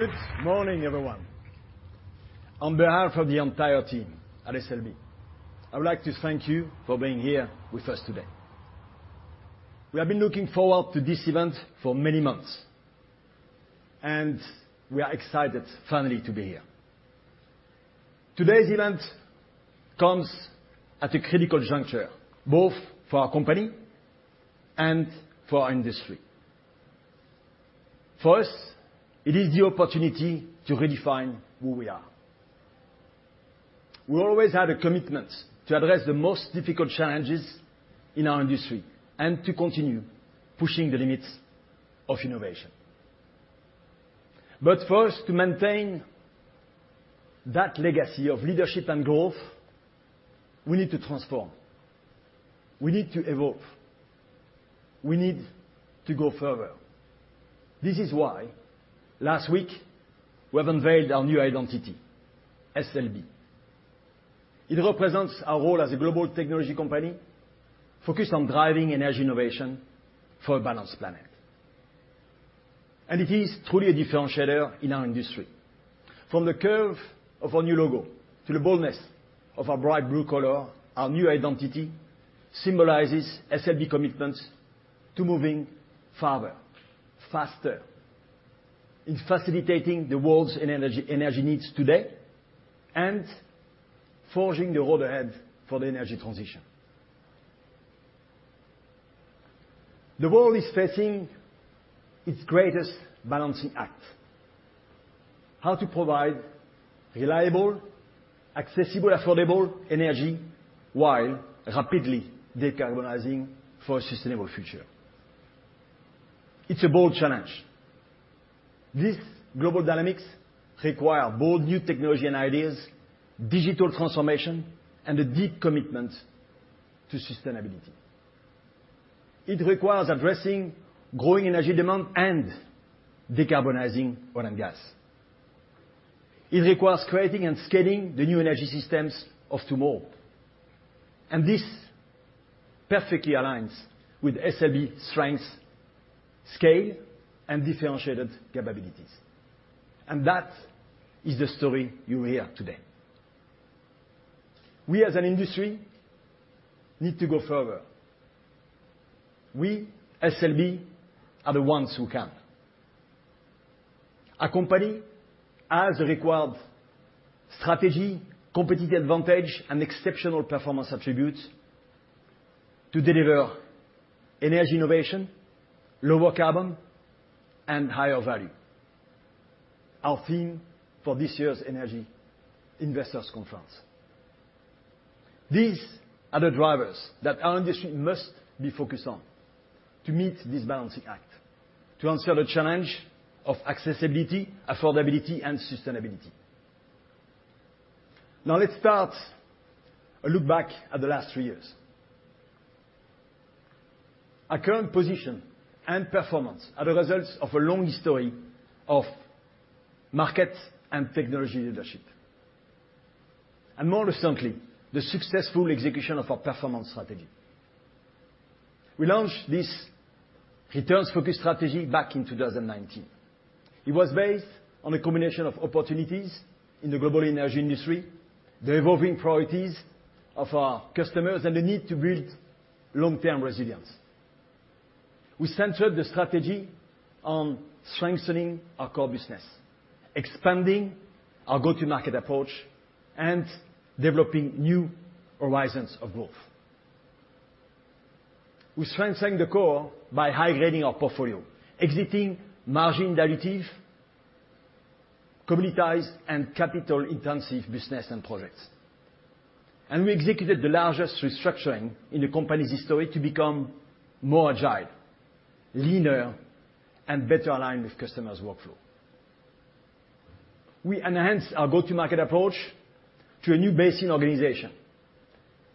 Good morning, everyone. On behalf of the entire team at SLB, I would like to thank you for being here with us today. We have been looking forward to this event for many months, and we are excited finally to be here. Today's event comes at a critical juncture, both for our company and for our industry. For us, it is the opportunity to redefine who we are. We always had a commitment to address the most difficult challenges in our industry and to continue pushing the limits of innovation. First, to maintain that legacy of leadership and growth, we need to transform. We need to evolve. We need to go further. This is why last week we have unveiled our new identity, SLB. It represents our role as a global technology company focused on driving energy innovation for a balanced planet. It is truly a differentiator in our industry. From the curve of our new logo to the boldness of our bright blue color, our new identity symbolizes SLB's commitments to moving further, faster in facilitating the world's energy needs today and forging the road ahead for the energy transition. The world is facing its greatest balancing act. How to provide reliable, accessible, affordable energy while rapidly decarbonizing for a sustainable future. It's a bold challenge. These global dynamics require bold new technology and ideas, digital transformation, and a deep commitment to sustainability. It requires addressing growing energy demand and decarbonizing oil and gas. It requires creating and scaling the New Energy systems of tomorrow. This perfectly aligns with SLB's strengths, scale, and differentiated capabilities. That is the story you hear today. We as an industry need to go further. We, SLB, are the ones who can. Our company has the required strategy, competitive advantage, and exceptional performance attributes to deliver energy innovation, lower carbon, and higher value, our theme for this year's Energy Investors Conference. These are the drivers that our industry must be focused on to meet this balancing act, to answer the challenge of accessibility, affordability, and sustainability. Now let's start a look back at the last three years. Our current position and performance are the results of a long history of market and technology leadership. More recently, the successful execution of our performance strategy. We launched this returns-focused strategy back in 2019. It was based on a combination of opportunities in the global energy industry, the evolving priorities of our customers, and the need to build long-term resilience. We centered the strategy on strengthening our Core business, expanding our go-to-market approach, and developing new horizons of growth. We strengthen the core by high-grading our portfolio, exiting margin-dilutive, commoditized, and capital-intensive business and projects. We executed the largest restructuring in the company's history to become more agile, leaner, and better aligned with customers' workflow. We enhanced our go-to-market approach to a new basin organization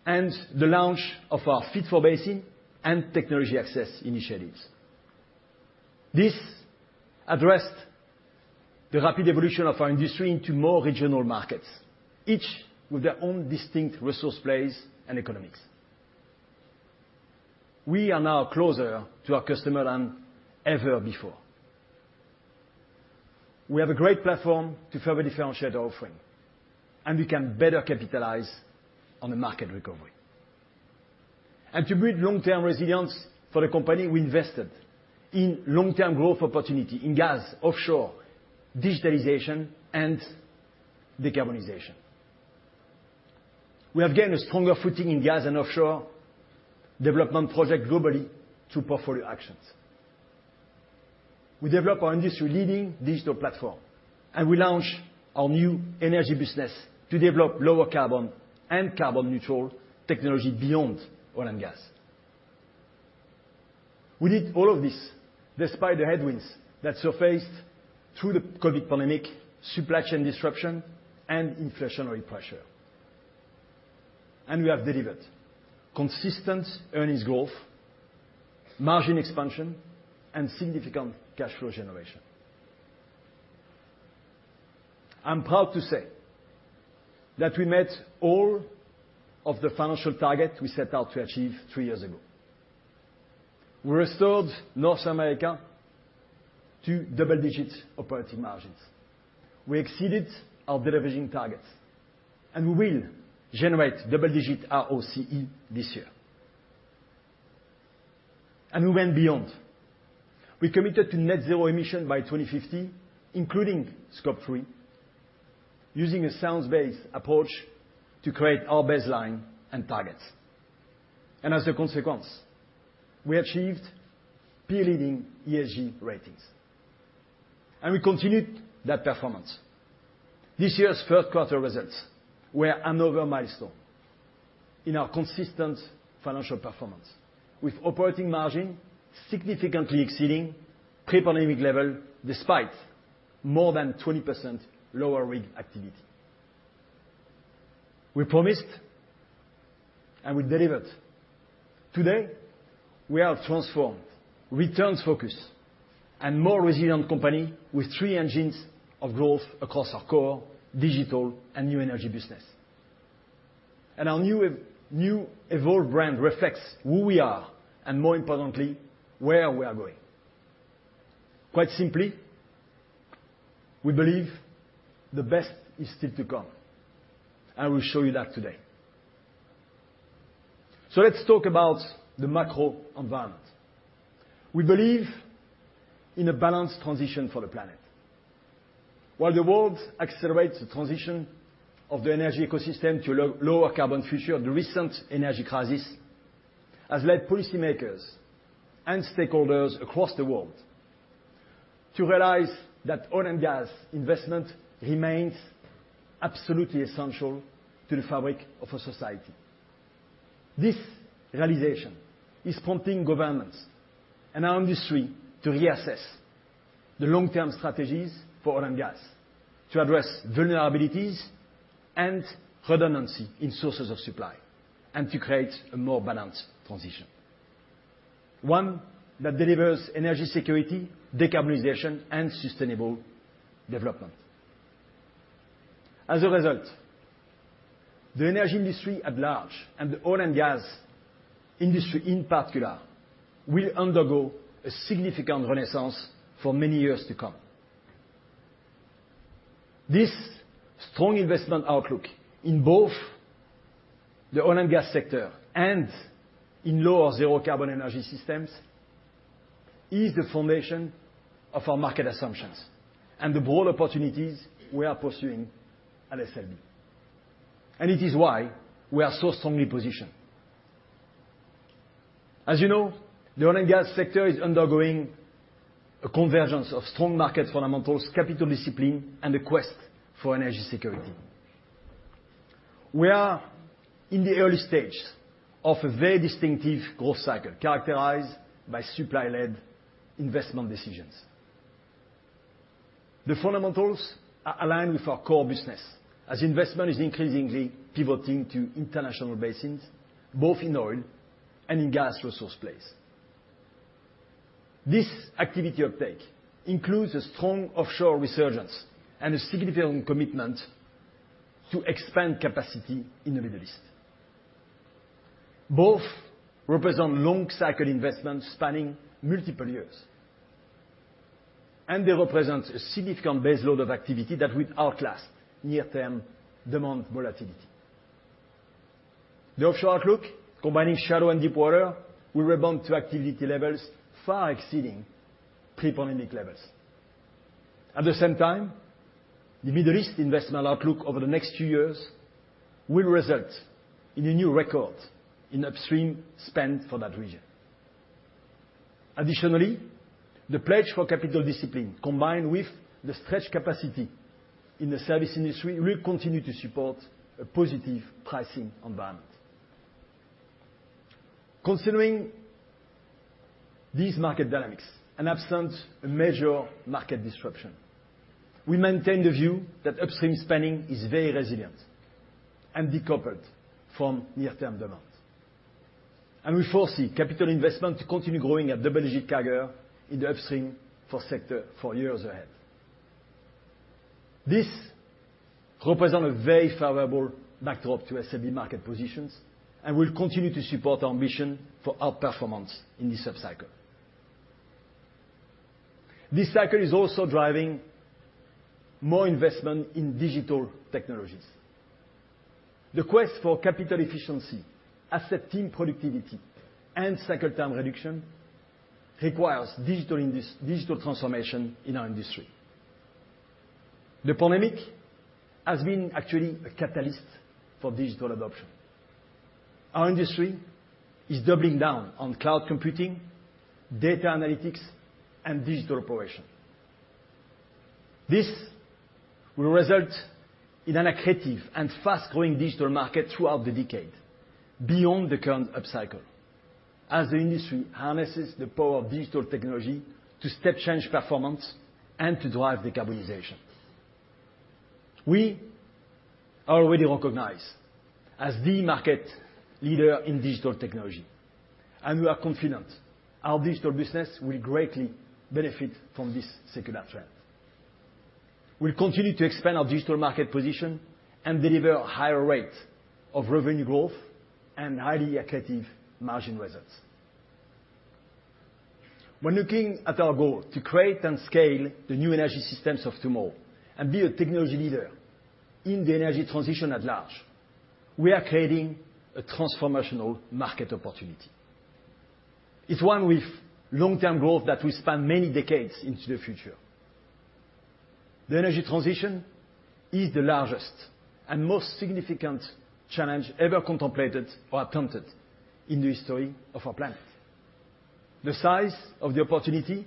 and the launch of our fit-for-basin and technology access initiatives. This addressed the rapid evolution of our industry into more regional markets, each with their own distinct resource plays and economics. We are now closer to our customer than ever before. We have a great platform to further differentiate our offering, and we can better capitalize on the market recovery. To build long-term resilience for the company, we invested in long-term growth opportunity in gas, offshore, digitalization, and decarbonization. We have gained a stronger footing in gas and offshore development project globally through portfolio actions. We developed our industry-leading digital platform, and we launched our New Energy business to develop lower carbon and carbon neutral technology beyond oil and gas. We did all of this despite the headwinds that surfaced through the COVID pandemic, supply chain disruption, and inflationary pressure. We have delivered consistent earnings growth, margin expansion, and significant cash flow generation. I'm proud to say that we met all of the financial target we set out to achieve three years ago. We restored North America to double-digit operating margins. We exceeded our division targets, and we will generate double-digit ROCE this year. We went beyond. We committed to net zero emissions by 2050, including Scope 3, using a science-based approach to create our baseline and targets. As a consequence, we achieved peer-leading ESG ratings, and we continued that performance. This year's third quarter results were another milestone in our consistent financial performance, with operating margin significantly exceeding pre-pandemic level despite more than 20% lower rig activity. We promised and we delivered. Today, we are a transformed, returns-focused, and more resilient company with three engines of growth across our Core, Digital, and New Energy business. Our new evolved brand reflects who we are and, more importantly, where we are going. Quite simply, we believe the best is still to come. I will show you that today. Let's talk about the macro environment. We believe in a balanced transition for the planet. While the world accelerates the transition of the energy ecosystem to lower carbon future, the recent energy crisis has led policymakers and stakeholders across the world to realize that oil and gas investment remains absolutely essential to the fabric of our society. This realization is prompting governments and our industry to reassess the long-term strategies for oil and gas to address vulnerabilities and redundancy in sources of supply and to create a more balanced transition, one that delivers energy security, decarbonization, and sustainable development. As a result, the energy industry at large and the oil and gas industry, in particular, will undergo a significant renaissance for many years to come. This strong investment outlook in both the oil and gas sector and in low or zero carbon energy systems is the foundation of our market assumptions and the broad opportunities we are pursuing at SLB. It is why we are so strongly positioned. As you know, the oil and gas sector is undergoing a convergence of strong market fundamentals, capital discipline, and a quest for energy security. We are in the early stages of a very distinctive growth cycle characterized by supply-led investment decisions. The fundamentals are aligned with our Core business as investment is increasingly pivoting to international basins, both in oil and in gas resource plays. This activity uptake includes a strong offshore resurgence and a significant commitment to expand capacity in the Middle East. Both represent long-cycle investments spanning multiple years, and they represent a significant baseload of activity that will outlast near-term demand volatility. The offshore outlook, combining shallow and deep water, will rebound to activity levels far exceeding pre-pandemic levels. At the same time, the Middle East investment outlook over the next few years will result in a new record in upstream spend for that region. Additionally, the pledge for capital discipline combined with the stretched capacity in the service industry will continue to support a positive pricing environment. Considering these market dynamics and absence of major market disruption, we maintain the view that upstream spending is very resilient and decoupled from near-term demand. We foresee capital investment to continue growing at double-digit CAGR in the upstream oil sector for years ahead. This represents a very favorable backdrop to SLB market positions and will continue to support our ambition for outperformance in this upcycle. This cycle is also driving more investment in digital technologies. The quest for capital efficiency, asset team productivity, and cycle time reduction requires digital transformation in our industry. The pandemic has been actually a catalyst for digital adoption. Our industry is doubling down on cloud computing, data analytics, and digital operation. This will result in an accretive and fast-growing digital market throughout the decade beyond the current upcycle as the industry harnesses the power of digital technology to step change performance and to drive decarbonization. We are already recognized as the market leader in digital technology, and we are confident our Digital business will greatly benefit from this secular trend. We'll continue to expand our digital market position and deliver higher rates of revenue growth and highly accretive margin results. When looking at our goal to create and scale the New Energy systems of tomorrow and be a technology leader in the energy transition at large, we are creating a transformational market opportunity. It's one with long-term growth that will span many decades into the future. The energy transition is the largest and most significant challenge ever contemplated or attempted in the history of our planet. The size of the opportunity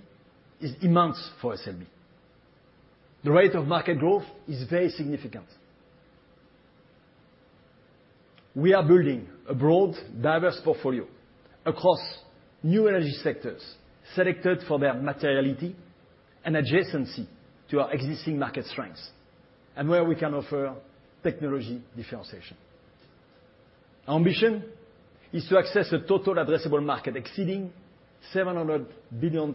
is immense for SLB. The rate of market growth is very significant. We are building a broad, diverse portfolio across New Energy sectors selected for their materiality and adjacency to our existing market strengths, and where we can offer technology differentiation. Our ambition is to access a total addressable market exceeding $700 billion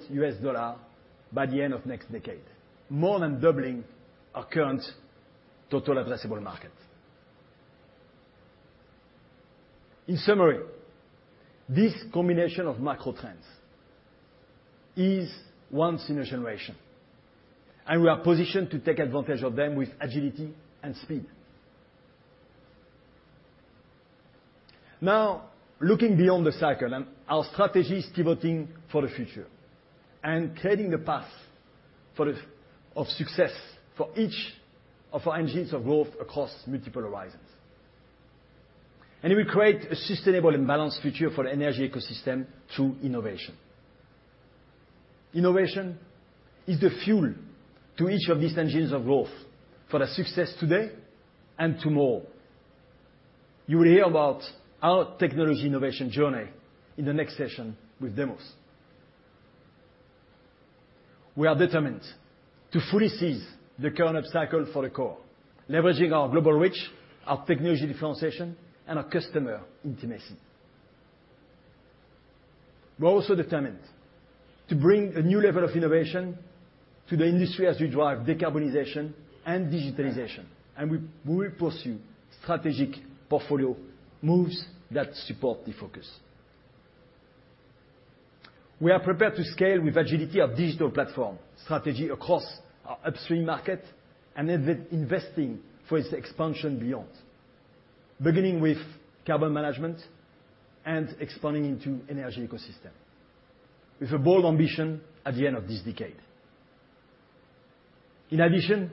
by the end of next decade, more than doubling our current total addressable market. In summary, this combination of macro trends is once in a generation, and we are positioned to take advantage of them with agility and speed. Now, looking beyond the cycle and our strategy is pivoting for the future and creating the path of success for each of our engines of growth across multiple horizons. It will create a sustainable and balanced future for energy ecosystem through innovation. Innovation is the fuel to each of these engines of growth for the success today and tomorrow. You will hear about our technology innovation journey in the next session with Demos. We are determined to fully seize the current upcycle for the Core, leveraging our global reach, our technology differentiation, and our customer intimacy. We are also determined to bring a new level of innovation to the industry as we drive decarbonization and digitalization, and we will pursue strategic portfolio moves that support the focus. We are prepared to scale with agility our digital platform strategy across our upstream market and investing for its expansion beyond. Beginning with carbon management and expanding into energy ecosystem with a bold ambition at the end of this decade. In addition,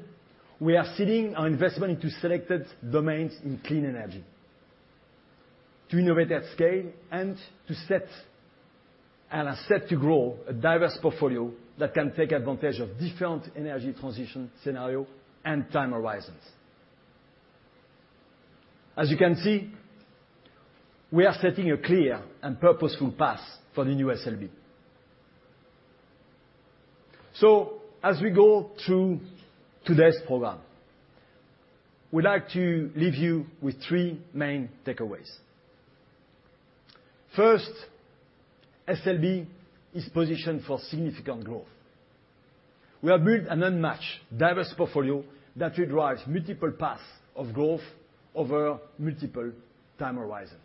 we are seeding our investment into selected domains in clean energy to innovate at scale and are set to grow a diverse portfolio that can take advantage of different energy transition scenario and time horizons. As you can see, we are setting a clear and purposeful path for the new SLB. As we go through today's program, we'd like to leave you with three main takeaways. First, SLB is positioned for significant growth. We have built an unmatched, diverse portfolio that will drive multiple paths of growth over multiple time horizons.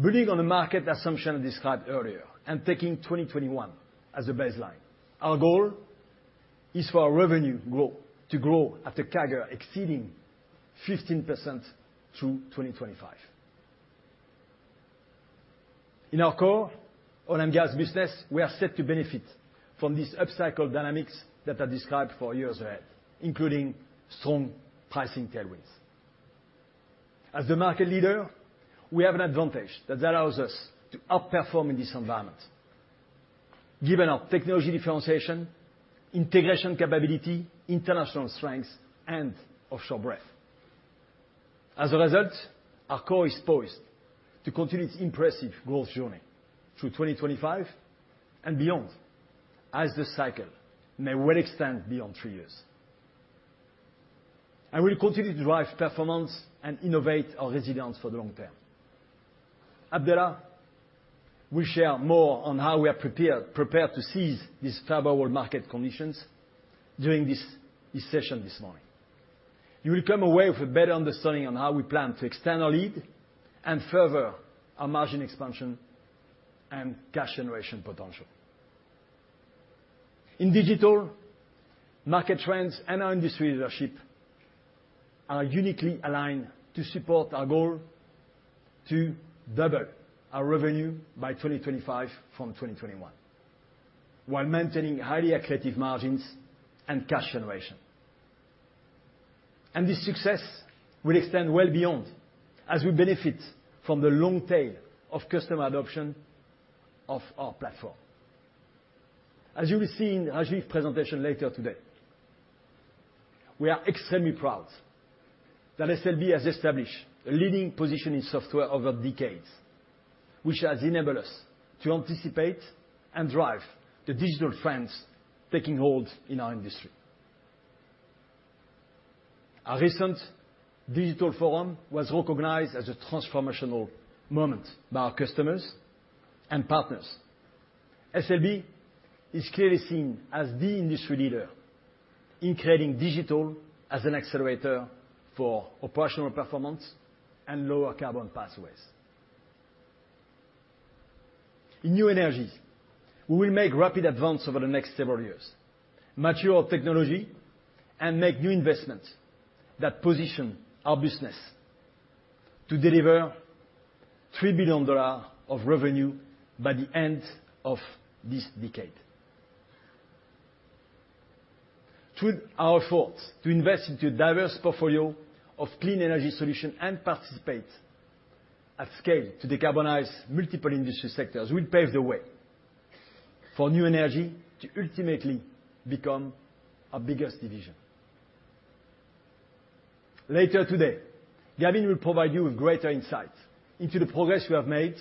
Building on the market assumption described earlier and taking 2021 as a baseline, our goal is for our revenue to grow at a CAGR exceeding 15% through 2025. In our Core oil and gas business, we are set to benefit from these upcycle dynamics that are described for years ahead, including strong pricing tailwinds. As the market leader, we have an advantage that allows us to outperform in this environment given our technology differentiation, integration capability, international strength, and offshore breadth. As a result, our Core is poised to continue its impressive growth journey through 2025 and beyond, as this cycle may well extend beyond three years. We'll continue to drive performance and innovate our resilience for the long term. Abdellah will share more on how we are prepared to seize these favorable market conditions during this session this morning. You will come away with a better understanding on how we plan to extend our lead and further our margin expansion and cash generation potential. In Digital, market trends and our industry leadership are uniquely aligned to support our goal to double our revenue by 2025 from 2021 while maintaining highly accretive margins and cash generation. This success will extend well beyond, as we benefit from the long tail of customer adoption of our platform. As you will see in Rajeev's presentation later today, we are extremely proud that SLB has established a leading position in software over decades, which has enabled us to anticipate and drive the digital trends taking hold in our industry. Our recent Digital Forum was recognized as a transformational moment by our customers and partners. SLB is clearly seen as the industry leader in creating digital as an accelerator for operational performance and lower carbon pathways. In New Energy, we will make rapid advance over the next several years, mature our technology, and make new investments that position our business to deliver $3 billion of revenue by the end of this decade. Through our efforts to invest into a diverse portfolio of clean energy solution and participate at scale to decarbonize multiple industry sectors will pave the way for New Energy to ultimately become our biggest division. Later today, Gavin will provide you with greater insight into the progress we have made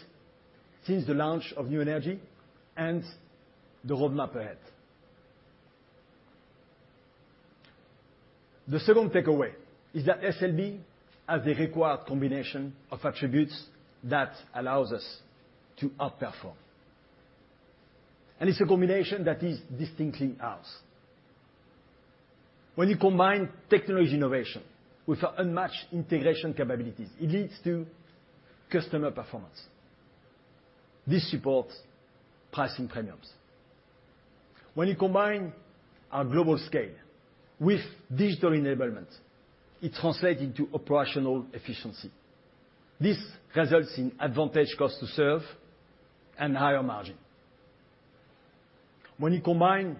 since the launch of New Energy and the roadmap ahead. The second takeaway is that SLB has the required combination of attributes that allows us to outperform, and it's a combination that is distinctly ours. When you combine technology innovation with our unmatched integration capabilities, it leads to customer performance. This supports pricing premiums. When you combine our global scale with digital enablement, it translates into operational efficiency. This results in advantaged cost to serve and higher margin. When you combine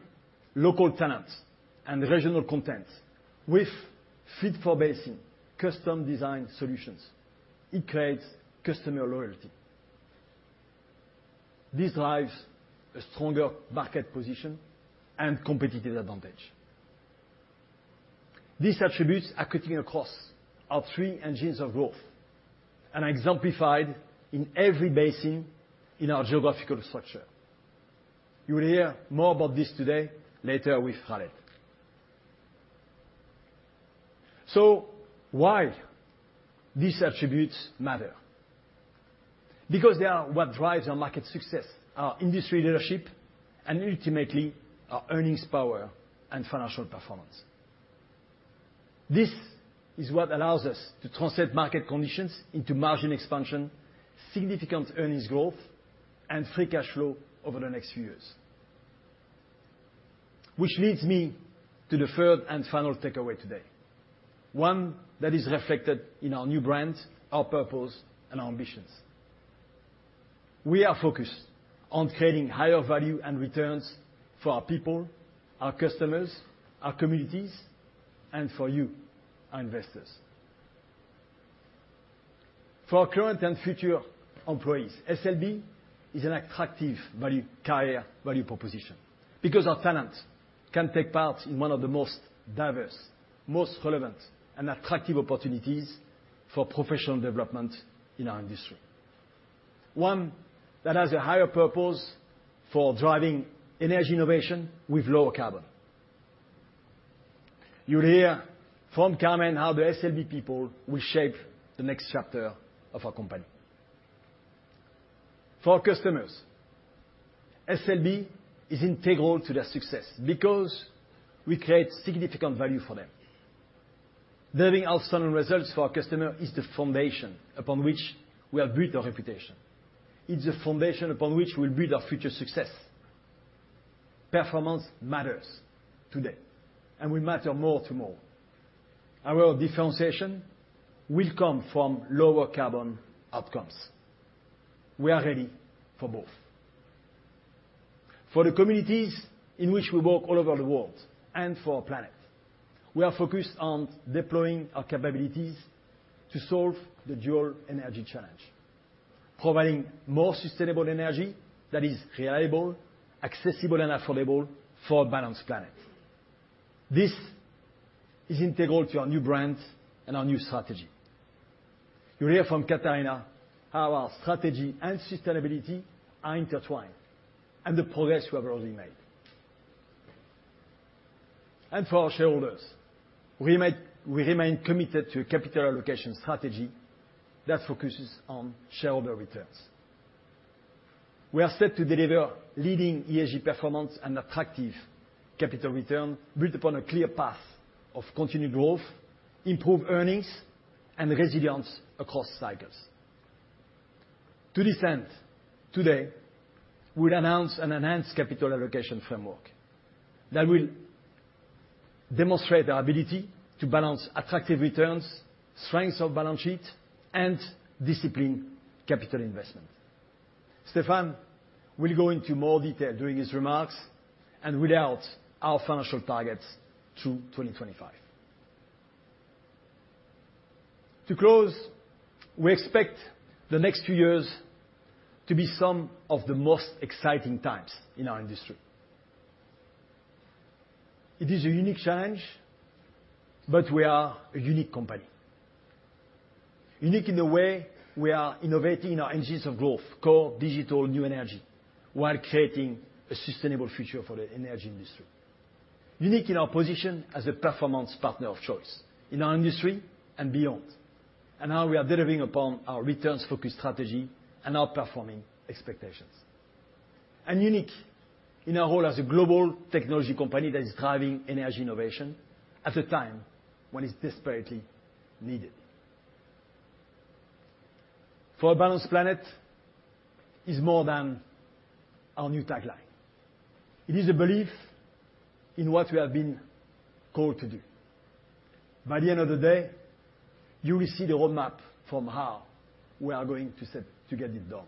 local talents and regional content with fit-for-basin, custom-designed solutions, it creates customer loyalty. This drives a stronger market position and competitive advantage. These attributes are cutting across our three engines of growth and are exemplified in every basin in our geographical structure. You will hear more about this later today with Khaled. Why these attributes matter? Because they are what drives our market success, our industry leadership, and ultimately our earnings power and financial performance. This is what allows us to translate market conditions into margin expansion, significant earnings growth, and free cash flow over the next few years. Which leads me to the third and final takeaway today, one that is reflected in our new brand, our purpose, and our ambitions. We are focused on creating higher value and returns for our people, our customers, our communities, and for you, our investors. For our current and future employees, SLB is an attractive value, career value proposition because our talent can take part in one of the most diverse, most relevant, and attractive opportunities for professional development in our industry. One that has a higher purpose for driving energy innovation with lower carbon. You'll hear from Carmen how the SLB people will shape the next chapter of our company. For our customers, SLB is integral to their success because we create significant value for them. Delivering outstanding results for our customer is the foundation upon which we have built our reputation. It's the foundation upon which we'll build our future success. Performance matters today, and will matter more tomorrow. Our differentiation will come from lower carbon outcomes. We are ready for both. For the communities in which we work all over the world and for our planet, we are focused on deploying our capabilities to solve the dual energy challenge, providing more sustainable energy that is reliable, accessible, and affordable for a balanced planet. This is integral to our new brand and our new strategy. You'll hear from Katharina how our strategy and sustainability are intertwined and the progress we have already made. For our shareholders, we remain committed to a capital allocation strategy that focuses on shareholder returns. We are set to deliver leading ESG performance and attractive capital return built upon a clear path of continued growth, improved earnings, and resilience across cycles. To this end, today, we'll announce an enhanced capital allocation framework that will demonstrate our ability to balance attractive returns, strengths of balance sheet, and discipline capital investment. Stephane will go into more detail during his remarks and roll out our financial targets through 2025. To close, we expect the next few years to be some of the most exciting times in our industry. It is a unique challenge, but we are a unique company. Unique in the way we are innovating in our engines of growth, Core, Digital, New Energy, while creating a sustainable future for the energy industry. Unique in our position as a performance partner of choice in our industry and beyond, and how we are delivering upon our returns-focused strategy and outperforming expectations. Unique in our role as a global technology company that is driving energy innovation at a time when it's desperately needed. For a balanced planet is more than our new tagline. It is a belief in what we have been called to do. By the end of the day, you will see the roadmap for how we are going to set out to get it done.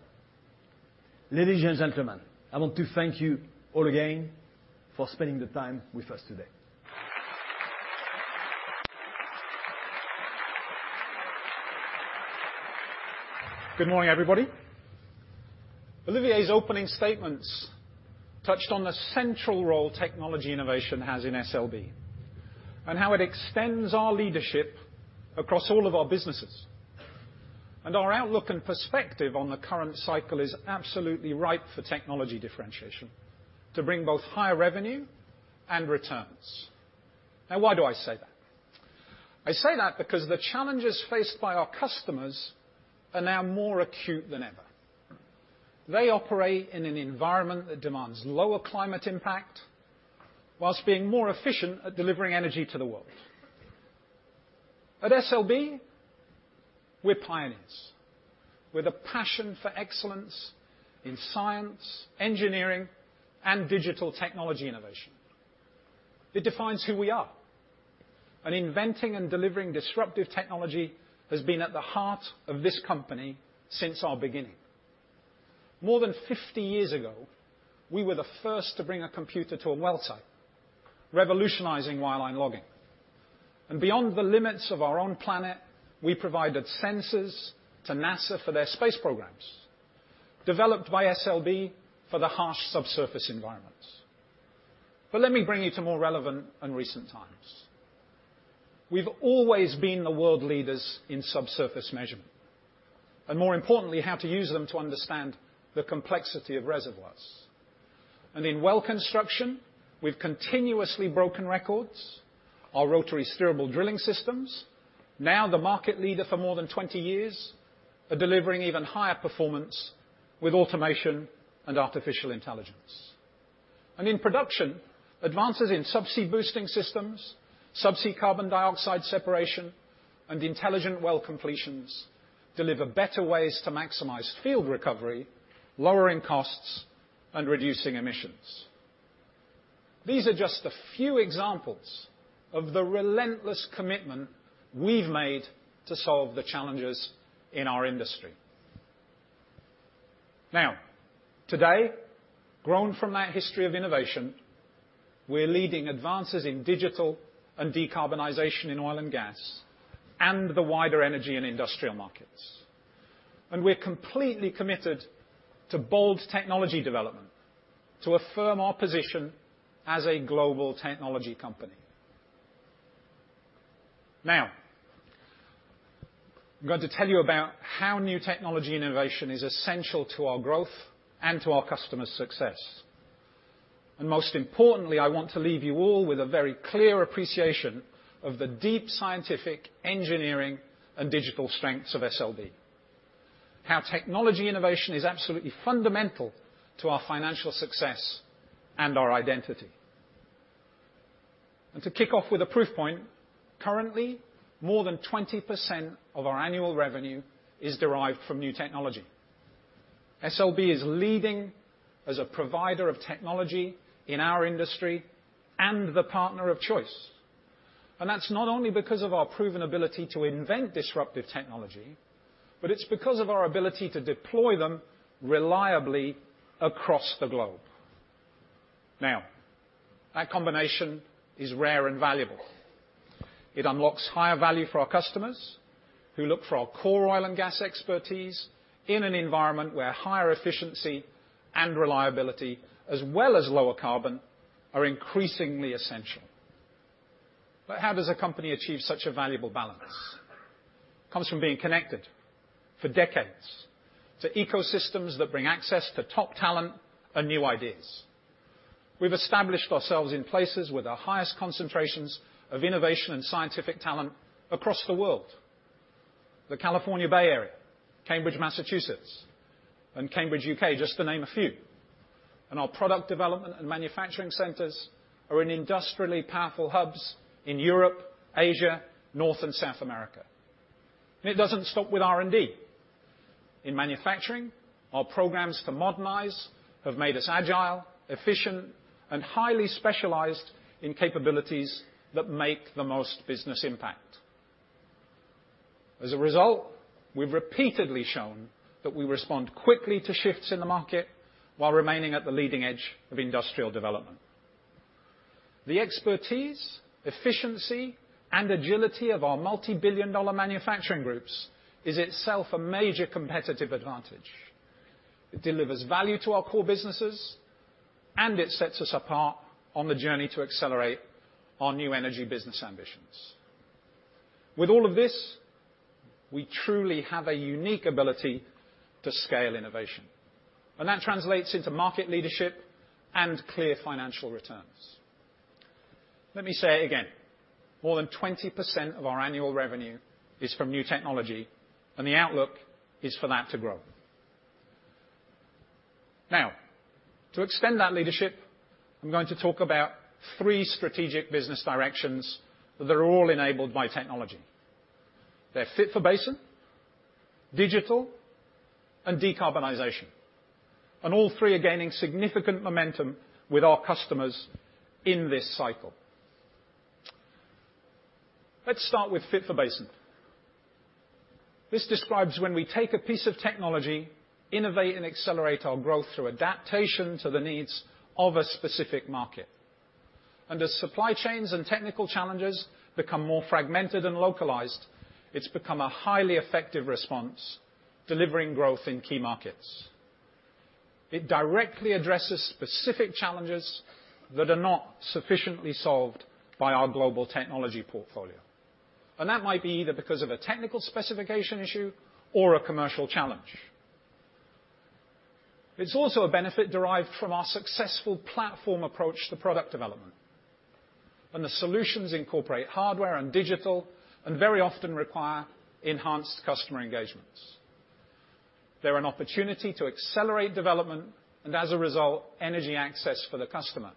Ladies and gentlemen, I want to thank you all again for spending the time with us today. Good morning, everybody. Olivier's opening statements touched on the central role technology innovation has in SLB, and how it extends our leadership across all of our businesses. Our outlook and perspective on the current cycle is absolutely ripe for technology differentiation to bring both higher revenue and returns. Now, why do I say that? I say that because the challenges faced by our customers are now more acute than ever. They operate in an environment that demands lower climate impact while being more efficient at delivering energy to the world. At SLB, we're pioneers with a passion for excellence in science, engineering, and digital technology innovation. It defines who we are. Inventing and delivering disruptive technology has been at the heart of this company since our beginning. More than 50 years ago, we were the first to bring a computer to a well site, revolutionizing wireline logging. Beyond the limits of our own planet, we provided sensors to NASA for their space programs, developed by SLB for the harsh subsurface environments. Let me bring you to more relevant and recent times. We've always been the world leaders in subsurface measurement, and more importantly, how to use them to understand the complexity of reservoirs. In Well Construction, we've continuously broken records. Our rotary steerable drilling systems, now the market leader for more than 20 years, are delivering even higher performance with automation and artificial intelligence. In production, advances in subsea boosting systems, subsea carbon dioxide separation, and intelligent well completions deliver better ways to maximize field recovery, lowering costs and reducing emissions. These are just a few examples of the relentless commitment we've made to solve the challenges in our industry. Now, today, grown from that history of innovation, we're leading advances in digital and decarbonization in oil and gas and the wider energy and industrial markets. We're completely committed to bold technology development to affirm our position as a global technology company. Now, I'm going to tell you about how new technology innovation is essential to our growth and to our customers' success. Most importantly, I want to leave you all with a very clear appreciation of the deep scientific, engineering, and digital strengths of SLB, how technology innovation is absolutely fundamental to our financial success and our identity. To kick off with a proof point, currently, more than 20% of our annual revenue is derived from new technology. SLB is leading as a provider of technology in our industry and the partner of choice. That's not only because of our proven ability to invent disruptive technology, but it's because of our ability to deploy them reliably across the globe. Now, that combination is rare and valuable. It unlocks higher value for our customers who look for our Core oil and gas expertise in an environment where higher efficiency and reliability, as well as lower carbon, are increasingly essential. How does a company achieve such a valuable balance? Comes from being connected for decades to ecosystems that bring access to top talent and new ideas. We've established ourselves in places with the highest concentrations of innovation and scientific talent across the world. The California Bay Area; Cambridge, Massachusetts; and Cambridge, U.K., just to name a few. Our product development and manufacturing centers are in industrially powerful hubs in Europe, Asia, North and South America. It doesn't stop with R&D. In manufacturing, our programs to modernize have made us agile, efficient, and highly specialized in capabilities that make the most business impact. As a result, we've repeatedly shown that we respond quickly to shifts in the market while remaining at the leading edge of industrial development. The expertise, efficiency, and agility of our multi-billion-dollar manufacturing groups is itself a major competitive advantage. It delivers value to our Core businesses, and it sets us apart on the journey to accelerate our New Energy business ambitions. With all of this, we truly have a unique ability to scale innovation, and that translates into market leadership and clear financial returns. Let me say it again, more than 20% of our annual revenue is from new technology, and the outlook is for that to grow. Now, to extend that leadership, I'm going to talk about three strategic business directions that are all enabled by technology. They're fit-for-basin, digital, and decarbonization. All three are gaining significant momentum with our customers in this cycle. Let's start with fit-for-basin. This describes when we take a piece of technology, innovate, and accelerate our growth through adaptation to the needs of a specific market. As supply chains and technical challenges become more fragmented and localized, it's become a highly effective response, delivering growth in key markets. It directly addresses specific challenges that are not sufficiently solved by our global technology portfolio. That might be either because of a technical specification issue or a commercial challenge. It's also a benefit derived from our successful platform approach to product development, and the solutions incorporate hardware and digital, and very often require enhanced customer engagements. They're an opportunity to accelerate development, and as a result, energy access for the customer.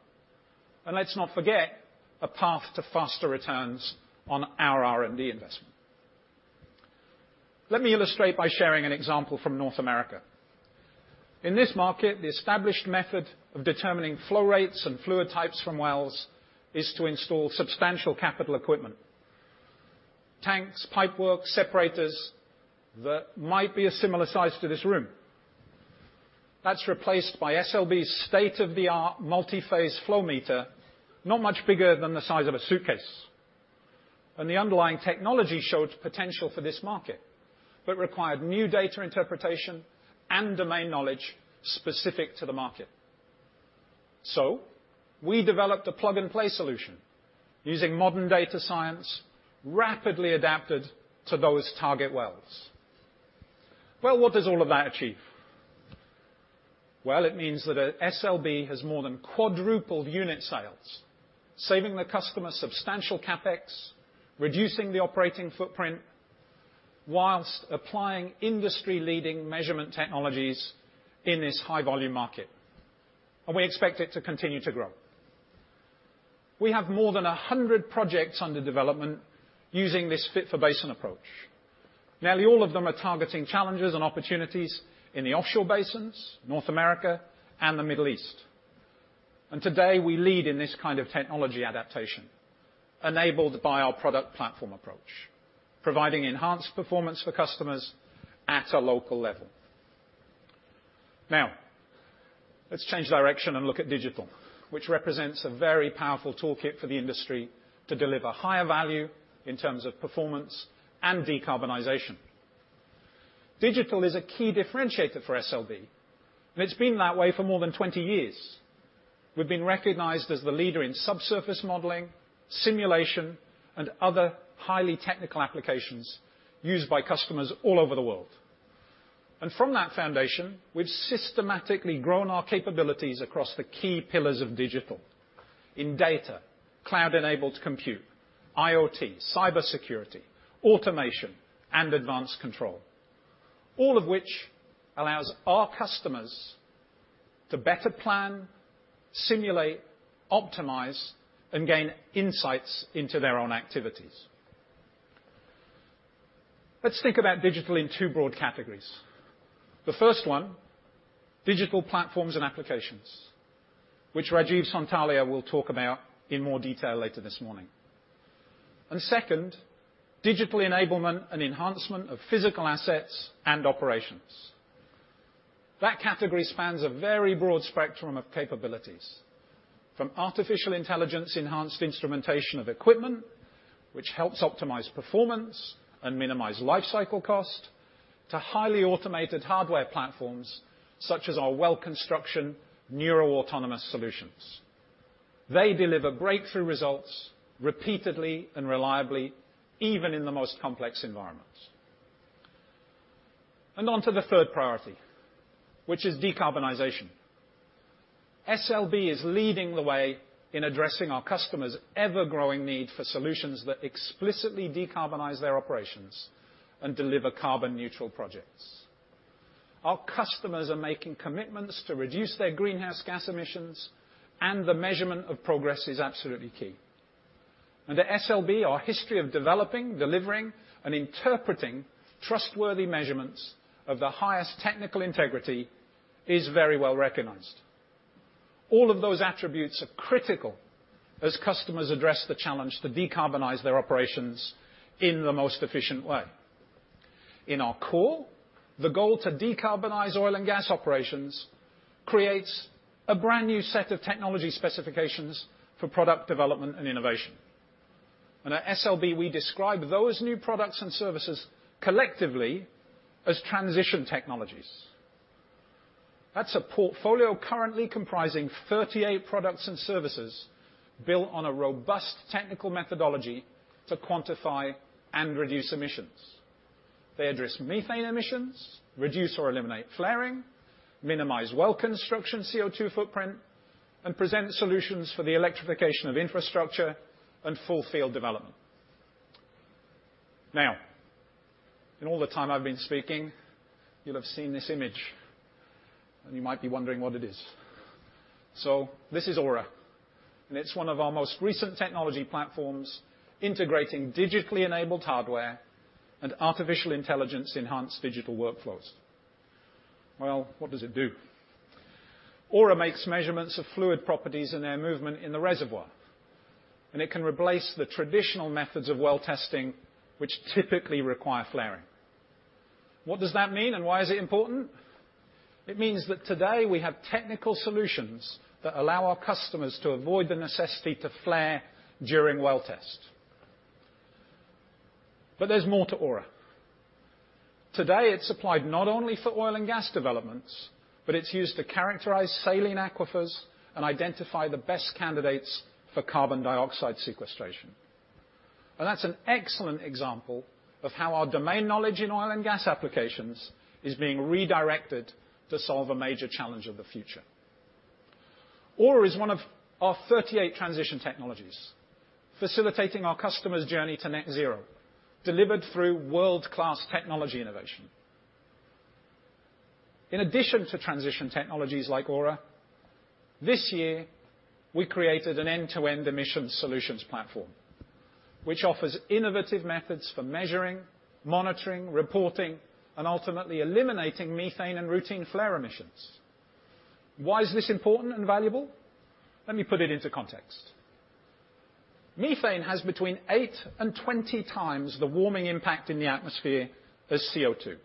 Let's not forget, a path to faster returns on our R&D investment. Let me illustrate by sharing an example from North America. In this market, the established method of determining flow rates and fluid types from wells is to install substantial capital equipment. Tanks, pipework, separators that might be a similar size to this room. That's replaced by SLB's state-of-the-art multiphase flow meter, not much bigger than the size of a suitcase. The underlying technology showed potential for this market, but required new data interpretation and domain knowledge specific to the market. We developed a plug-and-play solution using modern data science rapidly adapted to those target wells. Well, what does all of that achieve? Well, it means that, SLB has more than quadrupled unit sales, saving the customer substantial CapEx, reducing the operating footprint while applying industry-leading measurement technologies in this high-volume market. We expect it to continue to grow. We have more than 100 projects under development using this fit-for-basin approach. Nearly all of them are targeting challenges and opportunities in the offshore basins, North America, and the Middle East. Today, we lead in this kind of technology adaptation enabled by our product platform approach, providing enhanced performance for customers at a local level. Now, let's change direction and look at digital, which represents a very powerful toolkit for the industry to deliver higher value in terms of performance and decarbonization. Digital is a key differentiator for SLB, and it's been that way for more than 20 years. We've been recognized as the leader in subsurface modeling, simulation, and other highly technical applications used by customers all over the world. From that foundation, we've systematically grown our capabilities across the key pillars of digital, in data, cloud-enabled compute, IoT, cybersecurity, automation, and advanced control, all of which allows our customers to better plan, simulate, optimize, and gain insights into their own activities. Let's think about digital in two broad categories. The first one, digital platforms and applications, which Rajeev Sonthalia will talk about in more detail later this morning, and second, digital enablement and enhancement of physical assets and operations. That category spans a very broad spectrum of capabilities from artificial intelligence-enhanced instrumentation of equipment, which helps optimize performance and minimize lifecycle cost to highly automated hardware platforms such as our Well Construction Neuro autonomous solutions. They deliver breakthrough results repeatedly and reliably, even in the most complex environments. On to the third priority, which is decarbonization. SLB is leading the way in addressing our customers' ever-growing need for solutions that explicitly decarbonize their operations and deliver carbon neutral projects. Our customers are making commitments to reduce their greenhouse gas emissions, and the measurement of progress is absolutely key. At SLB, our history of developing, delivering, and interpreting trustworthy measurements of the highest technical integrity is very well-recognized. All of those attributes are critical as customers address the challenge to decarbonize their operations in the most efficient way. In our Core, the goal to decarbonize oil and gas operations creates a brand-new set of technology specifications for product development and innovation. At SLB, we describe those new products and services collectively as Transition Technologies. That's a portfolio currently comprising 38 products and services built on a robust technical methodology to quantify and reduce emissions. They address methane emissions, reduce or eliminate flaring, minimize Well Construction CO2 footprint, and present solutions for the electrification of infrastructure and full field development. Now, in all the time I've been speaking, you'll have seen this image, and you might be wondering what it is. This is Ora, and it's one of our most recent technology platforms integrating digitally enabled hardware and artificial intelligence enhanced digital workflows. Well, what does it do? Ora makes measurements of fluid properties and their movement in the reservoir, and it can replace the traditional methods of well-testing, which typically require flaring. What does that mean and why is it important? It means that today we have technical solutions that allow our customers to avoid the necessity to flare during well tests. There's more to Ora. Today, it's applied not only for oil and gas developments, but it's used to characterize saline aquifers and identify the best candidates for carbon dioxide sequestration. That's an excellent example of how our domain knowledge in oil and gas applications is being redirected to solve a major challenge of the future. Ora is one of our 38 Transition Technologies facilitating our customers' journey to net zero, delivered through world-class technology innovation. In addition to Transition Technologies like Ora, this year, we created an End-to-end Emission Solutions platform which offers innovative methods for measuring, monitoring, reporting, and ultimately eliminating methane and routine flare emissions. Why is this important and valuable? Let me put it into context. Methane has between 8x and 20x the warming impact in the atmosphere as CO2,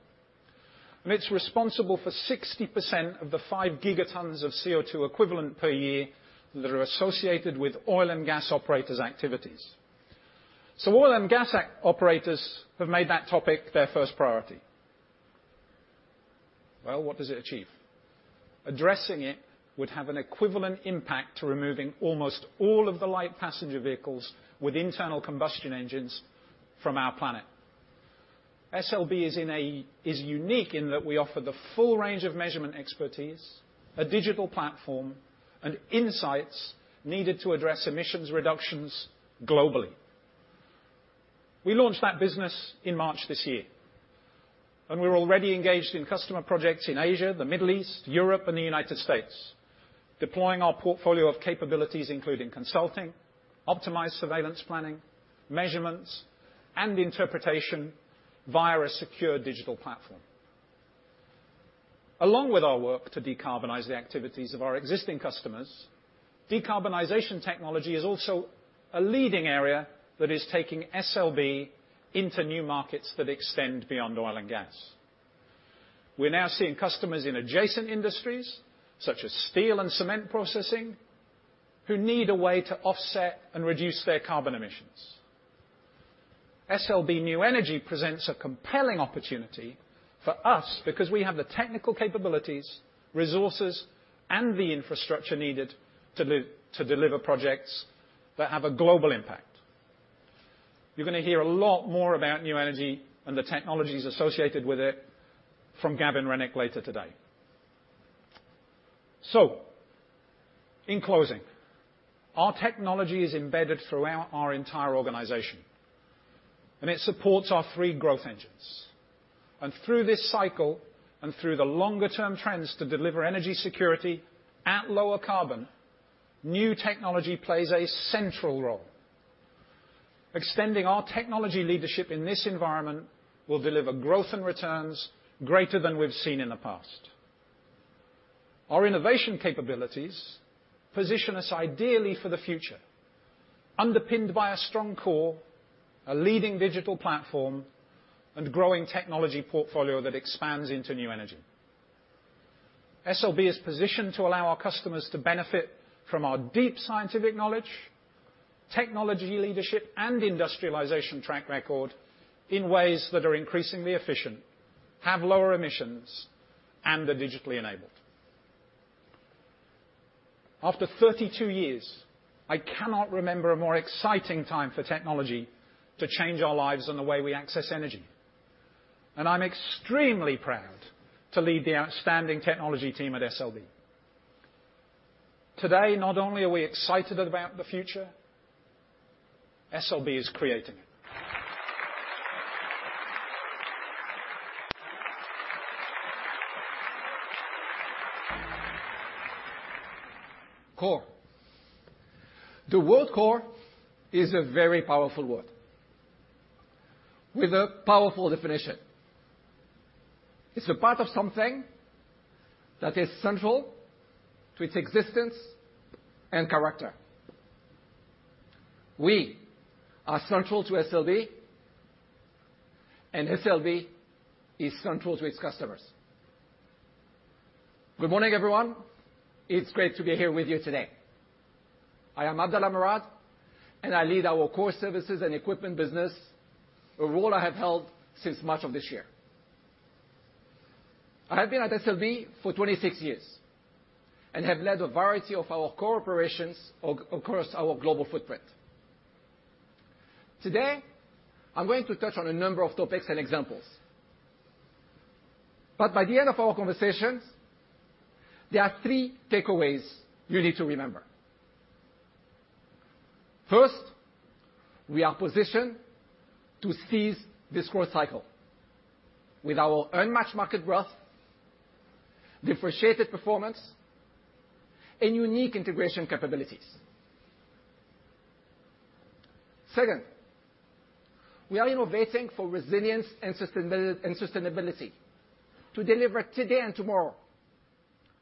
and it's responsible for 60% of the 5 gigatons of CO2 equivalent per year that are associated with oil and gas operators' activities. Oil and gas operators have made that topic their first priority. Well, what does it achieve? Addressing it would have an equivalent impact to removing almost all of the light passenger vehicles with internal combustion engines from our planet. SLB is unique in that we offer the full range of measurement expertise, a digital platform, and insights needed to address emissions reductions globally. We launched that business in March this year, and we're already engaged in customer projects in Asia, the Middle East, Europe, and the United States, deploying our portfolio of capabilities, including consulting, optimized surveillance planning, measurements, and interpretation via a secure digital platform. Along with our work to decarbonize the activities of our existing customers, decarbonization technology is also a leading area that is taking SLB into new markets that extend beyond oil and gas. We're now seeing customers in adjacent industries such as steel and cement processing, who need a way to offset and reduce their carbon emissions. SLB New Energy presents a compelling opportunity for us because we have the technical capabilities, resources, and the infrastructure needed to deliver projects that have a global impact. You're gonna hear a lot more about New Energy and the technologies associated with it from Gavin Rennick later today. In closing, our technology is embedded throughout our entire organization, and it supports our three growth engines. Through this cycle and through the longer term trends to deliver energy security at lower carbon, new technology plays a central role. Extending our technology leadership in this environment will deliver growth and returns greater than we've seen in the past. Our innovation capabilities position us ideally for the future, underpinned by a strong Core, a leading digital platform, and growing technology portfolio that expands into New Energy. SLB is positioned to allow our customers to benefit from our deep scientific knowledge, technology leadership, and industrialization track record in ways that are increasingly efficient, have lower emissions, and are digitally enabled. After 32 years, I cannot remember a more exciting time for technology to change our lives and the way we access energy, and I'm extremely proud to lead the outstanding technology team at SLB. Today, not only are we excited about the future, SLB is creating it. Core. The word core is a very powerful word with a powerful definition. It's a part of something that is central to its existence and character. We are central to SLB, and SLB is central to its customers. Good morning, everyone. It's great to be here with you today. I am Abdellah Merad, and I lead our Core Services and Equipment business, a role I have held since March of this year. I have been at SLB for 26 years and have led a variety of our Core operations across our global footprint. Today, I'm going to touch on a number of topics and examples. By the end of our conversations, there are three takeaways you need to remember. First, we are positioned to seize this growth cycle with our unmatched market growth, differentiated performance, and unique integration capabilities. Second, we are innovating for resilience and sustainability to deliver today and tomorrow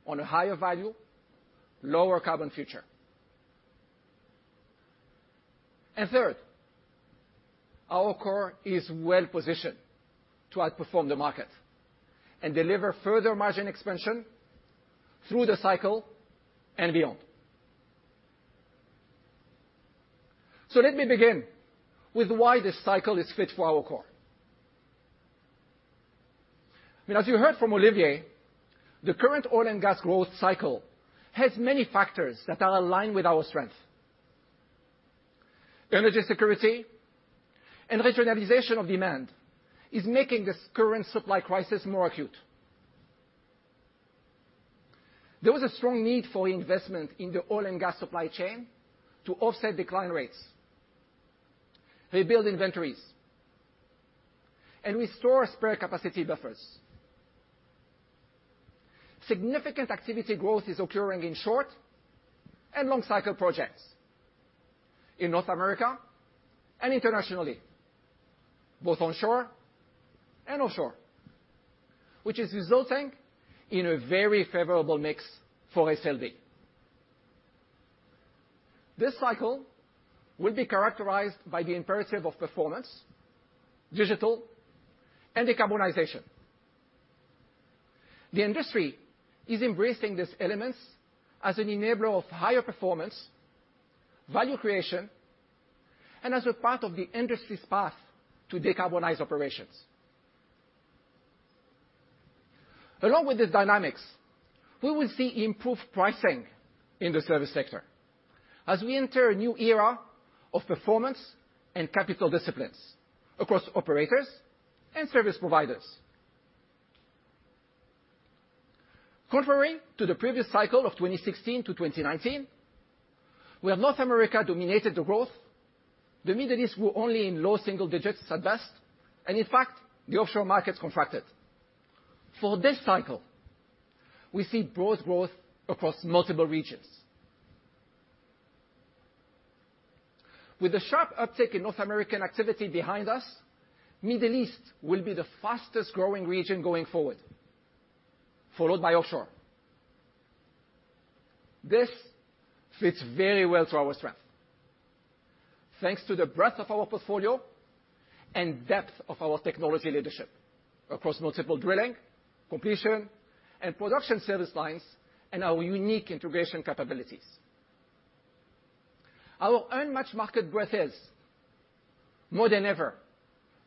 on a higher value, lower carbon future. And third, our Core is well-positioned to outperform the market and deliver further margin expansion through the cycle and beyond. Let me begin with why this cycle is fit for our Core. I mean, as you heard from Olivier, the current oil and gas growth cycle has many factors that are aligned with our strength. Energy security and regionalization of demand is making this current supply crisis more acute. There is a strong need for investment in the oil and gas supply chain to offset decline rates. We build inventories and restore spare capacity buffers. Significant activity growth is occurring in short and long cycle projects in North America and internationally, both onshore and offshore, which is resulting in a very favorable mix for SLB. This cycle will be characterized by the imperative of performance, digital, and decarbonization. The industry is embracing these elements as an enabler of higher performance, value creation, and as a part of the industry's path to decarbonize operations. Along with these dynamics, we will see improved pricing in the service sector as we enter a new era of performance and capital disciplines across operators and service providers. Contrary to the previous cycle of 2016-2019, where North America dominated the growth, the Middle East were only in low single-digits at best, and in fact, the offshore markets contracted. For this cycle, we see broad growth across multiple regions. With the sharp uptick in North American activity behind us, Middle East will be the fastest growing region going forward, followed by offshore. This fits very well to our strength. Thanks to the breadth of our portfolio and depth of our technology leadership across multiple drilling, completion, and production service lines, and our unique integration capabilities. Our unmatched market breadth is more than ever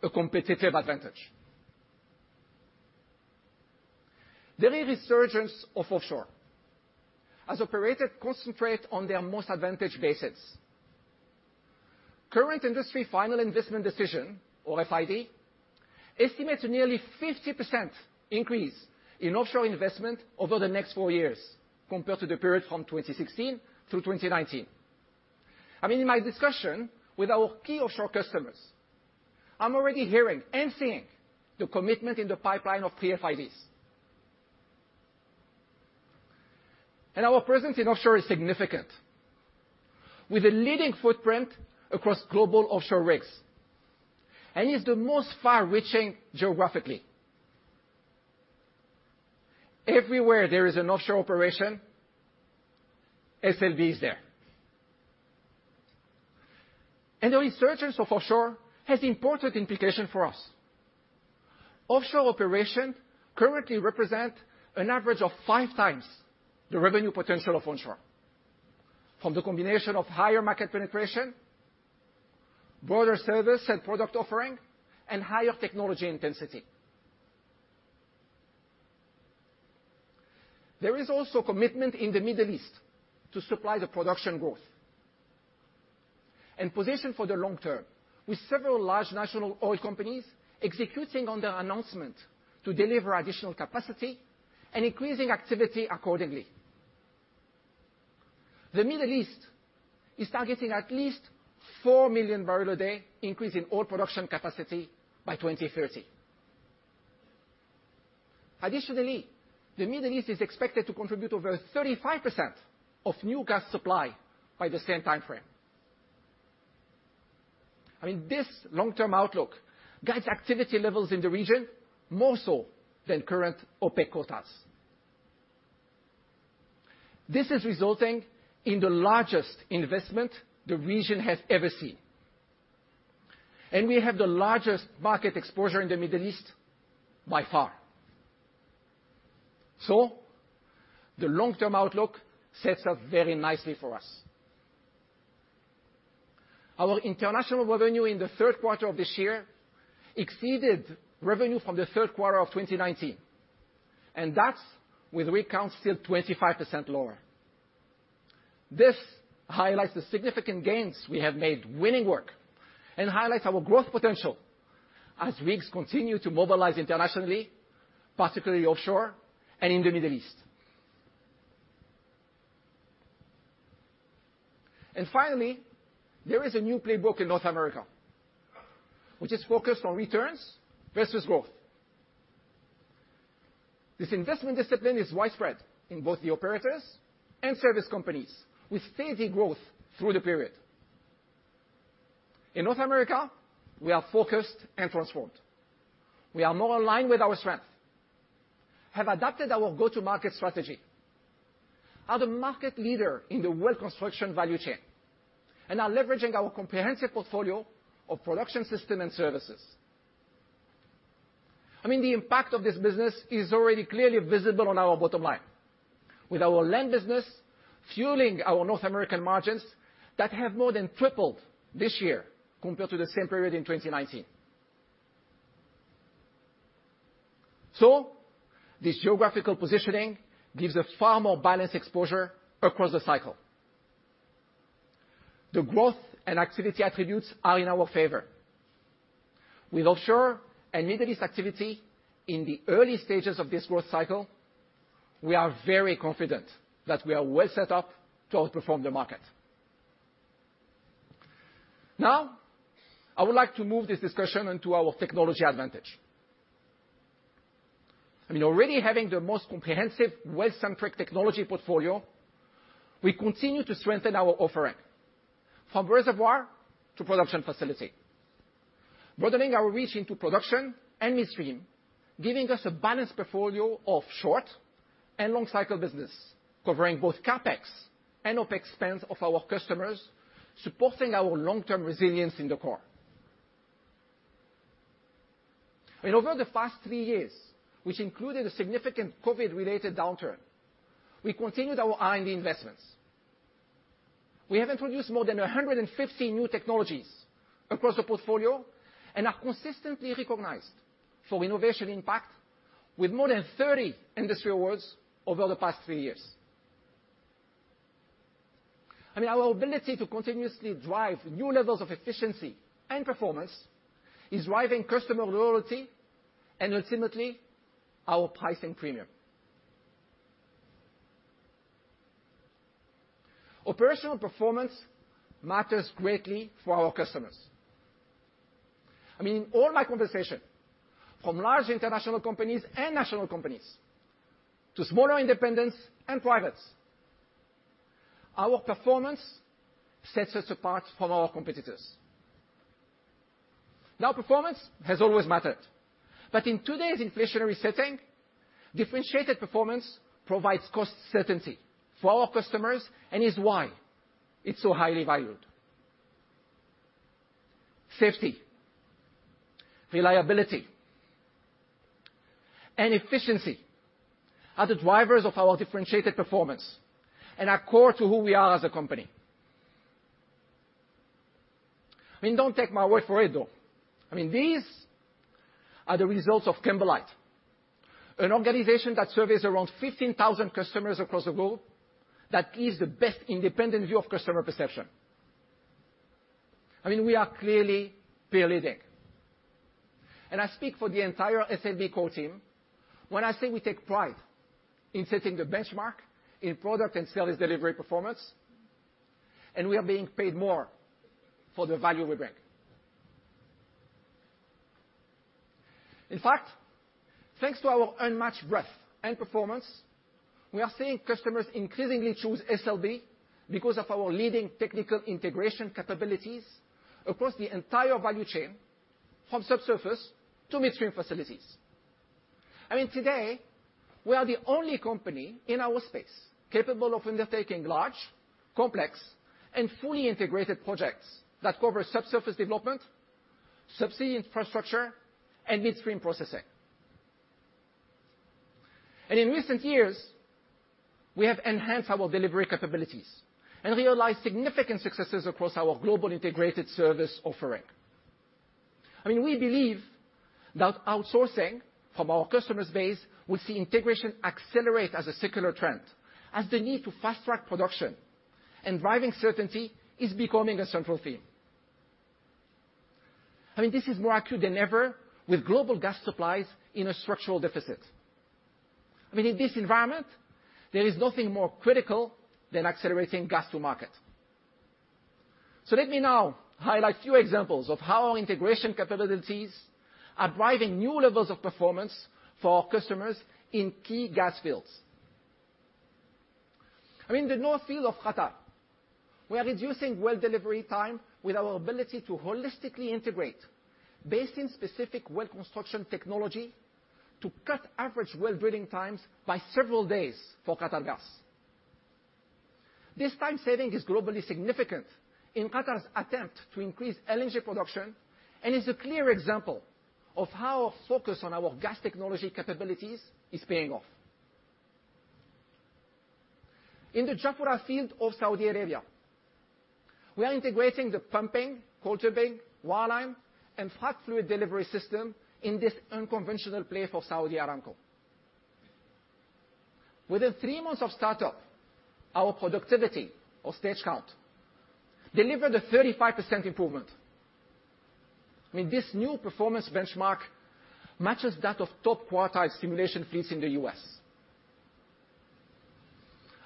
a competitive advantage. There is resurgence of offshore as operators concentrate on their most advantaged bases. Current industry Final Investment Decision, or FID, estimates a nearly 50% increase in offshore investment over the next four years compared to the period from 2016 through 2019. I mean, in my discussion with our key offshore customers, I'm already hearing and seeing the commitment in the pipeline of pre-FIDs. Our presence in offshore is significant. With a leading footprint across global offshore rigs and is the most far-reaching geographically. Everywhere there is an offshore operation, SLB is there. The resurgence of offshore has important implication for us. Offshore operation currently represent an average of 5x the revenue potential of onshore from the combination of higher market penetration, broader service and product offering, and higher technology intensity. There is also commitment in the Middle East to supply the production growth and position for the long term, with several large national oil companies executing on their announcement to deliver additional capacity and increasing activity accordingly. The Middle East is targeting at least 4 MMbpd increase in oil production capacity by 2030. Additionally, the Middle East is expected to contribute over 35% of new gas supply by the same timeframe. I mean, this long-term outlook guides activity levels in the region more so than current OPEC quotas. This is resulting in the largest investment the region has ever seen. We have the largest market exposure in the Middle East by far. The long-term outlook sets up very nicely for us. Our international revenue in the third quarter of this year exceeded revenue from the third quarter of 2019, and that's with rig count still 25% lower. This highlights the significant gains we have made winning work and highlights our growth potential as rigs continue to mobilize internationally, particularly offshore and in the Middle East. Finally, there is a new playbook in North America, which is focused on returns versus growth. This investment discipline is widespread in both the operators and service companies, with steady growth through the period. In North America, we are focused and transformed. We are more aligned with our strength, have adapted our go-to-market strategy, are the market leader in the Well Construction value chain, and are leveraging our comprehensive portfolio of production systems and services. I mean, the impact of this business is already clearly visible on our bottom line, with our land business fueling our North American margins that have more than tripled this year compared to the same period in 2019. This geographical positioning gives a far more balanced exposure across the cycle. The growth and activity attributes are in our favor. With offshore and Middle East activity in the early stages of this growth cycle, we are very confident that we are well set up to outperform the market. Now, I would like to move this discussion into our technology advantage. I mean, already having the most comprehensive well-centric technology portfolio, we continue to strengthen our offering from reservoir to production facility, broadening our reach into production and midstream, giving us a balanced portfolio of short and long cycle business, covering both CapEx and OpEx spends of our customers, supporting our long-term resilience in the Core. Over the past three years, which included a significant COVID-related downturn, we continued our R&D investments. We have introduced more than 150 new technologies across the portfolio and are consistently recognized for innovation impact with more than 30 industry awards over the past three years. I mean, our ability to continuously drive new levels of efficiency and performance is driving customer loyalty and ultimately our pricing premium. Operational performance matters greatly for our customers. I mean, in all my conversation, from large international companies and national companies to smaller independents and privates, our performance sets us apart from our competitors. Now, performance has always mattered, but in today's inflationary setting, differentiated performance provides cost certainty for our customers and is why it's so highly valued. Safety, reliability, and efficiency are the drivers of our differentiated performance and are core to who we are as a company. I mean, don't take my word for it, though. I mean, these are the results of Kimberlite, an organization that surveys around 15,000 customers across the globe that gives the best independent view of customer perception. I mean, we are clearly there. I speak for the entire SLB Core team when I say we take pride in setting the benchmark in product and sales delivery performance, and we are being paid more for the value we bring. In fact, thanks to our unmatched breadth and performance, we are seeing customers increasingly choose SLB because of our leading technical integration capabilities across the entire value chain, from subsurface to midstream facilities. I mean, today, we are the only company in our space capable of undertaking large, complex, and fully integrated projects that cover subsurface development, subsea infrastructure, and midstream processing. In recent years, we have enhanced our delivery capabilities and realized significant successes across our global integrated service offering. I mean, we believe that outsourcing from our customers base will see integration accelerate as a secular trend as the need to fast-track production and driving certainty is becoming a central theme. I mean, this is more acute than ever with global gas supplies in a structural deficit. I mean, in this environment, there is nothing more critical than accelerating gas to market. Let me now highlight a few examples of how our integration capabilities are driving new levels of performance for our customers in key gas fields. I mean, the North Field of Qatar, we are reducing well delivery time with our ability to holistically integrate basin-specific Well Construction technology to cut average well drilling times by several days for Qatargas. This time saving is globally significant in Qatar's attempt to increase LNG production, and is a clear example of how our focus on our gas technology capabilities is paying off. In the Jafurah field of Saudi Arabia, we are integrating the pumping, quarterbacking, wireline, and fluid delivery system in this unconventional play for Saudi Aramco. Within three months of startup, our productivity or stage count delivered a 35% improvement. I mean, this new performance benchmark matches that of top quartile stimulation fleets in the U.S.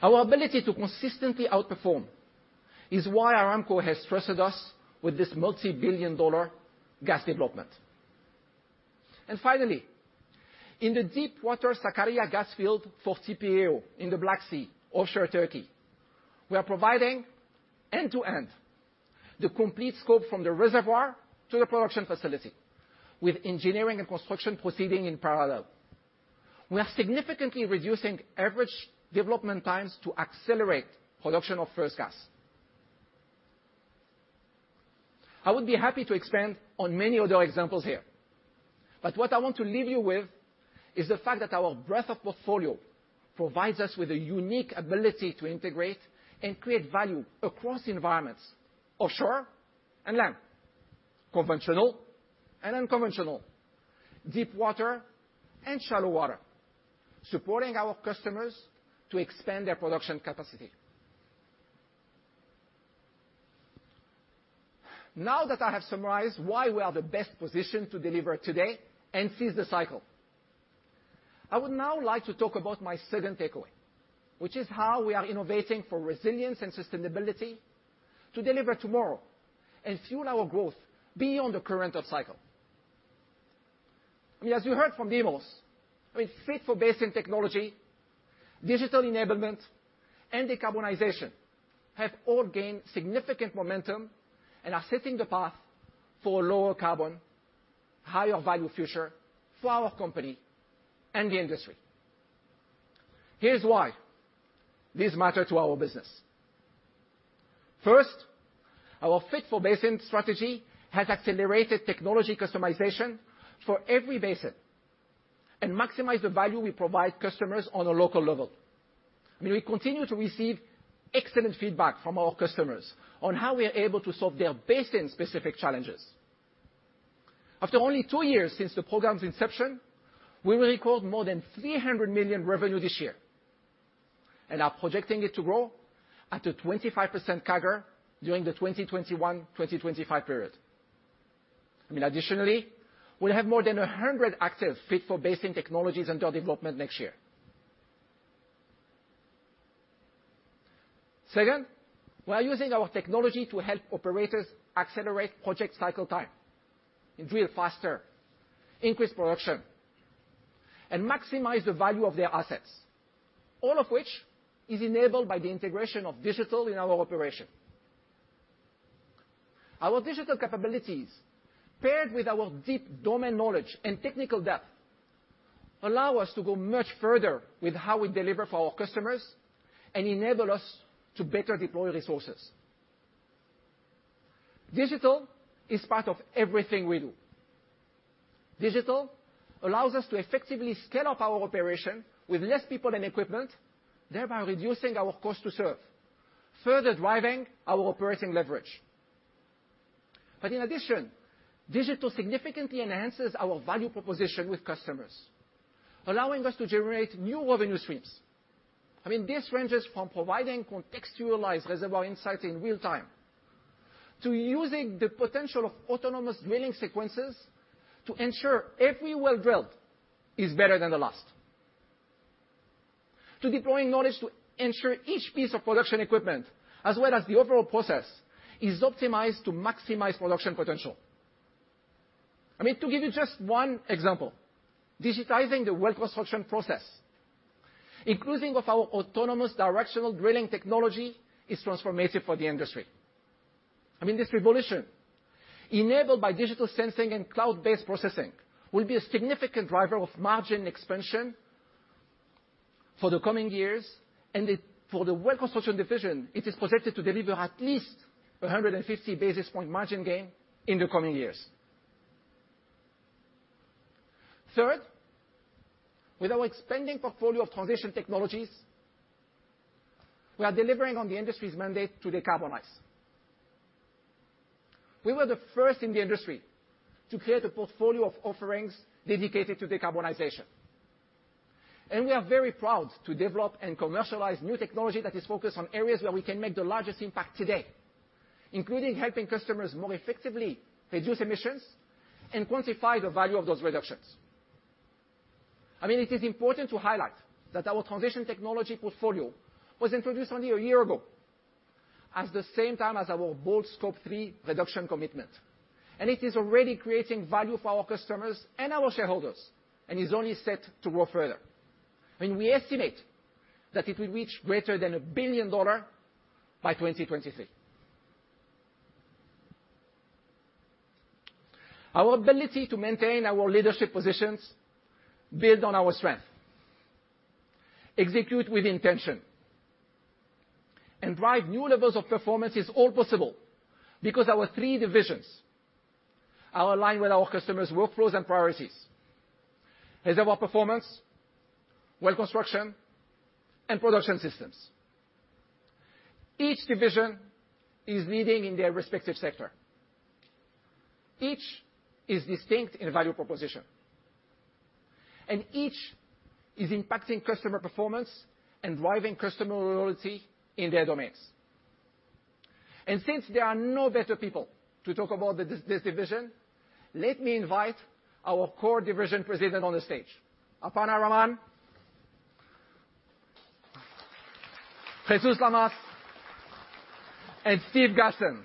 Our ability to consistently outperform is why Aramco has trusted us with this multi-billion-dollar gas development. Finally, in the deepwater Sakarya gas field for TPAO in the Black Sea, offshore Turkey, we are providing end-to-end the complete scope from the reservoir to the production facility with engineering and construction proceeding in parallel. We are significantly reducing average development times to accelerate production of first gas. I would be happy to expand on many other examples here, but what I want to leave you with is the fact that our breadth of portfolio provides us with a unique ability to integrate and create value across environments, offshore and land, conventional and unconventional, deep water and shallow water, supporting our customers to expand their production capacity. Now that I have summarized why we are the best positioned to deliver today and seize the cycle, I would now like to talk about my second takeaway, which is how we are innovating for resilience and sustainability to deliver tomorrow and fuel our growth beyond the current up cycle. I mean, as you heard from Demos, I mean, fit-for-basin technology, digital enablement, and decarbonization have all gained significant momentum and are setting the path for lower carbon, higher value future for our company and the industry. Here's why this matter to our business. First, our fit-for-basin strategy has accelerated technology customization for every basin and maximize the value we provide customers on a local level. We continue to receive excellent feedback from our customers on how we are able to solve their basin-specific challenges. After only two years since the program's inception, we will record more than $300 million revenue this year and are projecting it to grow at a 25% CAGR during the 2021-2025 period. I mean, additionally, we'll have more than 100 active fit-for-basin technologies under development next year. Second, we are using our technology to help operators accelerate project cycle time and drill faster, increase production, and maximize the value of their assets, all of which is enabled by the integration of digital in our operation. Our Digital capabilities, paired with our deep domain knowledge and technical depth, allow us to go much further with how we deliver for our customers and enable us to better deploy resources. Digital is part of everything we do. Digital allows us to effectively scale up our operation with less people and equipment, thereby reducing our cost to serve, further driving our operating leverage. In addition, Digital significantly enhances our value proposition with customers, allowing us to generate new revenue streams. I mean, this ranges from providing contextualized reservoir insights in real time to using the potential of autonomous drilling sequences to ensure every well drilled is better than the last, to deploying knowledge to ensure each piece of production equipment, as well as the overall process, is optimized to maximize production potential. I mean, to give you just one example, digitizing the Well Construction process, including our autonomous directional drilling technology, is transformative for the industry. I mean, this revolution, enabled by digital sensing and cloud-based processing, will be a significant driver of margin expansion for the coming years. For the Well Construction division, it is projected to deliver at least 150 basis points margin gain in the coming years. Third, with our expanding portfolio of Transition Technologies, we are delivering on the industry's mandate to decarbonize. We were the first in the industry to create a portfolio of offerings dedicated to decarbonization. We are very proud to develop and commercialize new technology that is focused on areas where we can make the largest impact today, including helping customers more effectively reduce emissions and quantify the value of those reductions. I mean, it is important to highlight that our Transition Technology portfolio was introduced only a year ago at the same time as our bold Scope 3 reduction commitment. It is already creating value for our customers and our shareholders, and is only set to grow further. We estimate that it will reach greater than $1 billion by 2023. Our ability to maintain our leadership positions, build on our strength, execute with intention, and drive new levels of performance is all possible because our three divisions are aligned with our customers' workflows and priorities. Reservoir Performance, Well Construction, and Production Systems. Each division is leading in their respective sector. Each is distinct in value proposition. Each is impacting customer performance and driving customer loyalty in their domains. Since there are no better people to talk about this division, let me invite our Core Division Presidents on the stage. Aparna Raman, Jesus Lamas, and Steve Gassen.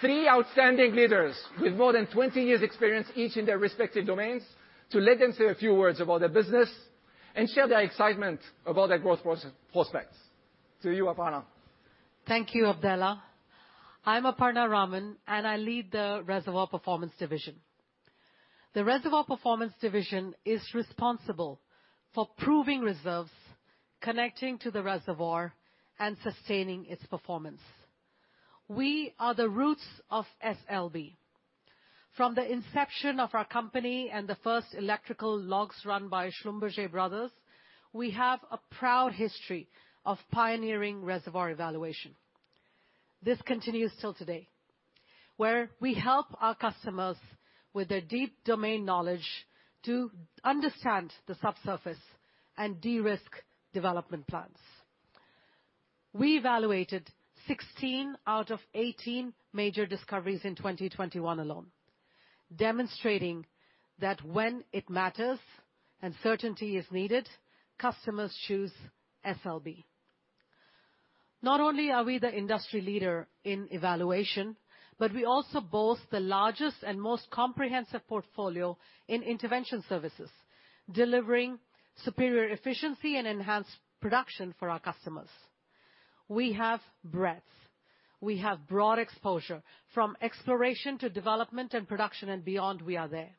Three outstanding leaders with more than 20 years experience each in their respective domains, to let them say a few words about their business and share their excitement about their growth prospects. To you, Aparna. Thank you, Abdellah. I'm Aparna Raman, and I lead the Reservoir Performance division. The Reservoir Performance division is responsible for proving reserves, connecting to the reservoir, and sustaining its performance. We are the roots of SLB. From the inception of our company and the first electrical logs run by Schlumberger brothers, we have a proud history of pioneering reservoir evaluation. This continues till today, where we help our customers with their deep domain knowledge to understand the subsurface and de-risk development plans. We evaluated 16 out of 18 major discoveries in 2021 alone, demonstrating that when it matters and certainty is needed, customers choose SLB. Not only are we the industry leader in evaluation, but we also boast the largest and most comprehensive portfolio in intervention services, delivering superior efficiency and enhanced production for our customers. We have breadth, we have broad exposure from exploration to development and production and beyond, we are there.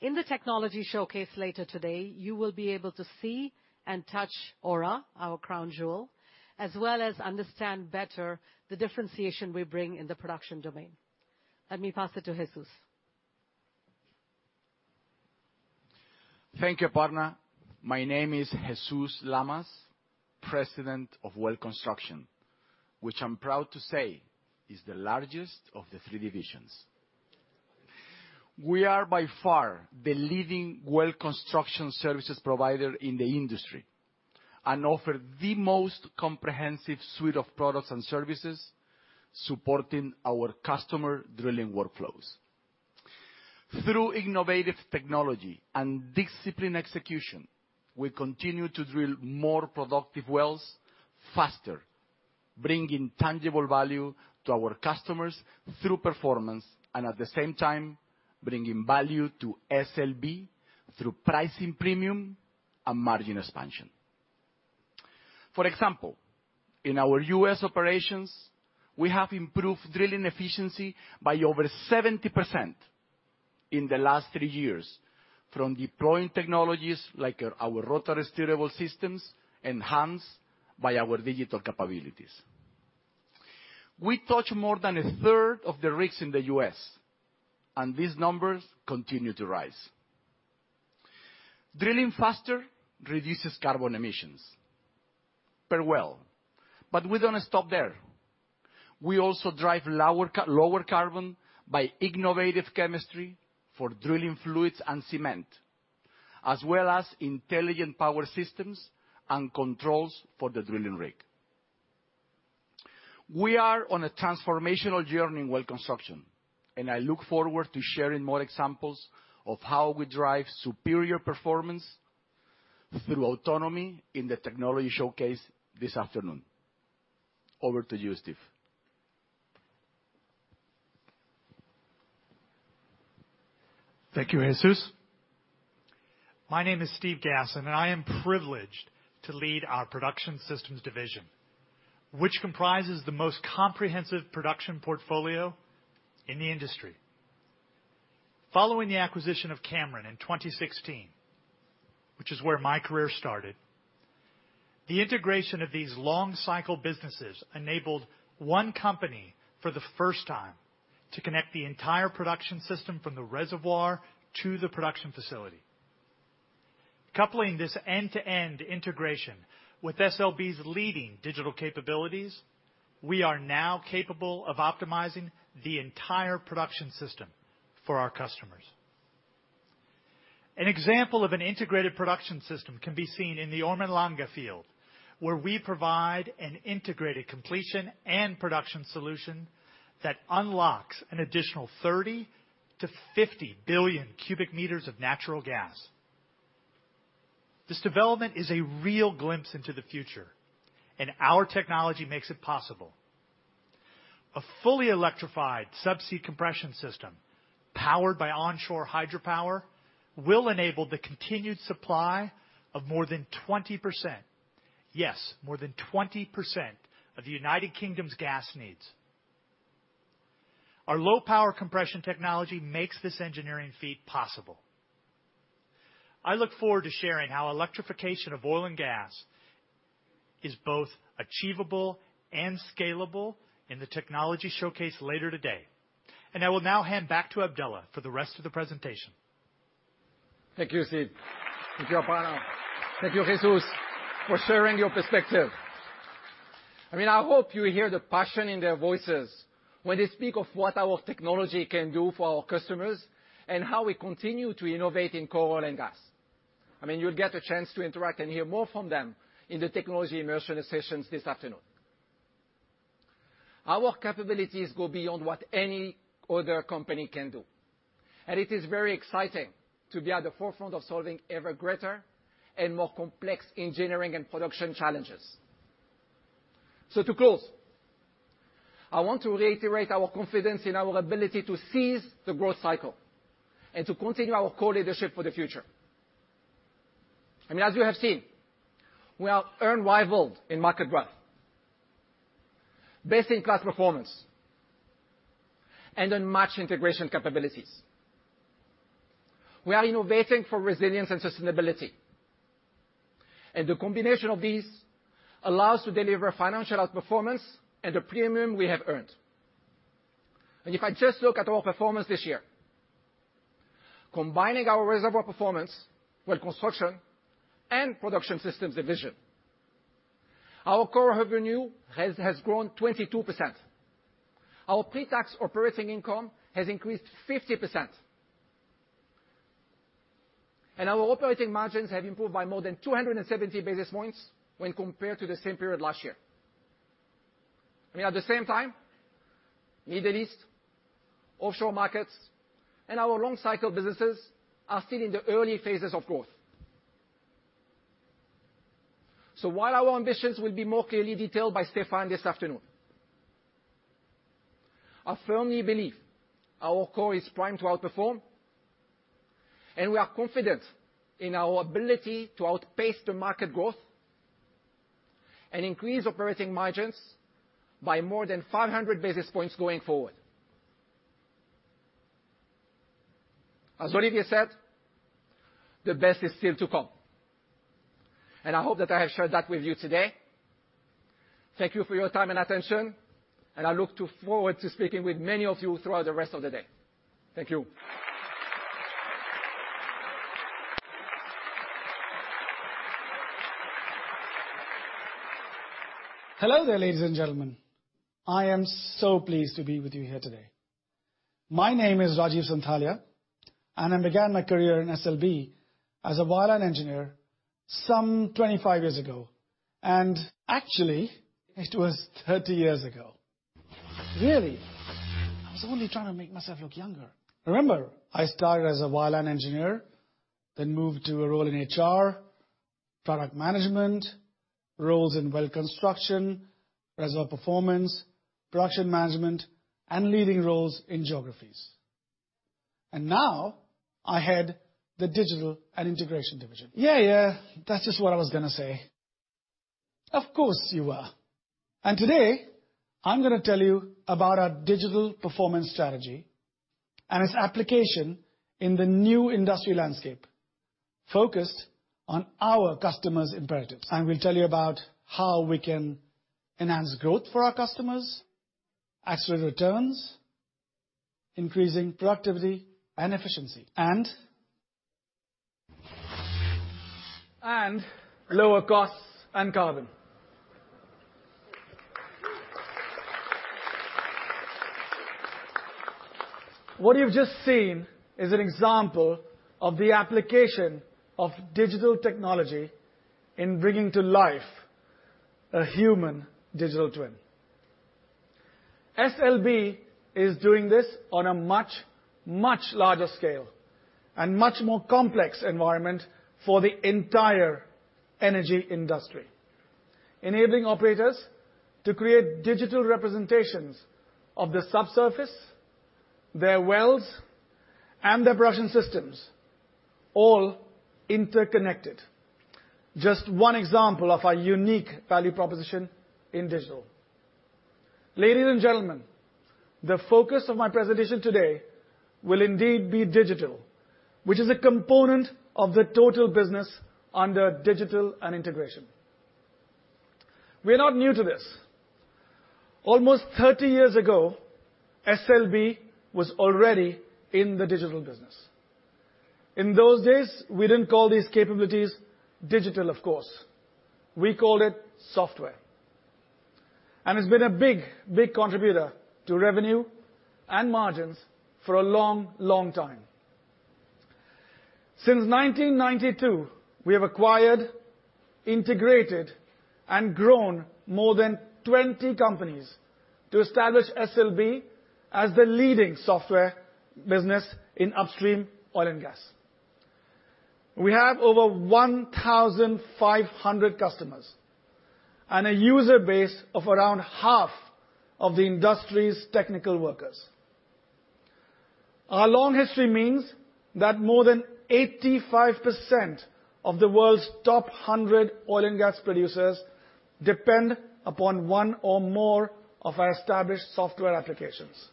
In the technology showcase later today, you will be able to see and touch Ora, our crown jewel, as well as understand better the differentiation we bring in the production domain. Let me pass it to Jesus. Thank you, Aparna Raman. My name is Jesus Lamas, President of Well Construction, which I'm proud to say is the largest of the three divisions. We are by far the leading Well Construction services provider in the industry, and offer the most comprehensive suite of products and services supporting our customer drilling workflows. Through innovative technology and disciplined execution, we continue to drill more productive wells faster, bringing tangible value to our customers through performance, and at the same time, bringing value to SLB through pricing premium and margin expansion. For example, in our U.S. operations, we have improved drilling efficiency by over 70% in the last three years from deploying technologies like our rotary steerable systems, enhanced by our digital capabilities. We touch more than 1/3 of the rigs in the U.S., and these numbers continue to rise. Drilling faster reduces carbon emissions per well. We don't stop there. We also drive lower carbon by innovative chemistry for drilling fluids and cement, as well as intelligent power systems and controls for the drilling rig. We are on a transformational journey in Well Construction, and I look forward to sharing more examples of how we drive superior performance through autonomy in the technology showcase this afternoon. Over to you, Steve. Thank you, Jesus. My name is Steve Gassen, and I am privileged to lead our Production Systems division, which comprises the most comprehensive production portfolio in the industry. Following the acquisition of Cameron in 2016, which is where my career started, the integration of these long cycle businesses enabled one company for the first time to connect the entire production system from the reservoir to the production facility. Coupling this end-to-end integration with SLB's leading digital capabilities, we are now capable of optimizing the entire production system for our customers. An example of an integrated production system can be seen in the Ormen Lange field, where we provide an integrated completion and production solution that unlocks an additional 30-50 billion cubic meters of natural gas. This development is a real glimpse into the future, and our technology makes it possible. A fully electrified subsea compression system, powered by onshore hydropower, will enable the continued supply of more than 20% of the United Kingdom's gas needs. Our low power compression technology makes this engineering feat possible. I look forward to sharing how electrification of oil and gas is both achievable and scalable in the technology showcase later today. I will now hand back to Abdellah for the rest of the presentation. Thank you, Steve. Thank you, Aparna. Thank you, Jesus, for sharing your perspective. I mean, I hope you hear the passion in their voices when they speak of what our technology can do for our customers and how we continue to innovate in Core, oil, and gas. I mean, you'll get a chance to interact and hear more from them in the technology immersion sessions this afternoon. Our capabilities go beyond what any other company can do, and it is very exciting to be at the forefront of solving ever greater and more complex engineering and production challenges. To close, I want to reiterate our confidence in our ability to seize the growth cycle and to continue our Core leadership for the future. I mean, as you have seen, we are unrivaled in market growth, best-in-class performance, and unmatched integration capabilities. We are innovating for resilience and sustainability. The combination of these allows to deliver financial outperformance and the premium we have earned. If I just look at our performance this year, combining our Reservoir Performance, Well Construction, and Production Systems divisions, our Core revenue has grown 22%. Our pre-tax operating income has increased 50%. Our operating margins have improved by more than 270 basis points when compared to the same period last year. I mean, at the same time, Middle East, offshore markets, and our long cycle businesses are still in the early phases of growth. While our ambitions will be more clearly detailed by Stephane this afternoon, I firmly believe our Core is primed to outperform, and we are confident in our ability to outpace the market growth and increase operating margins by more than 500 basis points going forward. As Olivier said, the best is still to come. I hope that I have shared that with you today. Thank you for your time and attention, and I look forward to speaking with many of you throughout the rest of the day. Thank you. Hello there, ladies and gentlemen. I am so pleased to be with you here today. My name is Rajeev Sonthalia, and I began my career in SLB as a wireline engineer some 25 years ago. Actually, it was 30 years ago. Really? I was only trying to make myself look younger. Remember, I started as a wireline Engineer, then moved to a role in HR, Product Management, roles in Well Construction, Reservoir Performance, Production Management, and leading roles in Geographies. Now, I head the Digital & Integration division. Yeah. Yeah. That's just what I was gonna say. Of course you were. Today, I'm gonna tell you about our digital performance strategy and its application in the new industry landscape focused on our customers' imperatives. I will tell you about how we can enhance growth for our customers, actual returns, increasing productivity and efficiency and lower costs and carbon. What you've just seen is an example of the application of digital technology in bringing to life a human digital twin. SLB is doing this on a much, much larger scale and much more complex environment for the entire energy industry, enabling operators to create digital representations of the subsurface, their wells, and their Production Systems, all interconnected. Just one example of our unique value proposition in Digital. Ladies and gentlemen, the focus of my presentation today will indeed be digital, which is a component of the total business under Digital & Integration. We're not new to this. Almost 30 years ago, SLB was already in the Digital business. In those days, we didn't call these capabilities digital, of course. We called it software. It's been a big, big contributor to revenue and margins for a long, long time. Since 1992, we have acquired, integrated, and grown more than 20 companies to establish SLB as the leading software business in upstream oil and gas. We have over 1,500 customers and a user base of around half of the industry's technical workers. Our long history means that more than 85% of the world's top 100 oil and gas producers depend upon one or more of our established software applications.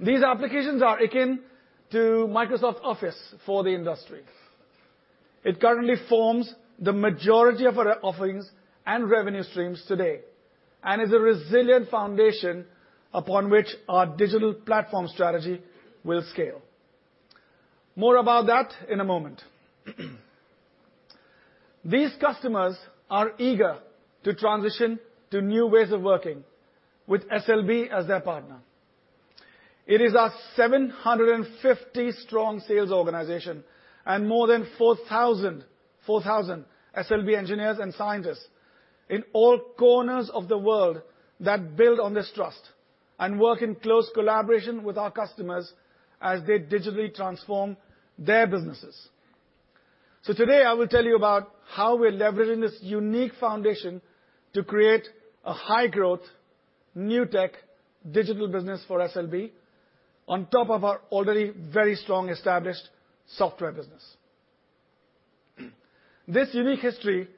These applications are akin to Microsoft Office for the industry. It currently forms the majority of our offerings and revenue streams today, and is a resilient foundation upon which our digital platform strategy will scale. More about that in a moment. These customers are eager to transition to new ways of working with SLB as their partner. It is our 750-strong sales organization and more than 4,000 SLB engineers and scientists in all corners of the world that build on this trust and work in close collaboration with our customers as they digitally transform their businesses. Today I will tell you about how we're leveraging this unique foundation to create a high-growth, new tech Digital business for SLB on top of our already very strong established software business. This unique history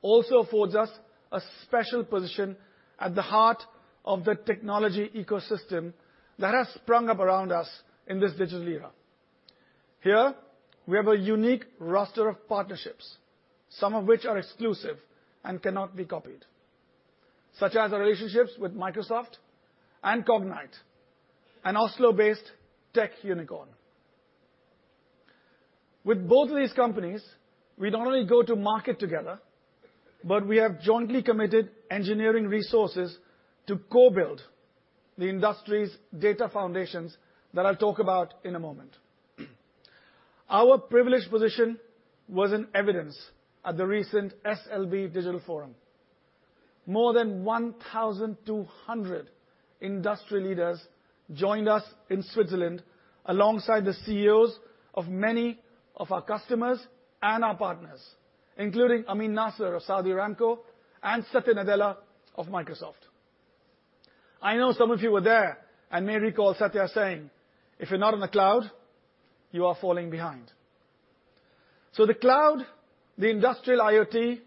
also affords us a special position at the heart of the technology ecosystem that has sprung up around us in this digital era. Here we have a unique roster of partnerships, some of which are exclusive and cannot be copied, such as our relationships with Microsoft and Cognite, an Oslo-based tech unicorn. With both of these companies, we not only go to market together, but we have jointly committed engineering resources to co-build the industry's data foundations that I'll talk about in a moment. Our privileged position was in evidence at the recent SLB Digital Forum. More than 1,200 industry leaders joined us in Switzerland alongside the CEOs of many of our customers and our partners, including Amin Nasser of Saudi Aramco and Satya Nadella of Microsoft. I know some of you were there and may recall Satya saying, "If you're not on the cloud, you are falling behind." The cloud, the industrial IoT,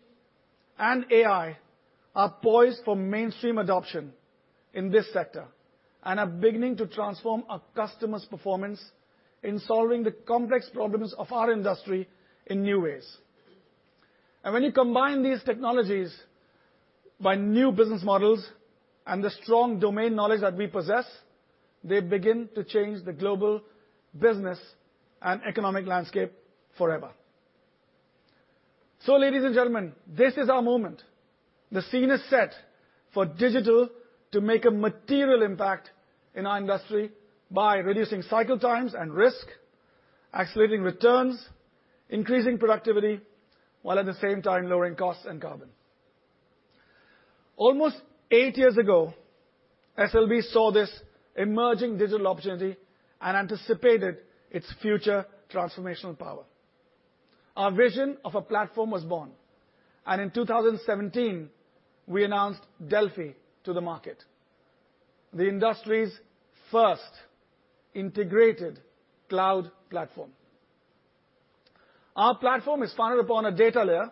and AI are poised for mainstream adoption in this sector and are beginning to transform our customers' performance in solving the complex problems of our industry in new ways. When you combine these technologies by new business models and the strong domain knowledge that we possess, they begin to change the global business and economic landscape forever. Ladies and gentlemen, this is our moment. The scene is set for Digital to make a material impact in our industry by reducing cycle times and risk, accelerating returns, increasing productivity, while at the same time lowering costs and carbon. Almost eight years ago, SLB saw this emerging digital opportunity and anticipated its future transformational power. Our vision of a platform was born, and in 2017 we announced Delfi to the market, the industry's first integrated cloud platform. Our platform is founded upon a data layer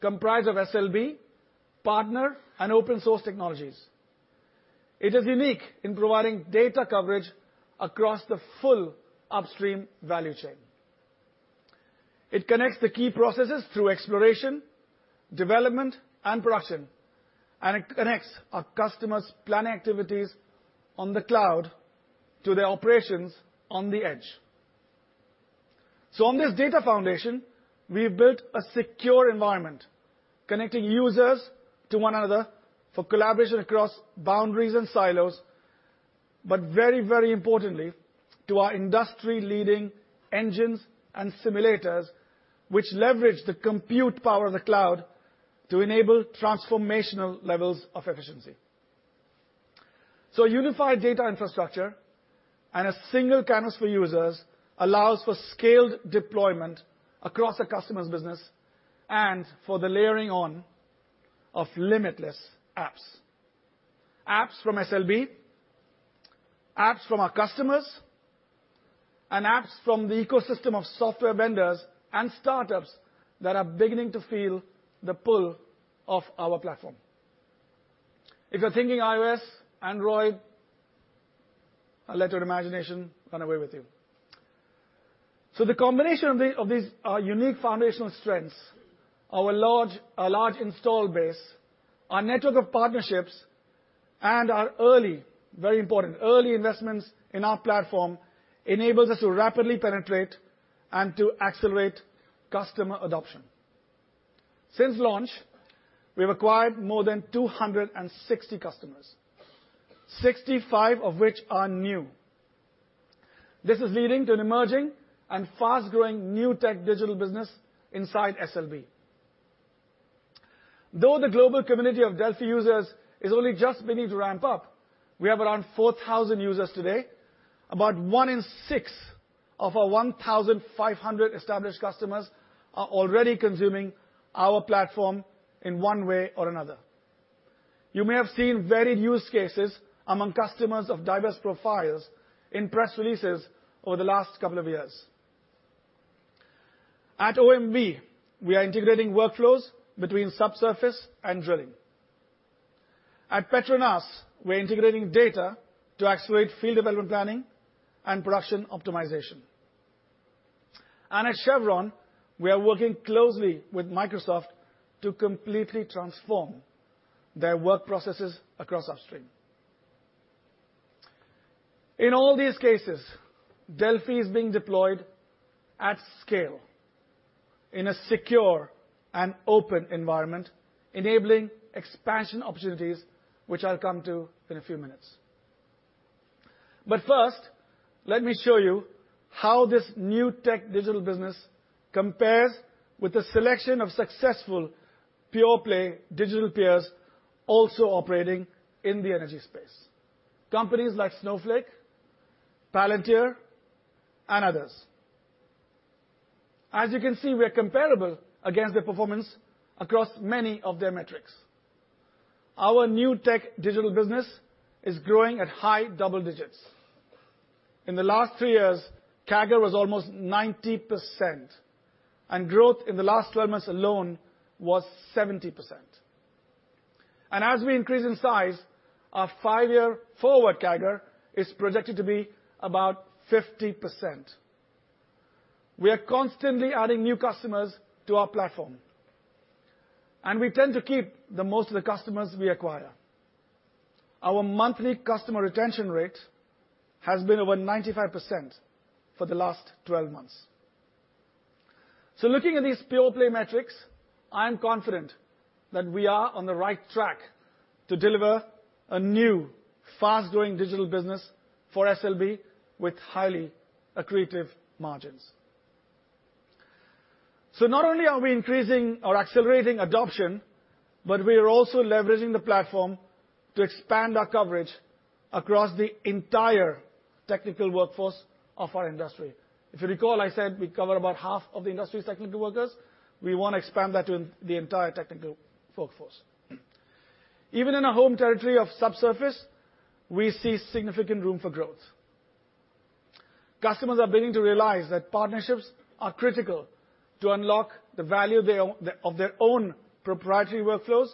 comprised of SLB, partner, and open source technologies. It is unique in providing data coverage across the full upstream value chain. It connects the key processes through exploration, development, and production, and it connects our customers' plan activities on the cloud to their operations on the edge. On this data foundation we have built a secure environment, connecting users to one another for collaboration across boundaries and silos, but very, very importantly, to our industry leading engines and simulators which leverage the compute power of the cloud to enable transformational levels of efficiency. Unified data infrastructure and a single canvas for users allows for scaled deployment across a customer's business and for the layering on of limitless apps. Apps from SLB, apps from our customers, and apps from the ecosystem of software vendors and startups that are beginning to feel the pull of our platform. If you're thinking iOS, Android, I'll let your imagination run away with you. The combination of these, our unique foundational strengths, our large install base, our network of partnerships, and our early, very important investments in our platform enables us to rapidly penetrate and to accelerate customer adoption. Since launch, we've acquired more than 260 customers, 65 of which are new. This is leading to an emerging and fast-growing new tech Digital business inside SLB. Though the global community of Delfi users is only just beginning to ramp up, we have around 4,000 users today. About one in six of our 1,500 established customers are already consuming our platform in one way or another. You may have seen varied use cases among customers of diverse profiles in press releases over the last couple of years. At OMV, we are integrating workflows between subsurface and drilling. At PETRONAS, we're integrating data to accelerate field development planning and production optimization. At Chevron, we are working closely with Microsoft to completely transform their work processes across upstream. In all these cases, Delfi is being deployed at scale in a secure and open environment, enabling expansion opportunities, which I'll come to in a few minutes. First, let me show you how this new tech Digital business compares with the selection of successful pure-play digital peers also operating in the energy space, companies like Snowflake, Palantir, and others. As you can see, we are comparable against their performance across many of their metrics. Our new tech Digital business is growing at high double-digits. In the last three years, CAGR was almost 90%, and growth in the last 12 months alone was 70%. As we increase in size, our five-year forward CAGR is projected to be about 50%. We are constantly adding new customers to our platform, and we tend to keep the most of the customers we acquire. Our monthly customer retention rate has been over 95% for the last 12 months. Looking at these pure-play metrics, I am confident that we are on the right track to deliver a new fast-growing Digital business for SLB with highly accretive margins. Not only are we increasing or accelerating adoption, but we are also leveraging the platform to expand our coverage across the entire technical workforce of our industry. If you recall, I said we cover about half of the industry's technical workers. We wanna expand that to the entire technical workforce. Even in our home territory of subsurface, we see significant room for growth. Customers are beginning to realize that partnerships are critical to unlock the value of their own proprietary workflows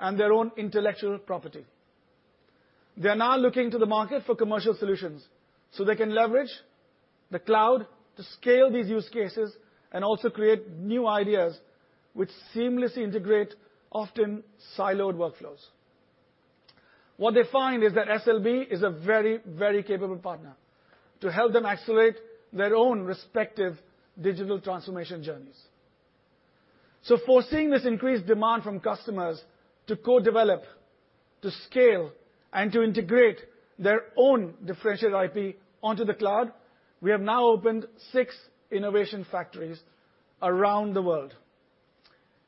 and their own intellectual property. They are now looking to the market for commercial solutions, so they can leverage the cloud to scale these use cases and also create new ideas which seamlessly integrate often siloed workflows. What they find is that SLB is a very, very capable partner to help them accelerate their own respective digital transformation journeys. Foreseeing this increased demand from customers to co-develop, to scale, and to integrate their own differentiated IP onto the cloud, we have now opened six Innovation Factoris around the world.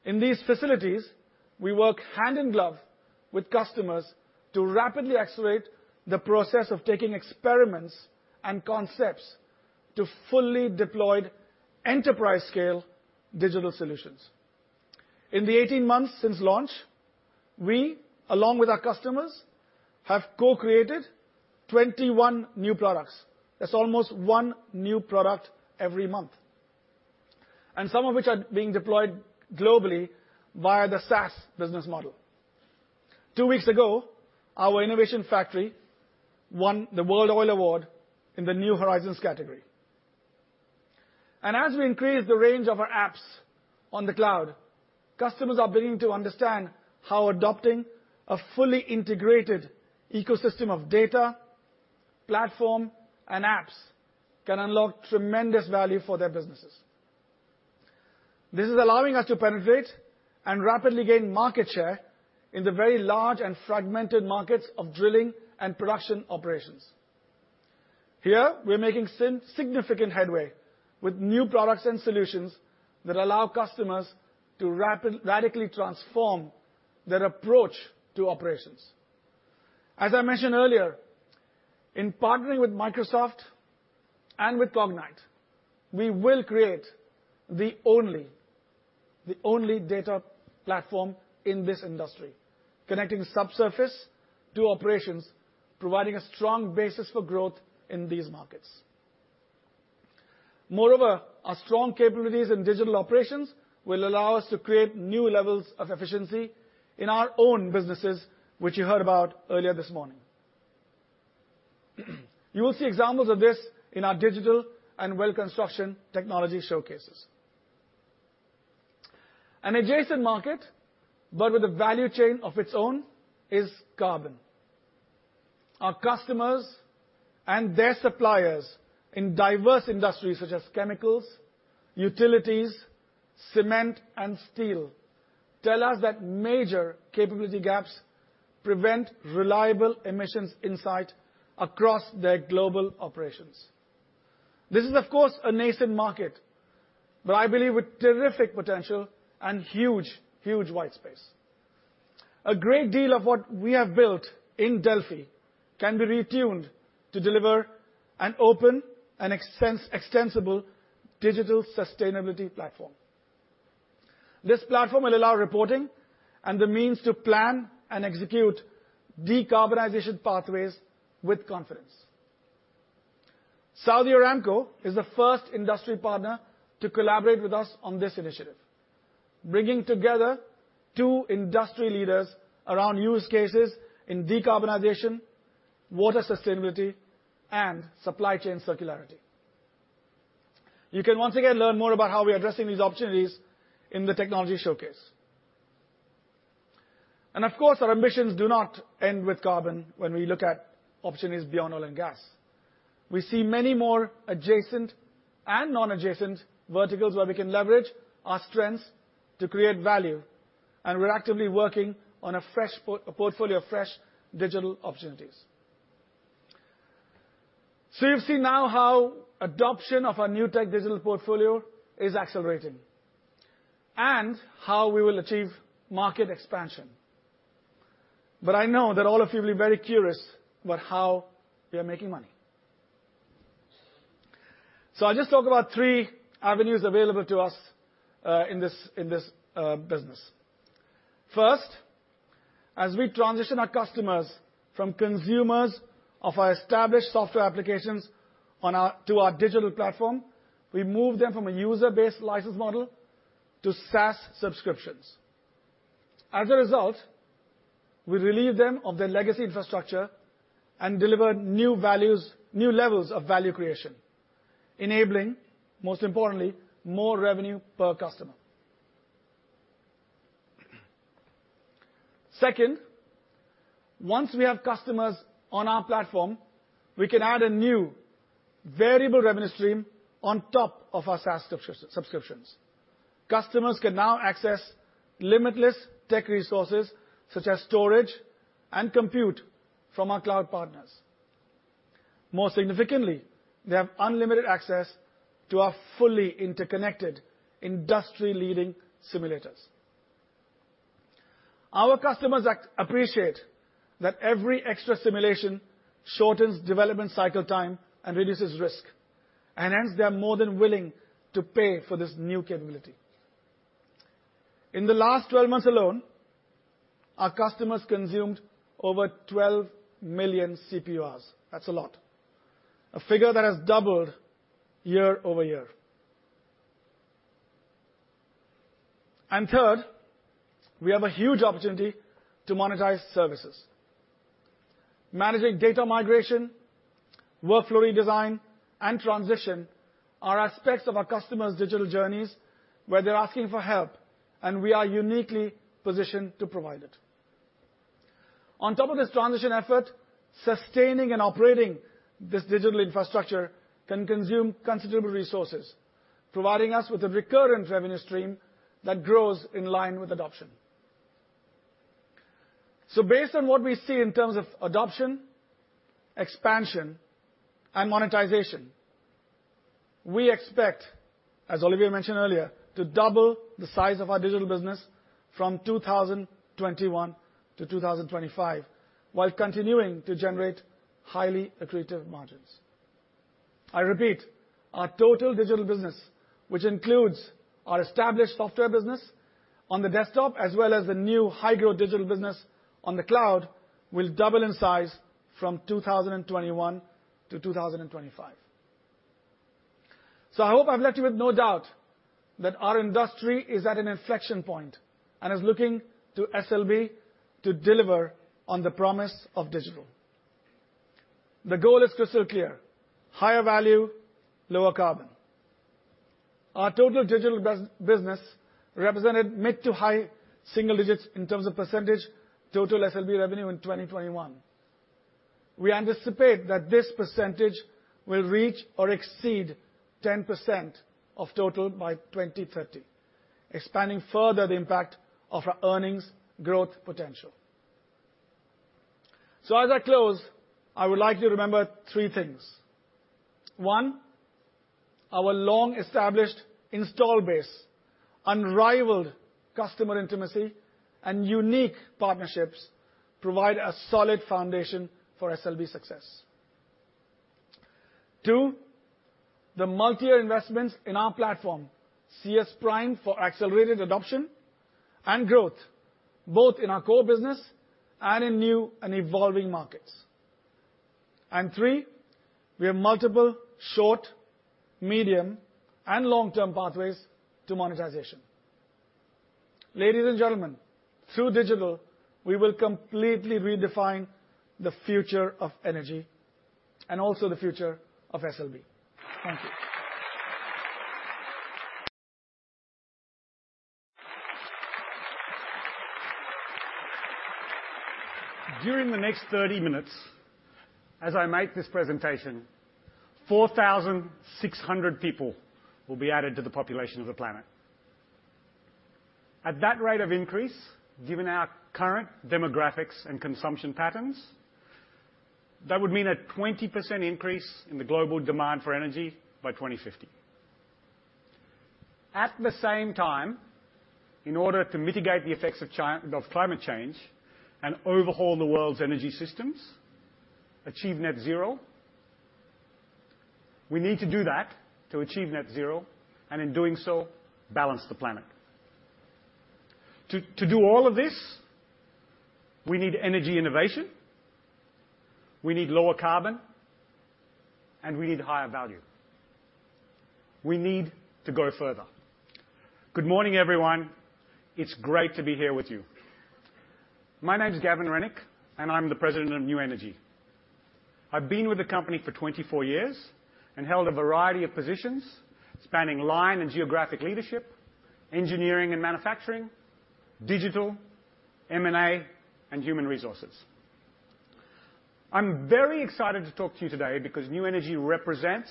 In these facilities, we work hand in glove with customers to rapidly accelerate the process of taking experiments and concepts to fully deployed enterprise-scale digital solutions. In the 18 months since launch, we, along with our customers, have co-created 21 new products. That's almost one new product every month. Some of which are being deployed globally via the SaaS business model. Two weeks ago, our Innovation Factori won the World Oil Award in the New Horizons category. As we increase the range of our apps on the cloud, customers are beginning to understand how adopting a fully integrated ecosystem of data, platform, and apps can unlock tremendous value for their businesses. This is allowing us to penetrate and rapidly gain market share in the very large and fragmented markets of drilling and production operations. Here we're making significant headway with new products and solutions that allow customers to radically transform their approach to operations. As I mentioned earlier, in partnering with Microsoft and with Cognite, we will create the only data platform in this industry, connecting subsurface to operations, providing a strong basis for growth in these markets. Moreover, our strong capabilities in digital operations will allow us to create new levels of efficiency in our own businesses, which you heard about earlier this morning. You will see examples of this in our Digital and Well Construction technology showcases. An adjacent market, but with a value chain of its own is carbon. Our customers and their suppliers in diverse industries such as chemicals, utilities, cement, and steel tell us that major capability gaps prevent reliable emissions insight across their global operations. This is, of course, a nascent market, but I believe with terrific potential and huge white space. A great deal of what we have built in Delfi can be retuned to deliver an open and extensible digital sustainability platform. This platform will allow reporting and the means to plan and execute decarbonization pathways with confidence. Saudi Aramco is the first industry partner to collaborate with us on this initiative, bringing together two industry leaders around use cases in decarbonization, water sustainability, and supply chain circularity. You can once again learn more about how we're addressing these opportunities in the technology showcase. Of course, our ambitions do not end with carbon when we look at opportunities beyond oil and gas. We see many more adjacent and non-adjacent verticals where we can leverage our strengths to create value, and we're actively working on a portfolio of fresh digital opportunities. You've seen now how adoption of our new tech Digital portfolio is accelerating and how we will achieve market expansion. I know that all of you will be very curious about how we are making money. I'll just talk about three avenues available to us, in this business. First, as we transition our customers from consumers of our established software applications to our digital platform, we move them from a user-based license model to SaaS subscriptions. As a result, we relieve them of their legacy infrastructure and deliver new values, new levels of value creation, enabling, most importantly, more revenue per customer. Second, once we have customers on our platform, we can add a new variable revenue stream on top of our SaaS subscriptions. Customers can now access limitless tech resources such as storage and compute from our cloud partners. More significantly, they have unlimited access to our fully interconnected industry-leading simulators. Our customers appreciate that every extra simulation shortens development cycle time and reduces risk, and hence they are more than willing to pay for this new capability. In the last 12 months alone, our customers consumed over 12 million CPU hours. That's a lot. A figure that has doubled year-over-year. Third, we have a huge opportunity to monetize services. Managing data migration, workflow redesign, and transition are aspects of our customers' digital journeys where they're asking for help, and we are uniquely positioned to provide it. On top of this transition effort, sustaining and operating this digital infrastructure can consume considerable resources, providing us with a recurrent revenue stream that grows in line with adoption. Based on what we see in terms of adoption, expansion, and monetization, we expect, as Olivier mentioned earlier, to double the size of our Digital business from 2021 to 2025 while continuing to generate highly accretive margins. I repeat, our total Digital business, which includes our established software business on the desktop as well as the new high-growth Digital business on the cloud, will double in size from 2021 to 2025. I hope I've left you with no doubt that our industry is at an inflection point and is looking to SLB to deliver on the promise of digital. The goal is crystal clear, higher value, lower carbon. Our total Digital business represented mid-to-high-single-digits in terms of percentage of total SLB revenue in 2021. We anticipate that this percentage will reach or exceed 10% of total by 2030, expanding further the impact of our earnings growth potential. As I close, I would like you to remember three things. One, our long-established install base, unrivaled customer intimacy, and unique partnerships provide a solid foundation for SLB success. Two, the multi-year investments in our platform, see us primed for accelerated adoption and growth, both in our Core business and in new and evolving markets. And three, we have multiple short, medium, and long-term pathways to monetization. Ladies and gentlemen, through digital, we will completely redefine the future of energy and also the future of SLB. Thank you. During the next 30 minutes, as I make this presentation, 4,600 people will be added to the population of the planet. At that rate of increase, given our current demographics and consumption patterns, that would mean a 20% increase in the global demand for energy by 2050. At the same time, in order to mitigate the effects of climate change and overhaul the world's energy systems, we need to do that to achieve net zero, and in doing so, balance the planet. To do all of this, we need energy innovation, we need lower carbon, and we need higher value. We need to go further. Good morning, everyone. It's great to be here with you. My name's Gavin Rennick, and I'm the President of New Energy. I've been with the company for 24 years and held a variety of positions spanning line and geographic leadership, Engineering and Manufacturing, Digital, M&A, and Human Resources. I'm very excited to talk to you today because New Energy represents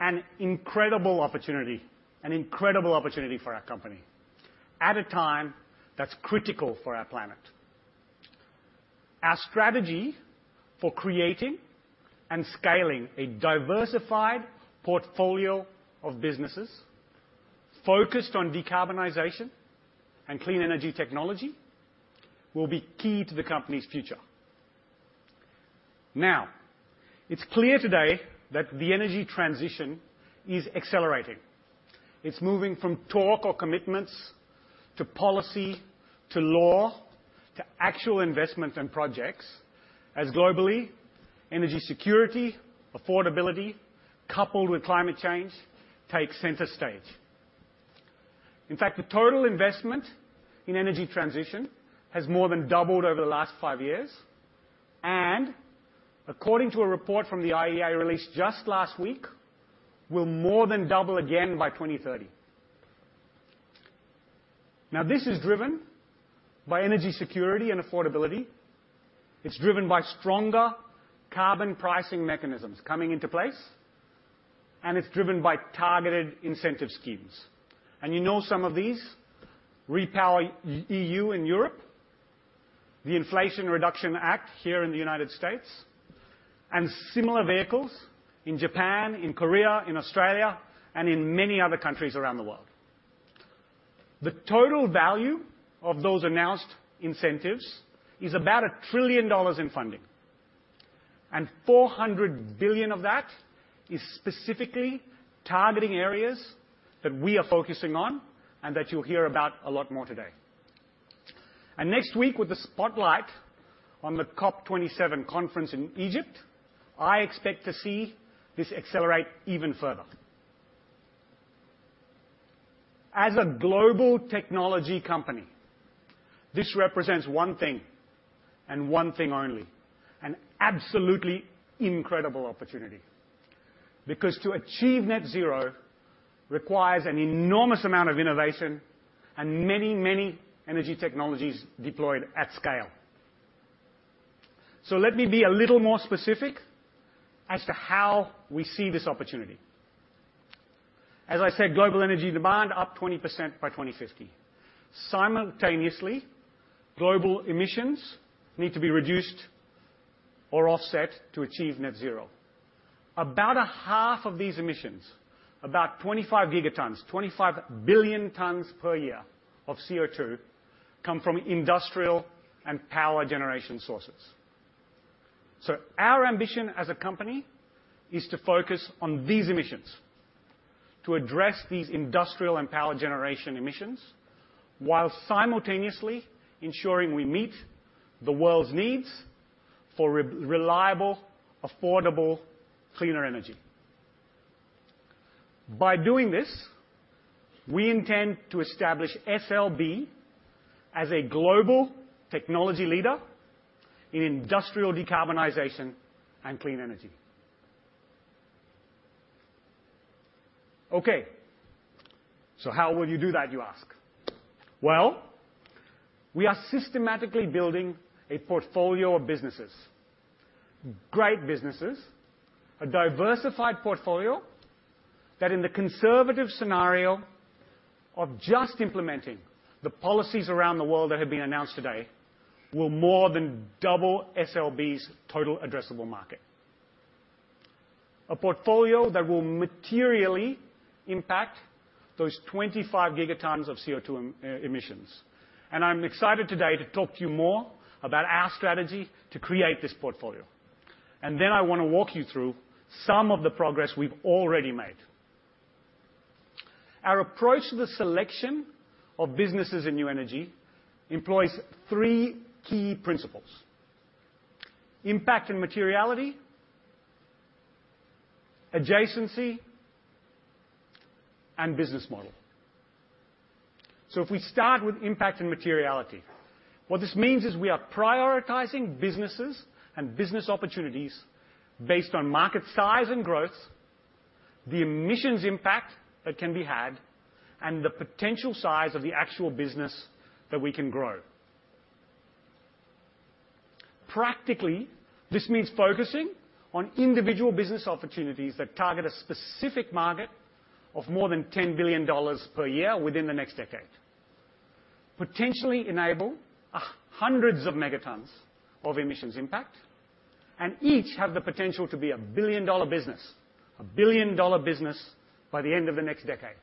an incredible opportunity, an incredible opportunity for our company at a time that's critical for our planet. Our strategy for creating and scaling a diversified portfolio of businesses focused on decarbonization and clean energy technology will be key to the company's future. Now, it's clear today that the energy transition is accelerating. It's moving from talk or commitments to policy, to law, to actual investment and projects as globally energy security, affordability, coupled with climate change take center stage. In fact, the total investment in energy transition has more than doubled over the last five years, and according to a report from the IEA released just last week, will more than double again by 2030. Now, this is driven by energy security and affordability. It's driven by stronger carbon pricing mechanisms coming into place, and it's driven by targeted incentive schemes. You know some of these, REPowerEU in Europe, the Inflation Reduction Act here in the United States, and similar vehicles in Japan, in Korea, in Australia, and in many other countries around the world. The total value of those announced incentives is about $1 trillion in funding, and $400 billion of that is specifically targeting areas that we are focusing on and that you'll hear about a lot more today. Next week with the spotlight on the COP27 conference in Egypt, I expect to see this accelerate even further. As a global technology company, this represents one thing and one thing only, an absolutely incredible opportunity because to achieve net zero requires an enormous amount of innovation and many, many energy technologies deployed at scale. Let me be a little more specific as to how we see this opportunity. As I said, global energy demand up 20% by 2050. Simultaneously, global emissions need to be reduced or offset to achieve net zero. About a half of these emissions, about 25 gigatons, 25 billion tons per year of CO2 come from industrial and power generation sources. Our ambition as a company is to focus on these emissions, to address these industrial and power generation emissions while simultaneously ensuring we meet the world's needs for reliable, affordable, cleaner energy. By doing this, we intend to establish SLB as a global technology leader in industrial decarbonization and clean energy. Okay. How will you do that, you ask? Well, we are systematically building a portfolio of businesses, great businesses, a diversified portfolio that in the conservative scenario of just implementing the policies around the world that have been announced today will more than double SLB's total addressable market. A portfolio that will materially impact those 25 gigatons of CO2 emissions. I'm excited today to talk to you more about our strategy to create this portfolio. I wanna walk you through some of the progress we've already made. Our approach to the selection of businesses in New Energy employs three key principles, impact and materiality, adjacency, and business model. If we start with impact and materiality, what this means is we are prioritizing businesses and business opportunities based on market size and growth, the emissions impact that can be had, and the potential size of the actual business that we can grow. Practically, this means focusing on individual business opportunities that target a specific market of more than $10 billion per year within the next decade. Potentially enable hundreds of megatons of emissions impact, and each have the potential to be a billion-dollar business by the end of the next decade.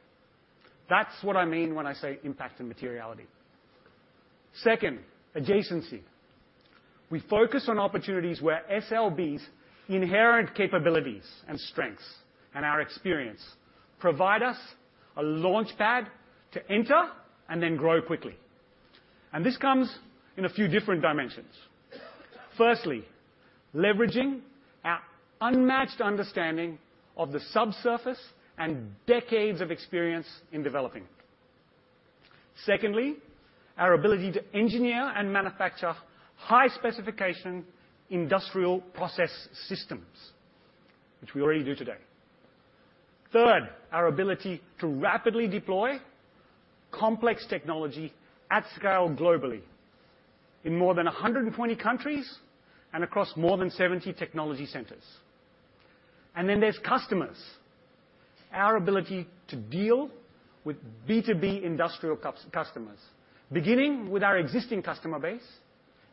That's what I mean when I say impact and materiality. Second, adjacency. We focus on opportunities where SLB's inherent capabilities and strengths and our experience provide us a launchpad to enter and then grow quickly. This comes in a few different dimensions. Firstly, leveraging our unmatched understanding of the subsurface and decades of experience in developing. Secondly, our ability to engineer and manufacture high-specification industrial process systems, which we already do today. Third, our ability to rapidly deploy complex technology at scale globally in more than 120 countries and across more than 70 technology centers. There's customers. Our ability to deal with B2B industrial customers, beginning with our existing customer base,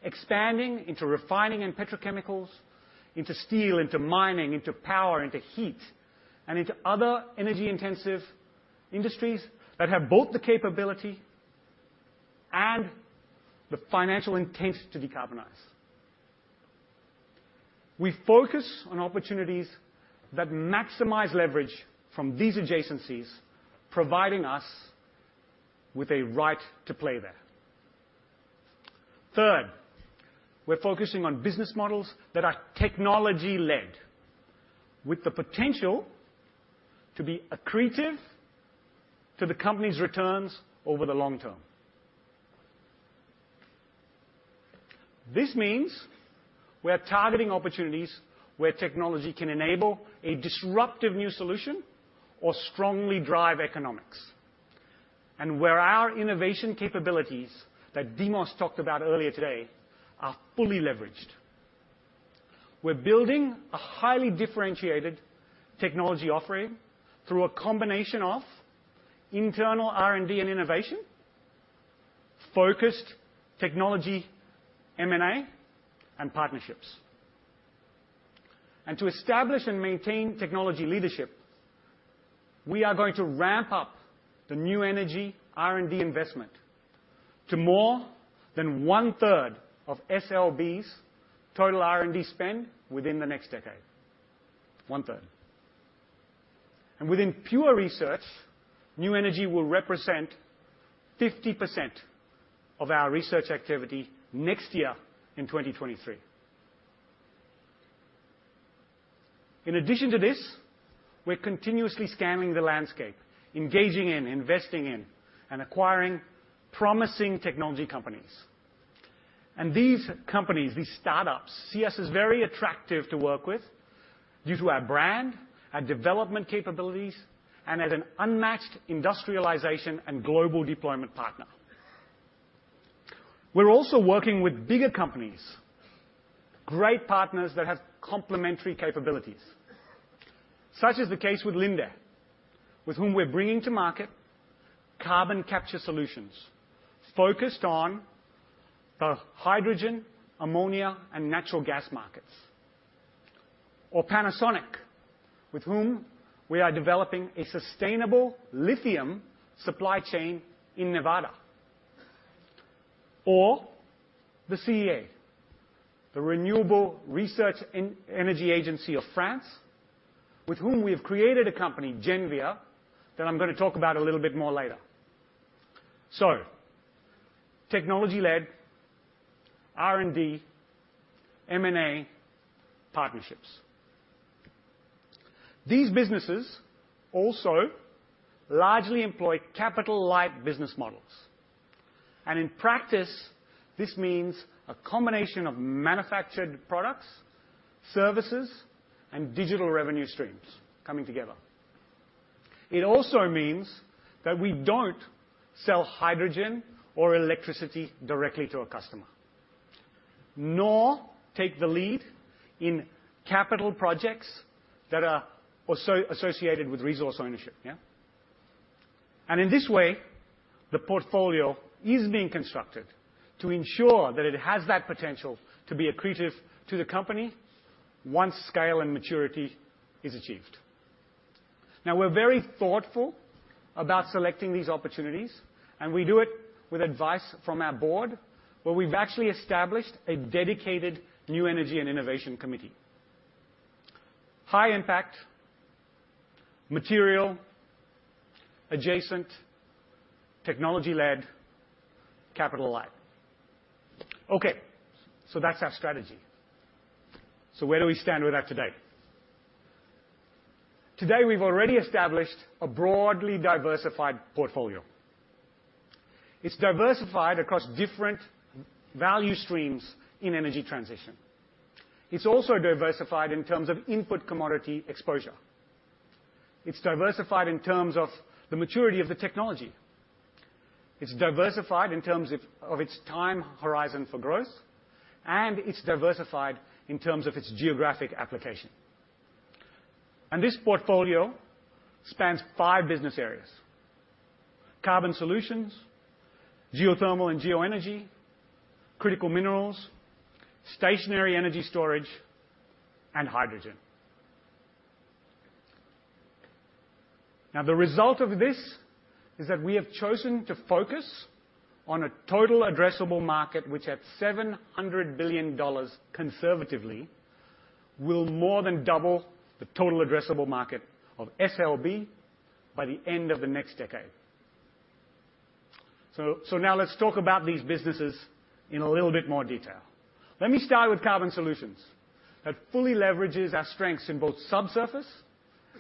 expanding into refining and petrochemicals, into steel, into mining, into power, into heat, and into other energy-intensive industries that have both the capability and the financial intent to decarbonize. We focus on opportunities that maximize leverage from these adjacencies, providing us with a right to play there. Third, we're focusing on business models that are technology-led with the potential to be accretive to the company's returns over the long term. This means we are targeting opportunities where technology can enable a disruptive new solution or strongly drive economics, and where our innovation capabilities that Demos talked about earlier today are fully leveraged. We're building a highly differentiated technology offering through a combination of internal R&D and innovation, focused technology M&A, and partnerships. To establish and maintain technology leadership, we are going to ramp up the New Energy R&D investment to more than 1/3 of SLB's total R&D spend within the next decade. 1/3. Within pure research, New Energy will represent 50% of our research activity next year in 2023. In addition to this, we're continuously scanning the landscape, engaging in, investing in, and acquiring promising technology companies. These companies, these startups, see us as very attractive to work with due to our brand, our development capabilities, and as an unmatched industrialization and global deployment partner. We're also working with bigger companies, great partners that have complementary capabilities. Such is the case with Linde, with whom we're bringing to market carbon capture solutions focused on the hydrogen, ammonia, and natural gas markets. Panasonic, with whom we are developing a sustainable lithium supply chain in Nevada. The CEA, the renewable research energy agency of France, with whom we have created a company, Genvia, that I'm gonna talk about a little bit more later. Technology-led R&D, M&A, partnerships. These businesses also largely employ capital-light business models. In practice, this means a combination of manufactured products, services, and digital revenue streams coming together. It also means that we don't sell hydrogen or electricity directly to a customer, nor take the lead in capital projects that are also associated with resource ownership, yeah? In this way, the portfolio is being constructed to ensure that it has that potential to be accretive to the company once scale and maturity is achieved. Now, we're very thoughtful about selecting these opportunities, and we do it with advice from our board, where we've actually established a dedicated New Energy and Innovation committee. High impact, material adjacent, technology-led, capital light. Okay, that's our strategy. Where do we stand with that today? Today, we've already established a broadly diversified portfolio. It's diversified across different value streams in energy transition. It's also diversified in terms of input commodity exposure. It's diversified in terms of the maturity of the technology. It's diversified in terms of its time horizon for growth, and it's diversified in terms of its geographic application. This portfolio spans five business areas, carbon solutions, geothermal and geoenergy, critical minerals, stationary energy storage, and hydrogen. Now, the result of this is that we have chosen to focus on a total addressable market, which at $700 billion conservatively, will more than double the total addressable market of SLB by the end of the next decade. now let's talk about these businesses in a little bit more detail. Let me start with carbon solutions that fully leverages our strengths in both subsurface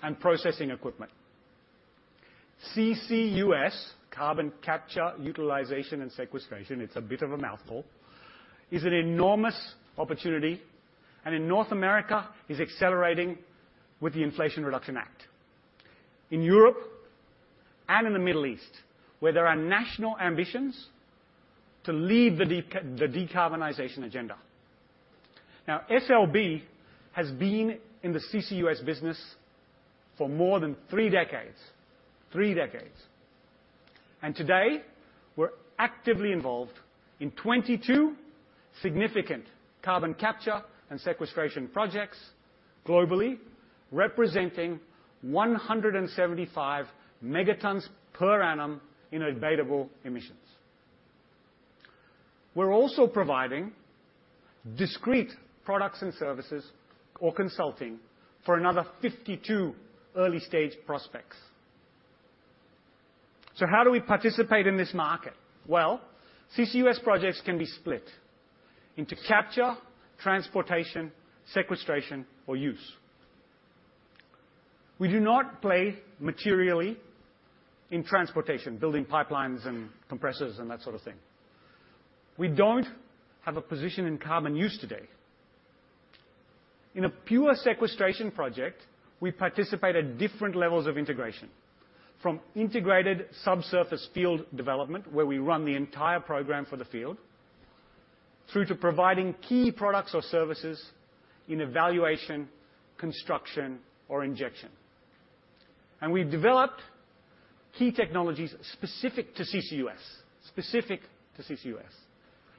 and processing equipment. CCUS, carbon capture, utilization, and sequestration, it's a bit of a mouthful, is an enormous opportunity, and in North America is accelerating with the Inflation Reduction Act. In Europe and in the Middle East, where there are national ambitions to lead the decarbonization agenda. Now, SLB has been in the CCUS business for more than three decades. Three decades. Today, we're actively involved in 22 significant carbon capture and sequestration projects globally, representing 175 megatons per annum in abatable emissions. We're also providing discrete products and services or consulting for another 52 early-stage prospects. How do we participate in this market? Well, CCUS projects can be split into capture, transportation, sequestration or use. We do not play materially in transportation, building pipelines and compressors and that sort of thing. We don't have a position in carbon use today. In a pure sequestration project, we participate at different levels of integration, from integrated subsurface field development, where we run the entire program for the field, through to providing key products or services in evaluation, construction, or injection. We've developed key technologies specific to CCUS.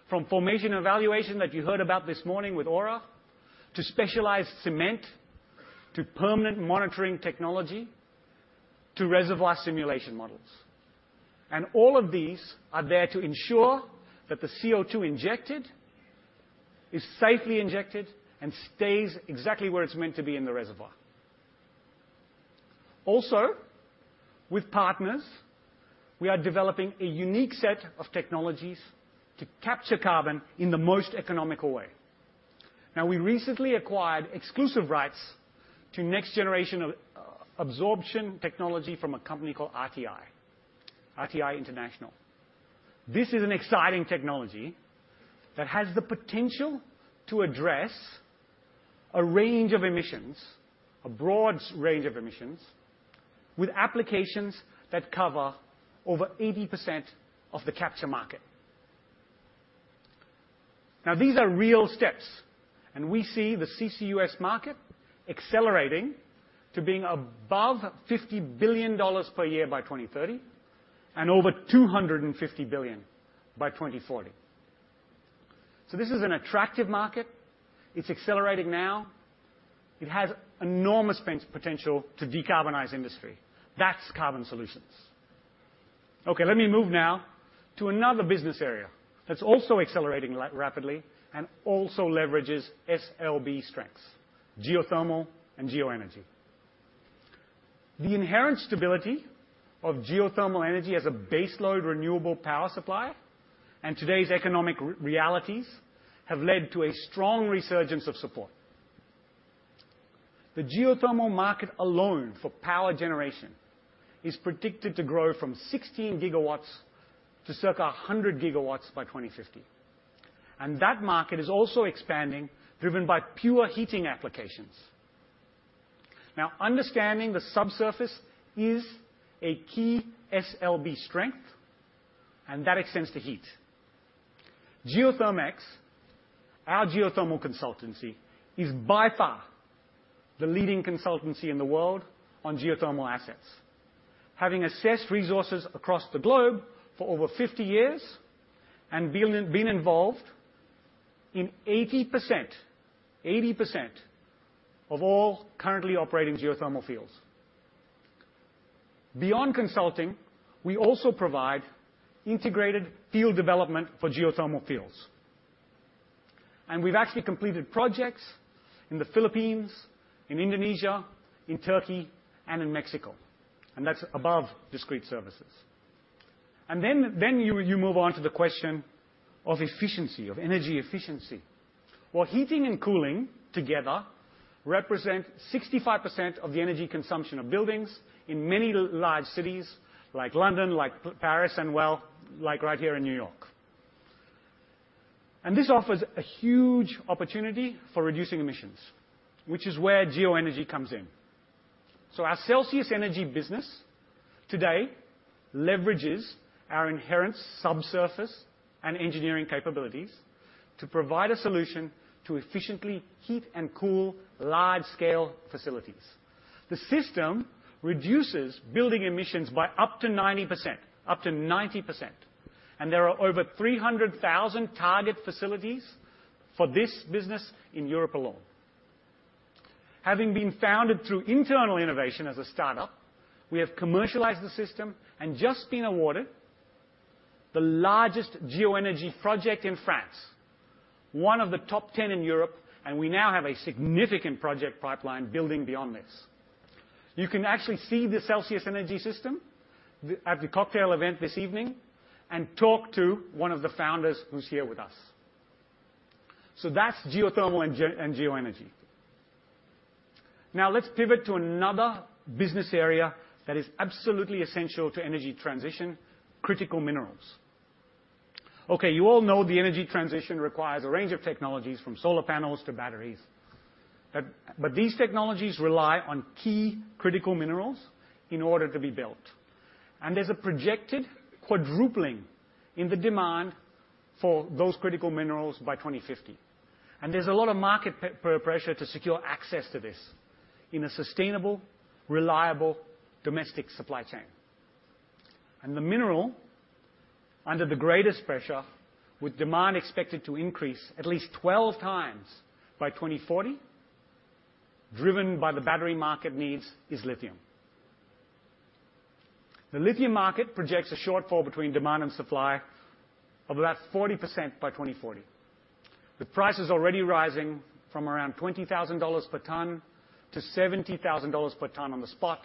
From formation evaluation that you heard about this morning with Ora, to specialized cement, to permanent monitoring technology, to reservoir simulation models. All of these are there to ensure that the CO2 injected is safely injected and stays exactly where it's meant to be in the reservoir. Also, with partners, we are developing a unique set of technologies to capture carbon in the most economical way. Now, we recently acquired exclusive rights to next generation of absorption technology from a company called RTI International. This is an exciting technology that has the potential to address a range of emissions, a broad range of emissions, with applications that cover over 80% of the capture market. These are real steps, and we see the CCUS market accelerating to being above $50 billion per year by 2030 and over $250 billion by 2040. This is an attractive market. It's accelerating now. It has enormous potential to decarbonize industry. That's carbon solutions. Okay. Let me move now to another business area that's also accelerating rapidly and also leverages SLB strengths, geothermal and geoenergy. The inherent stability of geothermal energy as a baseload renewable power supply and today's economic realities have led to a strong resurgence of support. The geothermal market alone for power generation is predicted to grow from 16 GW to circa 100 GW by 2050. That market is also expanding, driven by pure heating applications. Now, understanding the subsurface is a key SLB strength, and that extends to heat. GeothermEx, our geothermal consultancy, is by far the leading consultancy in the world on geothermal assets, having assessed resources across the globe for over 50 years and been involved in 80% of all currently operating geothermal fields. Beyond consulting, we also provide integrated field development for geothermal fields. We've actually completed projects in the Philippines, in Indonesia, in Turkey, and in Mexico, and that's above discrete services. Then you move on to the question of efficiency, of energy efficiency. Well, heating and cooling together represent 65% of the energy consumption of buildings in many large cities like London, like Paris, and well, like right here in New York. This offers a huge opportunity for reducing emissions, which is where geoenergy comes in. Our Celsius Energy business today leverages our inherent subsurface and engineering capabilities to provide a solution to efficiently heat and cool large-scale facilities. The system reduces building emissions by up to 90%, up to 90%. There are over 300,000 target facilities for this business in Europe alone. Having been founded through internal innovation as a startup, we have commercialized the system and just been awarded the largest geo energy project in France, one of the top 10 in Europe, and we now have a significant project pipeline building beyond this. You can actually see the Celsius Energy system at the cocktail event this evening and talk to one of the founders who's here with us. That's geothermal and geoenergy. Now let's pivot to another business area that is absolutely essential to energy transition, critical minerals. Okay, you all know the energy transition requires a range of technologies from solar panels to batteries. These technologies rely on key critical minerals in order to be built. There's a projected quadrupling in the demand for those critical minerals by 2050. There's a lot of market pressure to secure access to this in a sustainable, reliable domestic supply chain. The mineral under the greatest pressure with demand expected to increase at least 12x by 2040, driven by the battery market needs, is lithium. The lithium market projects a shortfall between demand and supply of about 40% by 2040, with prices already rising from around $20,000 per ton to $70,000 per ton on the spot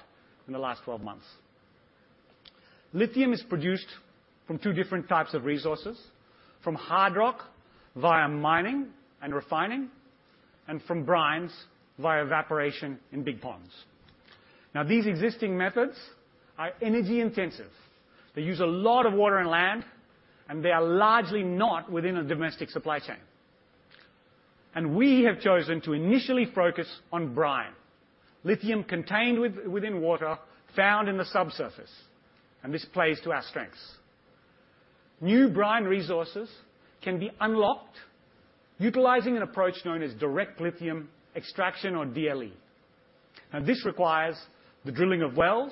in the last 12 months. Lithium is produced from two different types of resources, from hard rock via mining and refining, and from brines via evaporation in big ponds. Now, these existing methods are energy-intensive. They use a lot of water and land, and they are largely not within a domestic supply chain. We have chosen to initially focus on brine, lithium contained within water found in the subsurface, and this plays to our strengths. New brine resources can be unlocked utilizing an approach known as direct lithium extraction or DLE. This requires the drilling of wells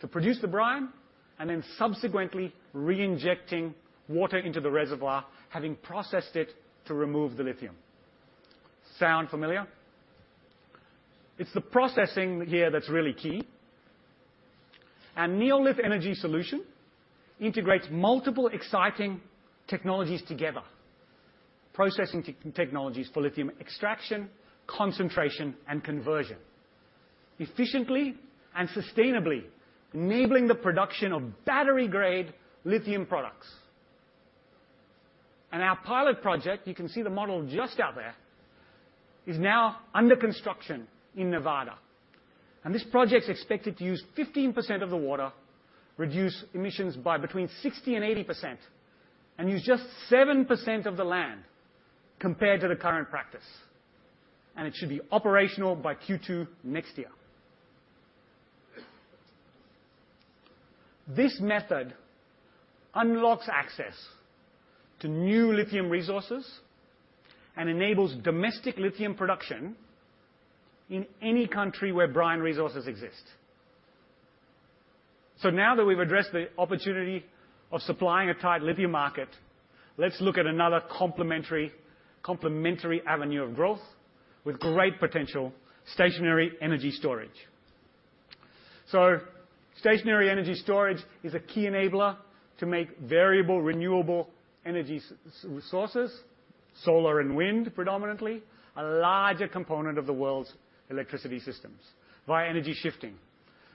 to produce the brine and then subsequently reinjecting water into the reservoir, having processed it to remove the lithium. Sound familiar? It's the processing here that's really key. NeoLith Energy integrates multiple exciting technologies together, processing technologies for lithium extraction, concentration, and conversion efficiently and sustainably, enabling the production of battery-grade lithium products. Our pilot project, you can see the model just out there, is now under construction in Nevada. This project's expected to use 15% of the water, reduce emissions by between 60% and 80%, and use just 7% of the land compared to the current practice. It should be operational by Q2 next year. This method unlocks access to new lithium resources and enables domestic lithium production in any country where brine resources exist. Now that we've addressed the opportunity of supplying a tight lithium market, let's look at another complementary avenue of growth with great potential stationary energy storage. Stationary energy storage is a key enabler to make variable renewable energy resources, solar and wind predominantly, a larger component of the world's electricity systems via energy shifting.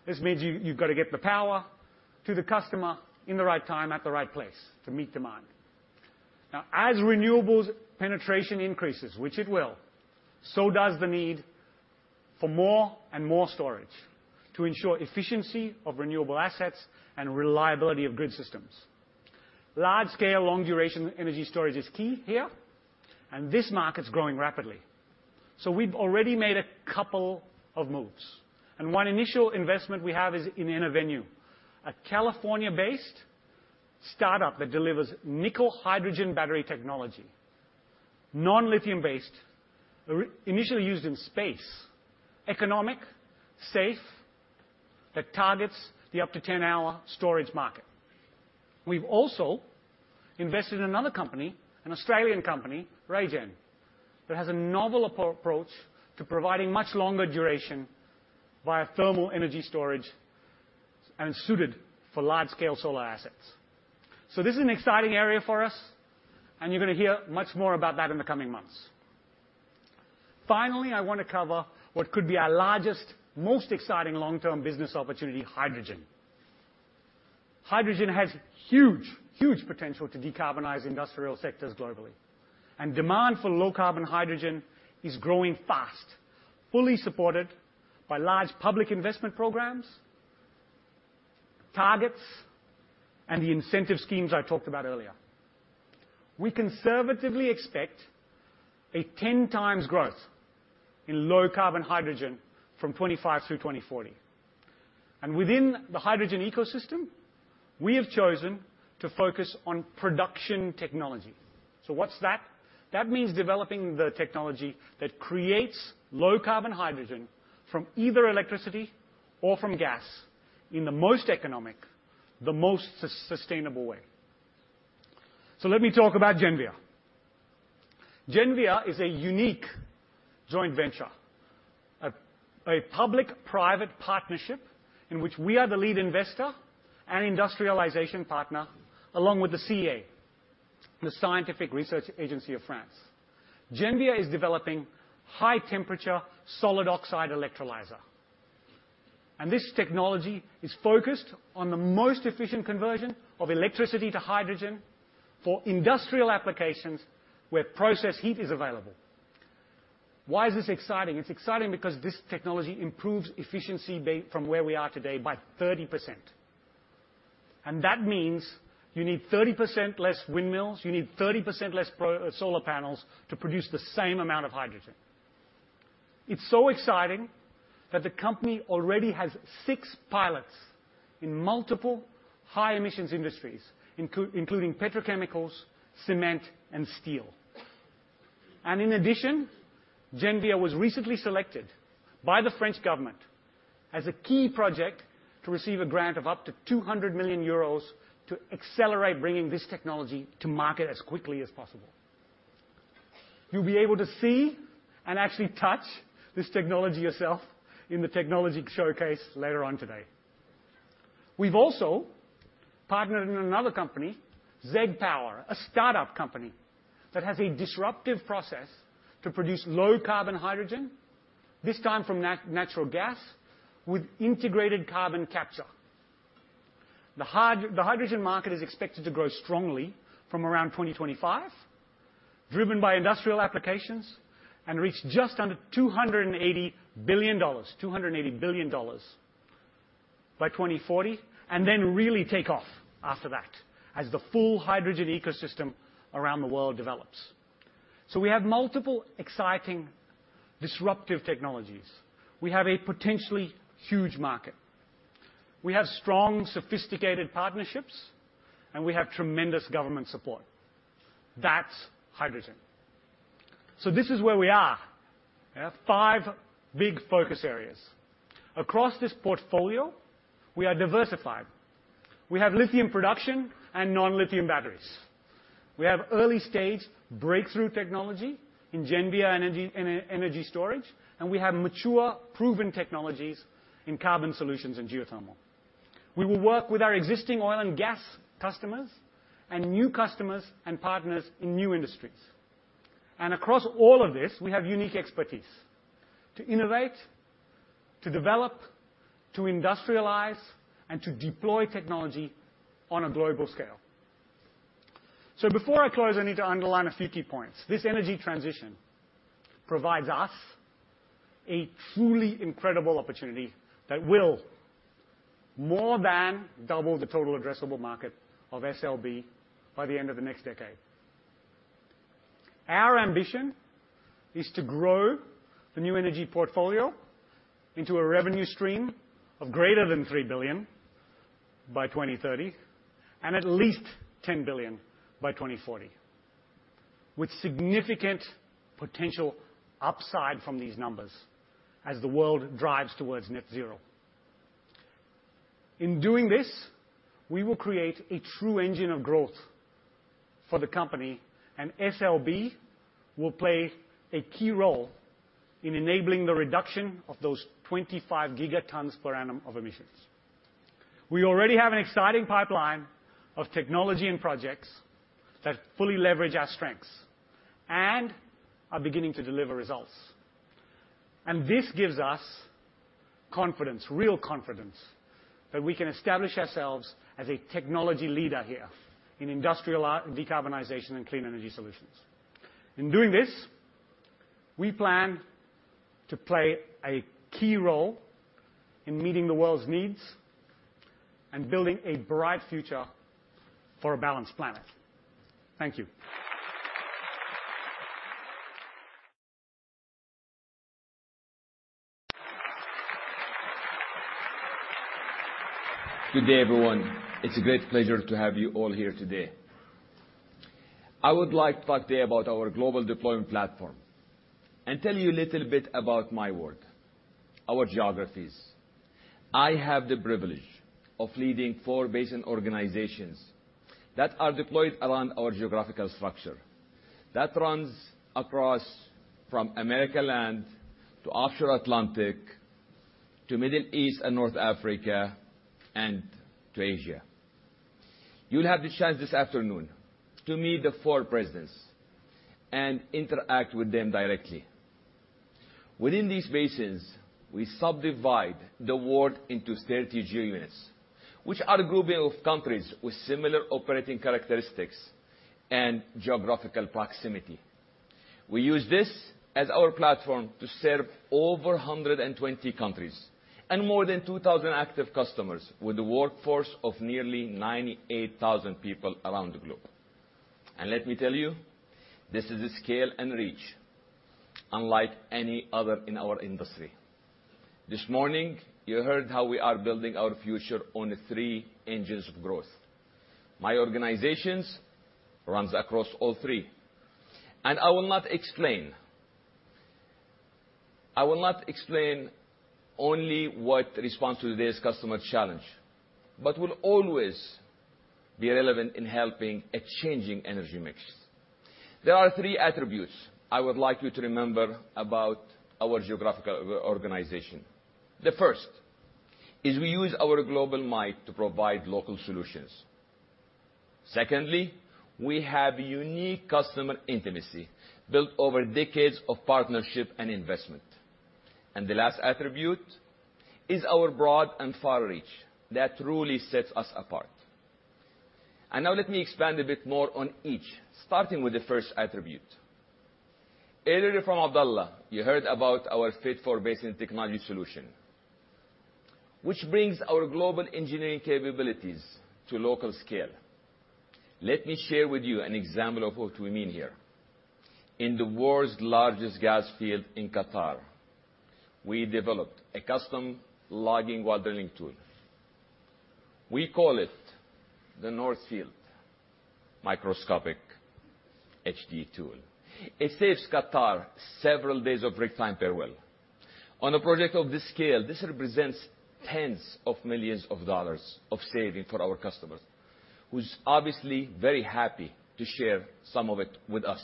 This means you've got to get the power to the customer in the right time at the right place to meet demand. Now, as renewables penetration increases, which it will, so does the need for more and more storage to ensure efficiency of renewable assets and reliability of grid systems. Large-scale, long-duration energy storage is key here, and this market's growing rapidly. We've already made a couple of moves, and one initial investment we have is in EnerVenue, a California-based startup that delivers nickel hydrogen battery technology, non-lithium-based, initially used in space, economic, safe, that targets the up to 10-hour storage market. We've also invested in another company, an Australian company, RayGen, that has a novel approach to providing much longer duration via thermal energy storage and suited for large-scale solar assets. This is an exciting area for us, and you're gonna hear much more about that in the coming months. Finally, I wanna cover what could be our largest, most exciting long-term business opportunity, hydrogen. Hydrogen has huge, huge potential to decarbonize industrial sectors globally. Demand for low-carbon hydrogen is growing fast, fully supported by large public investment programs, targets, and the incentive schemes I talked about earlier. We conservatively expect a 10x growth in low-carbon hydrogen from 2025 through 2040. Within the hydrogen ecosystem, we have chosen to focus on production technology. What's that? That means developing the technology that creates low-carbon hydrogen from either electricity or from gas in the most economic, the most sustainable way. Let me talk about Genvia. Genvia is a unique joint venture, a public-private partnership in which we are the lead investor and industrialization partner, along with the CEA, the scientific research agency of France. Genvia is developing high-temperature solid oxide electrolyzer, and this technology is focused on the most efficient conversion of electricity to hydrogen for industrial applications where process heat is available. Why is this exciting? It's exciting because this technology improves efficiency from where we are today by 30%. That means you need 30% less windmills, you need 30% less solar panels to produce the same amount of hydrogen. It's so exciting that the company already has six pilots in multiple high-emissions industries, including petrochemicals, cement, and steel. In addition, Genvia was recently selected by the French government as a key project to receive a grant of up to 200 million euros to accelerate bringing this technology to market as quickly as possible. You'll be able to see and actually touch this technology yourself in the technology showcase later on today. We've also partnered in another company, ZEG Power, a startup company that has a disruptive process to produce low-carbon hydrogen, this time from natural gas, with integrated carbon capture. The hydrogen market is expected to grow strongly from around 2025, driven by industrial applications, and reach just under $280 billion. $280 billion by 2040, and then really take off after that as the full hydrogen ecosystem around the world develops. We have multiple exciting, disruptive technologies. We have a potentially huge market. We have strong, sophisticated partnerships, and we have tremendous government support. That's hydrogen. This is where we are. We have five big focus areas. Across this portfolio, we are diversified. We have lithium production and non-lithium batteries. We have early-stage breakthrough technology in Genvia, energy storage, and we have mature, proven technologies in carbon solutions and geothermal. We will work with our existing oil and gas customers and new customers and partners in new industries. Across all of this, we have unique expertise to innovate, to develop, to industrialize, and to deploy technology on a global scale. Before I close, I need to underline a few key points. This energy transition provides us a truly incredible opportunity that will more than double the total addressable market of SLB by the end of the next decade. Our ambition is to grow the New Energy portfolio into a revenue stream of greater than $3 billion by 2030 and at least $10 billion by 2040, with significant potential upside from these numbers as the world drives towards net zero. In doing this, we will create a true engine of growth for the company, and SLB will play a key role in enabling the reduction of those 25 gigatons per annum of emissions. We already have an exciting pipeline of technology and projects that fully leverage our strengths and are beginning to deliver results. This gives us confidence, real confidence, that we can establish ourselves as a technology leader here in industrial decarbonization and clean energy solutions. In doing this, we plan to play a key role in meeting the world's needs and building a bright future for a balanced planet. Thank you. Good day, everyone. It's a great pleasure to have you all here today. I would like to talk today about our global deployment platform and tell you a little bit about my world, our Geographies. I have the privilege of leading four basin organizations that are deployed around our geographical structure that runs across from Americas land to offshore Atlantic, to Middle East and North Africa, and to Asia. You'll have the chance this afternoon to meet the four presidents and interact with them directly. Within these basins, we subdivide the world into 30 GeoUnits, which are grouping of countries with similar operating characteristics and geographical proximity. We use this as our platform to serve over 120 countries and more than 2,000 active customers with a workforce of nearly 98,000 people around the globe. Let me tell you, this is a scale and reach unlike any other in our industry. This morning, you heard how we are building our future on the three engines of growth. My organization runs across all three, and I will not explain only what responds to today's customer challenge, but will always be relevant in helping a changing energy mix. There are three attributes I would like you to remember about our geographical organization. The first is we use our global might to provide local solutions. Secondly, we have unique customer intimacy built over decades of partnership and investment. The last attribute is our broad and far reach that truly sets us apart. Now let me expand a bit more on each, starting with the first attribute. Earlier from Abdellah, you heard about our fit-for-basin technology solution, which brings our global engineering capabilities to local scale. Let me share with you an example of what we mean here. In the world's largest gas field in Qatar, we developed a custom logging while drilling tool. We call it the North Field MicroScope HD tool. It saves Qatar several days of rig time per well. On a project of this scale, this represents tens of millions of dollars of savings for our customers, who's obviously very happy to share some of it with us.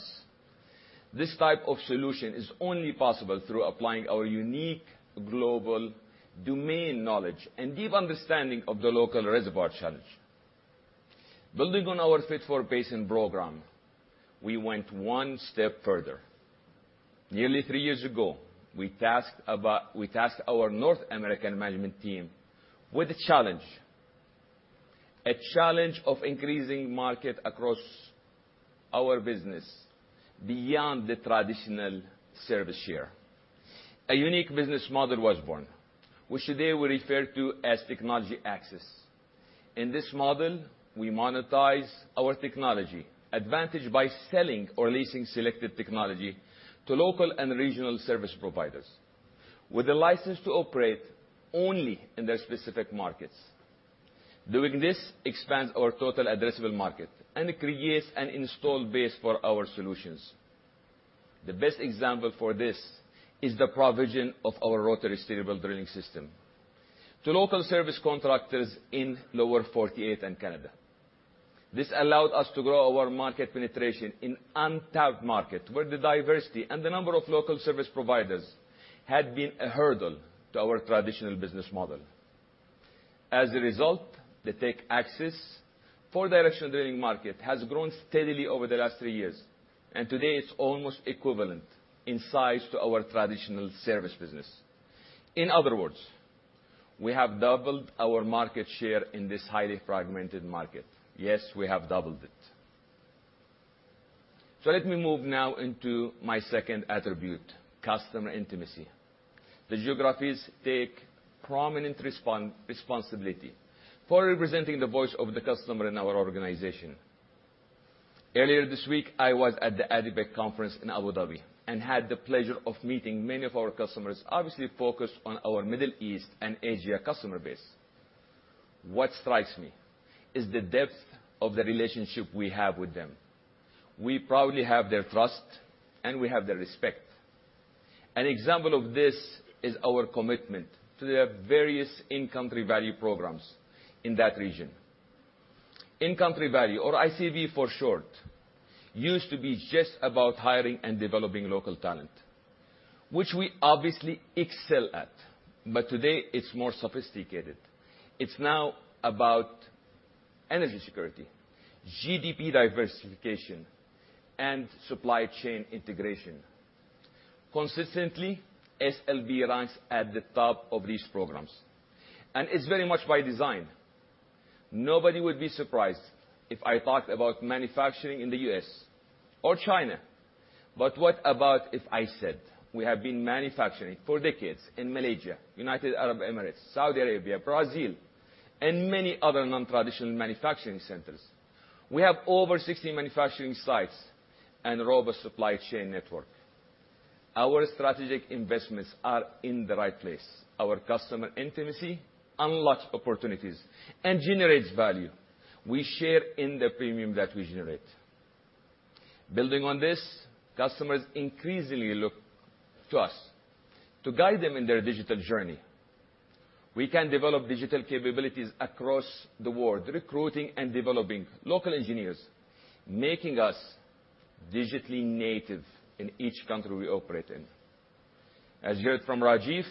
This type of solution is only possible through applying our unique global domain knowledge and deep understanding of the local reservoir challenge. Building on our fit-for-basin program, we went one step further. Nearly three years ago, we tasked about... We tasked our North American management team with a challenge, a challenge of increasing market across our business beyond the traditional service share. A unique business model was born, which today we refer to as technology access. In this model, we monetize our technology advantage by selling or leasing selected technology to local and regional service providers with a license to operate only in their specific markets. Doing this expands our total addressable market and creates an installed base for our solutions. The best example for this is the provision of our rotary steerable drilling system to local service contractors in Lower 48 and Canada. This allowed us to grow our market penetration in untapped market, where the diversity and the number of local service providers had been a hurdle to our traditional business model. As a result, the technology access for directional drilling market has grown steadily over the last three years, and today it's almost equivalent in size to our traditional service business. In other words, we have doubled our market share in this highly fragmented market. Yes, we have doubled it. Let me move now into my second attribute, customer intimacy. The Geographies take prominent responsibility for representing the voice of the customer in our organization. Earlier this week, I was at the ADIPEC conference in Abu Dhabi and had the pleasure of meeting many of our customers, obviously focused on our Middle East and Asia customer base. What strikes me is the depth of the relationship we have with them. We proudly have their trust, and we have their respect. An example of this is our commitment to their various In-Country Value programs in that region. In-Country Value, or ICV for short, used to be just about hiring and developing local talent, which we obviously excel at. Today it's more sophisticated. It's now about energy security, GDP diversification, and supply chain integration. Consistently, SLB ranks at the top of these programs, and it's very much by design. Nobody would be surprised if I talked about manufacturing in the U.S. or China. What about if I said we have been manufacturing for decades in Malaysia, United Arab Emirates, Saudi Arabia, Brazil, and many other non-traditional manufacturing centers? We have over 60 manufacturing sites and a robust supply chain network. Our strategic investments are in the right place. Our customer intimacy unlocks opportunities and generates value. We share in the premium that we generate. Building on this, customers increasingly look to us to guide them in their digital journey. We can develop digital capabilities across the world, recruiting and developing local engineers, making us digitally native in each country we operate in. As you heard from Rajeev,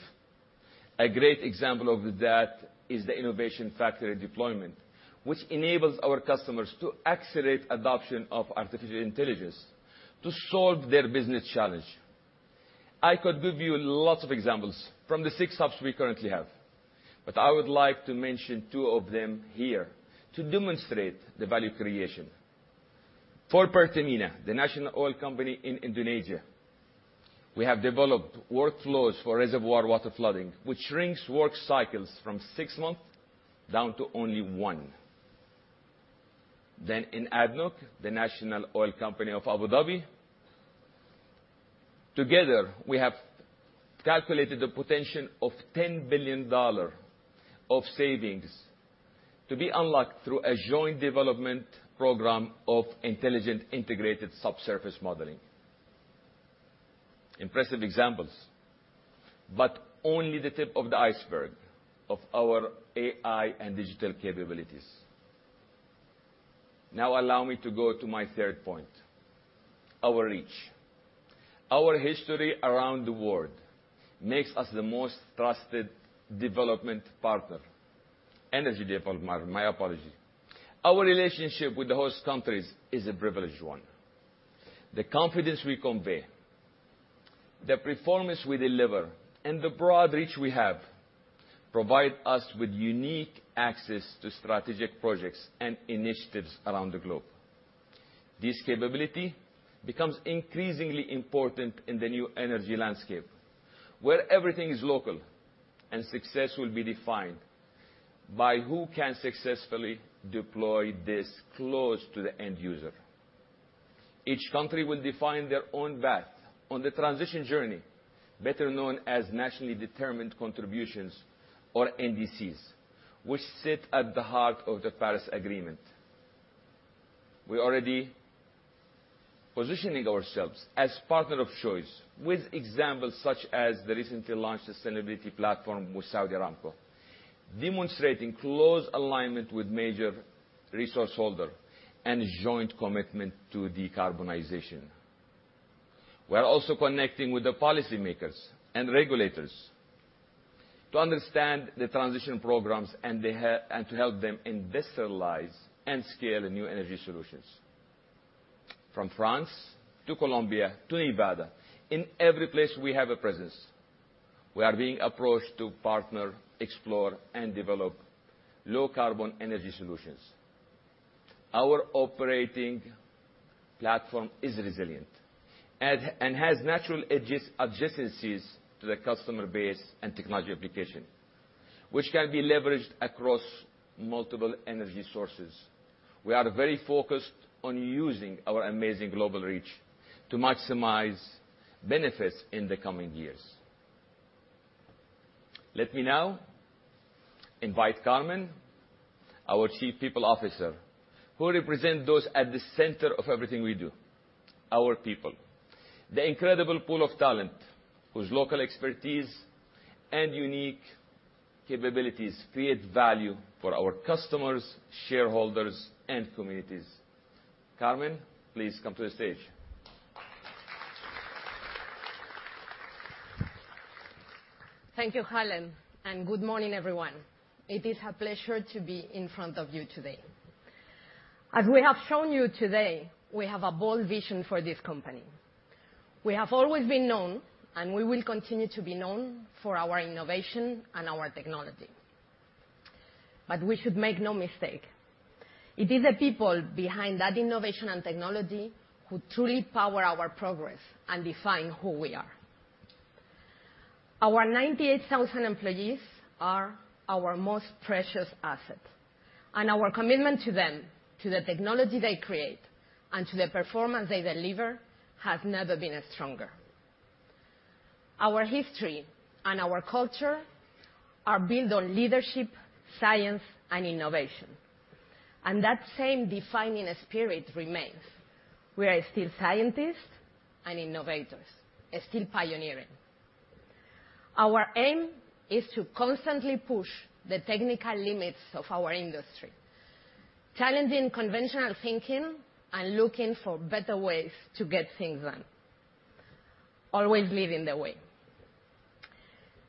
a great example of that is the Innovation Factori deployment, which enables our customers to accelerate adoption of artificial intelligence to solve their business challenge. I could give you lots of examples from the six hubs we currently have, but I would like to mention two of them here to demonstrate the value creation. For Pertamina, the national oil company in Indonesia, we have developed workflows for reservoir water flooding, which shrinks work cycles from six months down to only one. In ADNOC, the national oil company of Abu Dhabi, together, we have calculated the potential of $10 billion of savings to be unlocked through a joint development program of intelligent, integrated subsurface modeling. Impressive examples, but only the tip of the iceberg of our AI and digital capabilities. Now allow me to go to my third point, our reach. Our history around the world makes us the most trusted energy development partner. Our relationship with the host countries is a privileged one. The confidence we convey, the performance we deliver, and the broad reach we have provide us with unique access to strategic projects and initiatives around the globe. This capability becomes increasingly important in the New Energy landscape, where everything is local and success will be defined by who can successfully deploy this close to the end user. Each country will define their own path on the transition journey, better known as Nationally Determined Contributions, or NDCs, which sit at the heart of the Paris Agreement. We're already positioning ourselves as partner of choice with examples such as the recently launched sustainability platform with Saudi Aramco, demonstrating close alignment with major resource holder and joint commitment to decarbonization. We're also connecting with the policymakers and regulators to understand the transition programs and to help them industrialize and scale the New Energy solutions. From France to Colombia to Nevada, in every place we have a presence, we are being approached to partner, explore, and develop low carbon energy solutions. Our operating platform is resilient and has natural adjacencies to the customer base and technology application, which can be leveraged across multiple energy sources. We are very focused on using our amazing global reach to maximize benefits in the coming years. Let me now invite Carmen, our Chief People Officer, who represent those at the center of everything we do, our people. The incredible pool of talent whose local expertise and unique capabilities create value for our customers, shareholders, and communities. Carmen, please come to the stage. Thank you, Khaled, and good morning, everyone. It is a pleasure to be in front of you today. As we have shown you today, we have a bold vision for this company. We have always been known, and we will continue to be known, for our innovation and our technology. We should make no mistake, it is the people behind that innovation and technology who truly power our progress and define who we are. Our 98,000 employees are our most precious asset, and our commitment to them, to the technology they create, and to the performance they deliver, has never been stronger. Our history and our culture are built on leadership, science, and innovation, and that same defining spirit remains. We are still scientists and innovators and still pioneering. Our aim is to constantly push the technical limits of our industry, challenging conventional thinking and looking for better ways to get things done. Always leading the way.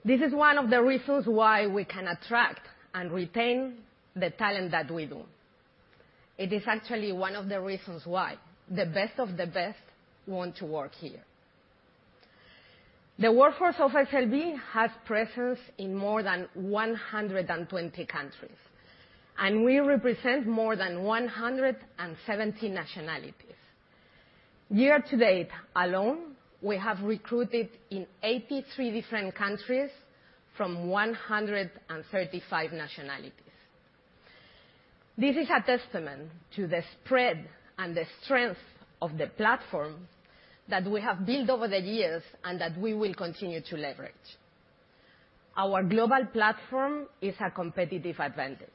This is one of the reasons why we can attract and retain the talent that we do. It is actually one of the reasons why the best of the best want to work here. The workforce of SLB has presence in more than 120 countries, and we represent more than 170 nationalities. Year-to-date alone, we have recruited in 83 different countries from 135 nationalities. This is a testament to the spread and the strength of the platform that we have built over the years and that we will continue to leverage. Our global platform is a competitive advantage.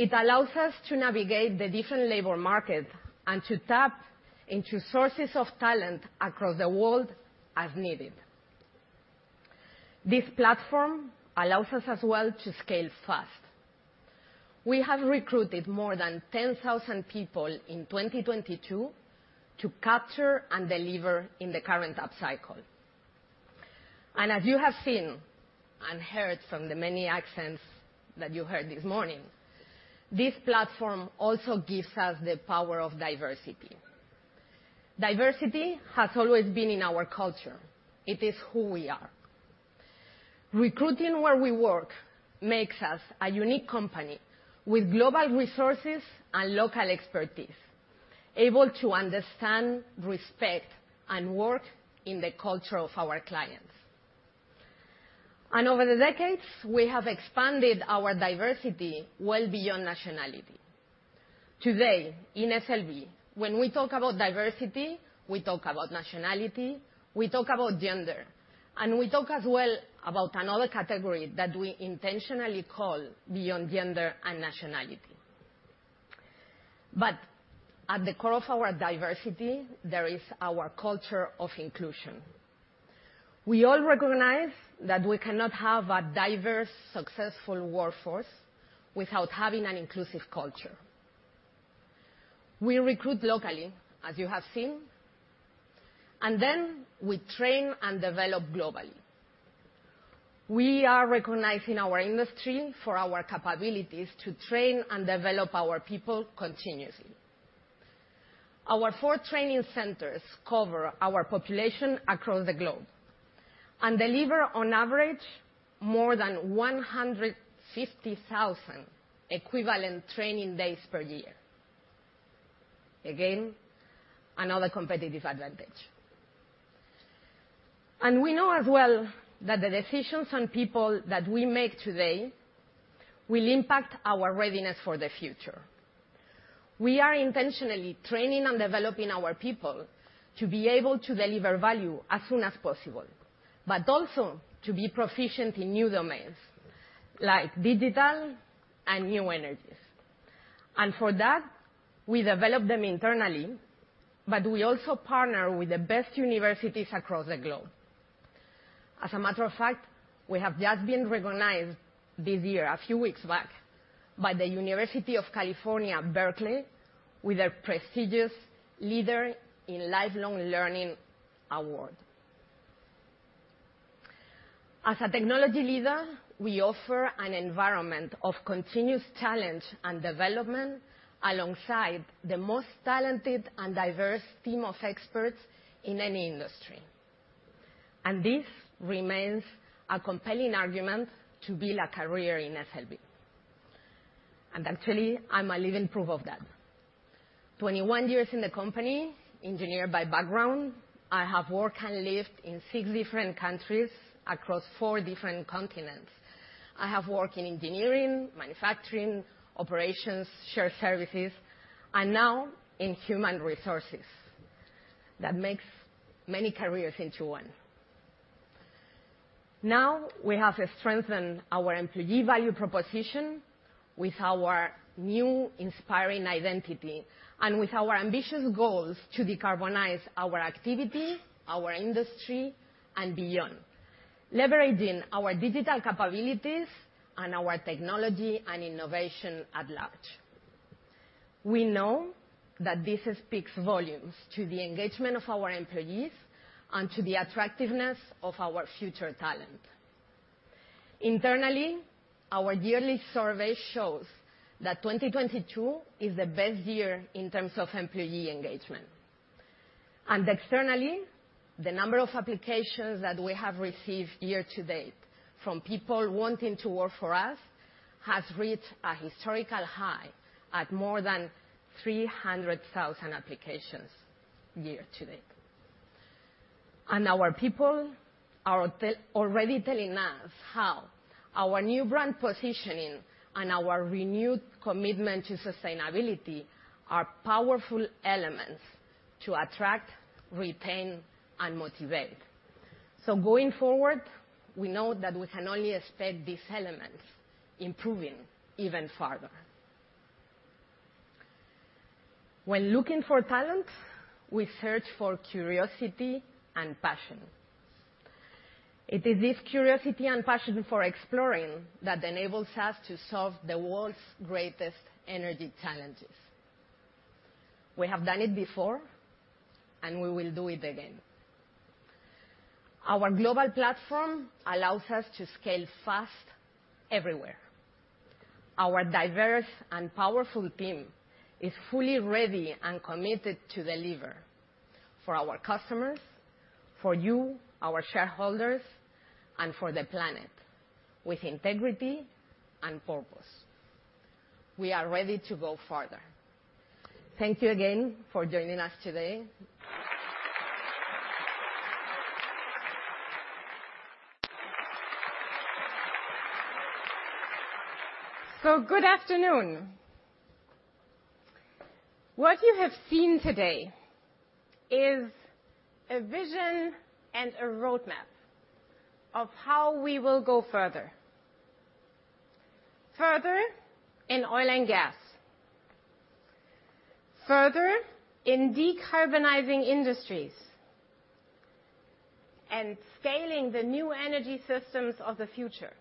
It allows us to navigate the different labor market and to tap into sources of talent across the world as needed. This platform allows us as well to scale fast. We have recruited more than 10,000 people in 2022 to capture and deliver in the current upcycle. As you have seen and heard from the many accents that you heard this morning, this platform also gives us the power of diversity. Diversity has always been in our culture. It is who we are. Recruiting where we work makes us a unique company with global resources and local expertise, able to understand, respect, and work in the culture of our clients. Over the decades, we have expanded our diversity well beyond nationality. Today, in SLB, when we talk about diversity, we talk about nationality, we talk about gender, and we talk as well about another category that we intentionally call beyond gender and nationality. At the core of our diversity, there is our culture of inclusion. We all recognize that we cannot have a diverse, successful workforce without having an inclusive culture. We recruit locally, as you have seen, and then we train and develop globally. We are recognized in our industry for our capabilities to train and develop our people continuously. Our four training centers cover our population across the globe and deliver on average more than 150,000 equivalent training days per year. Again, another competitive advantage. We know as well that the decisions on people that we make today will impact our readiness for the future. We are intentionally training and developing our people to be able to deliver value as soon as possible, but also to be proficient in new domains, like Digital and New Energy. For that, we develop them internally, but we also partner with the best universities across the globe. As a matter of fact, we have just been recognized this year, a few weeks back, by the University of California at Berkeley, with their prestigious Leader in Lifelong Learning Award. As a technology leader, we offer an environment of continuous challenge and development alongside the most talented and diverse team of experts in any industry. This remains a compelling argument to build a career in SLB. Actually, I'm a living proof of that. 21 years in the company, Engineer by background, I have worked and lived in six different countries across four different continents. I have worked in Engineering, Manufacturing, Operations, Shared Services, and now in Human Resources. That makes many careers into one. Now, we have to strengthen our employee value proposition with our new inspiring identity and with our ambitious goals to decarbonize our activity, our industry, and beyond, leveraging our digital capabilities and our technology and innovation at large. We know that this speaks volumes to the engagement of our employees and to the attractiveness of our future talent. Internally, our yearly survey shows that 2022 is the best year in terms of employee engagement. Externally, the number of applications that we have received year-to-date from people wanting to work for us has reached a historical high at more than 300,000 applications year-to-date. Our people are already telling us how our new brand positioning and our renewed commitment to sustainability are powerful elements to attract, retain, and motivate. Going forward, we know that we can only expect these elements improving even further. When looking for talent, we search for curiosity and passion. It is this curiosity and passion for exploring that enables us to solve the world's greatest energy challenges. We have done it before, and we will do it again. Our global platform allows us to scale fast everywhere. Our diverse and powerful team is fully ready and committed to deliver for our customers, for you, our shareholders, and for the planet with integrity and purpose. We are ready to go further. Thank you again for joining us today. Good afternoon. What you have seen today is a vision and a roadmap of how we will go further. Further in oil and gas. Further in decarbonizing industries and scaling the New Energy systems of the future.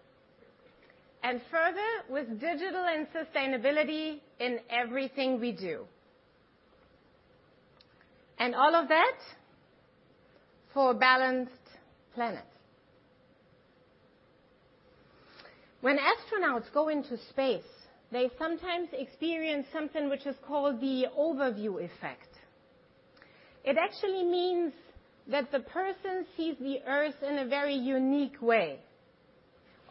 Further with digital and sustainability in everything we do. All of that for a balanced planet. When astronauts go into space, they sometimes experience something which is called the overview effect. It actually means that the person sees the Earth in a very unique way,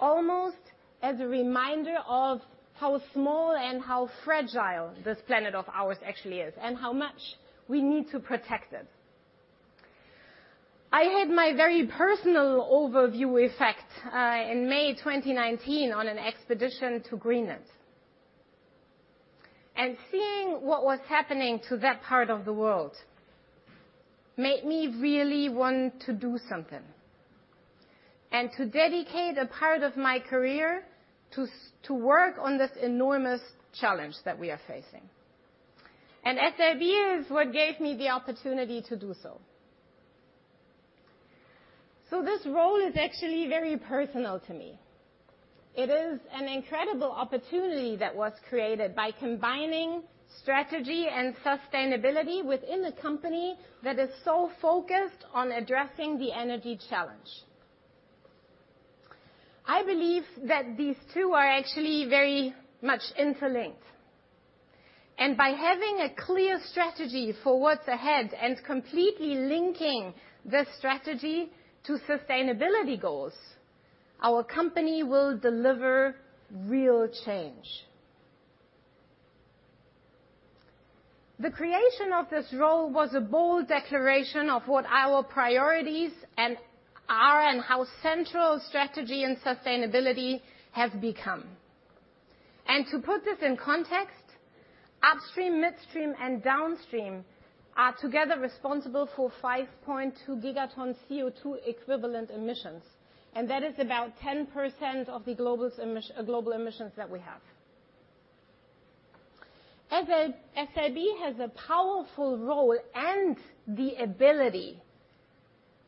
almost as a reminder of how small and how fragile this planet of ours actually is, and how much we need to protect it. I had my very personal overview effect in May 2019 on an expedition to Greenland. Seeing what was happening to that part of the world made me really want to do something and to dedicate a part of my career to work on this enormous challenge that we are facing. SLB is what gave me the opportunity to do so. This role is actually very personal to me. It is an incredible opportunity that was created by combining strategy and sustainability within a company that is so focused on addressing the energy challenge. I believe that these two are actually very much interlinked, and by having a clear strategy for what's ahead and completely linking the strategy to sustainability goals, our company will deliver real change. The creation of this role was a bold declaration of what our priorities and are, and how central strategy and sustainability have become. To put this in context, upstream, midstream, and downstream are together responsible for 5.2 gigaton CO2 equivalent emissions, and that is about 10% of the global emissions that we have. SLB has a powerful role and the ability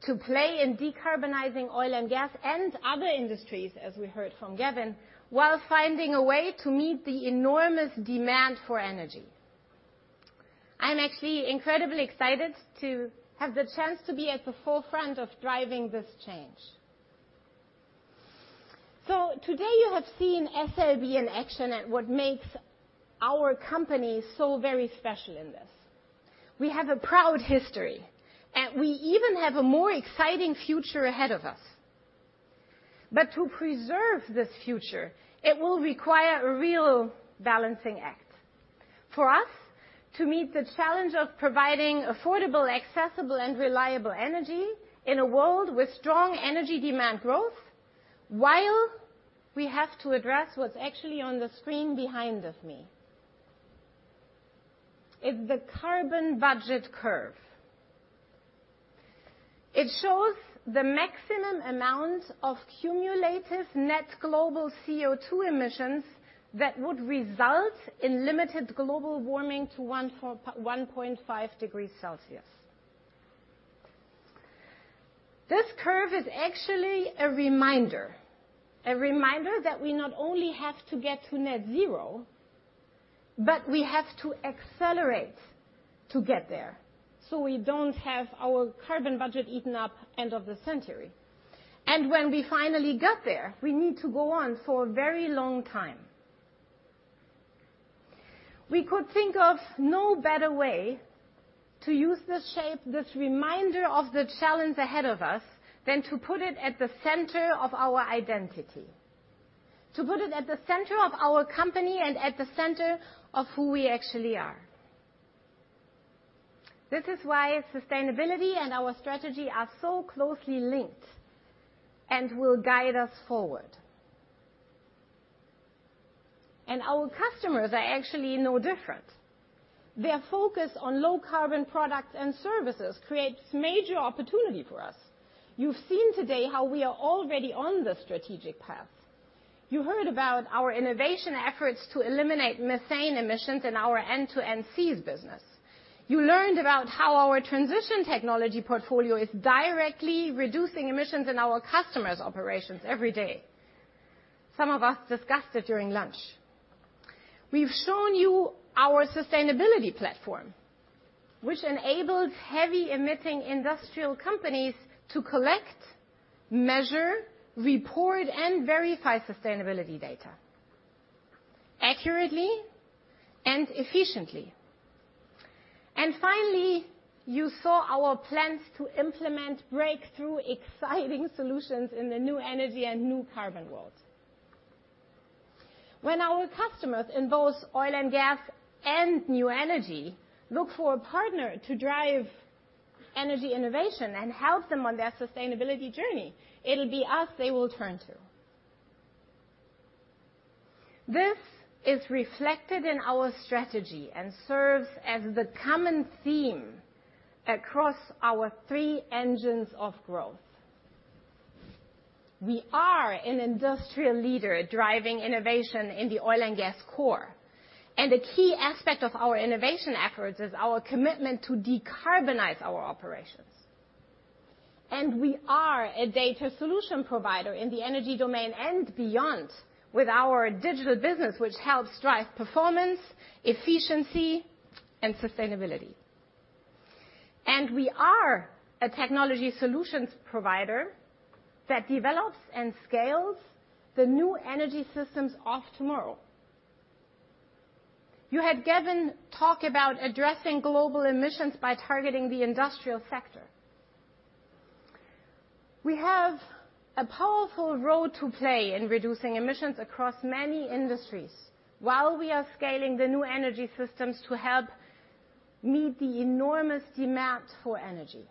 to play in decarbonizing oil and gas and other industries, as we heard from Gavin, while finding a way to meet the enormous demand for energy. I'm actually incredibly excited to have the chance to be at the forefront of driving this change. Today you have seen SLB in action and what makes our company so very special in this. We have a proud history, and we even have a more exciting future ahead of us. To preserve this future, it will require a real balancing act for us to meet the challenge of providing affordable, accessible, and reliable energy in a world with strong energy demand growth, while we have to address what's actually on the screen behind me. It's the carbon budget curve. It shows the maximum amount of cumulative net global CO2 emissions that would result in limited global warming to 1.5 degrees Celsius. This curve is actually a reminder that we not only have to get to net zero, but we have to accelerate to get there, so we don't have our carbon budget eaten up by end of the century. When we finally got there, we need to go on for a very long time. We could think of no better way to use this shape, this reminder of the challenge ahead of us than to put it at the center of our identity, to put it at the center of our company and at the center of who we actually are. This is why sustainability and our strategy are so closely linked and will guide us forward. Our customers are actually no different. Their focus on low carbon products and services creates major opportunity for us. You've seen today how we are already on the strategic path. You heard about our innovation efforts to eliminate methane emissions in our end-to-end SEES business. You learned about how our Transition Technologies portfolio is directly reducing emissions in our customers' operations every day. Some of us discussed it during lunch. We've shown you our sustainability platform, which enables heavy-emitting industrial companies to collect, measure, report, and verify sustainability data accurately and efficiently. Finally, you saw our plans to implement breakthrough exciting solutions in the New Energy and new carbon world. When our customers in both oil and gas and New Energy look for a partner to drive energy innovation and help them on their sustainability journey, it'll be us they will turn to. This is reflected in our strategy and serves as the common theme across our three engines of growth. We are an industrial leader driving innovation in the oil and gas Core, and a key aspect of our innovation efforts is our commitment to decarbonize our operations. We are a data solution provider in the energy domain and beyond with our Digital business, which helps drive performance, efficiency, and sustainability. We are a technology solutions provider that develops and scales the New Energy systems of tomorrow. You heard Gavin talk about addressing global emissions by targeting the industrial sector. We have a powerful role to play in reducing emissions across many industries, while we are scaling the New Energy systems to help meet the enormous demand for energy.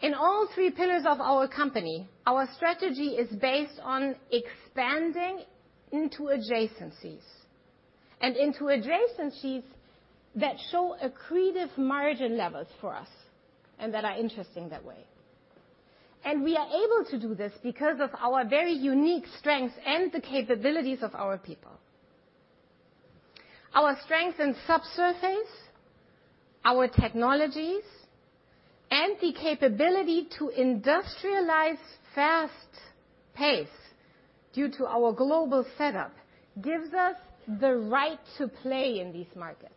In all three pillars of our company, our strategy is based on expanding into adjacencies, and into adjacencies that show accretive margin levels for us and that are interesting that way. We are able to do this because of our very unique strengths and the capabilities of our people. Our strength in subsurface, our technologies, and the capability to industrialize fast pace due to our global setup, gives us the right to play in these markets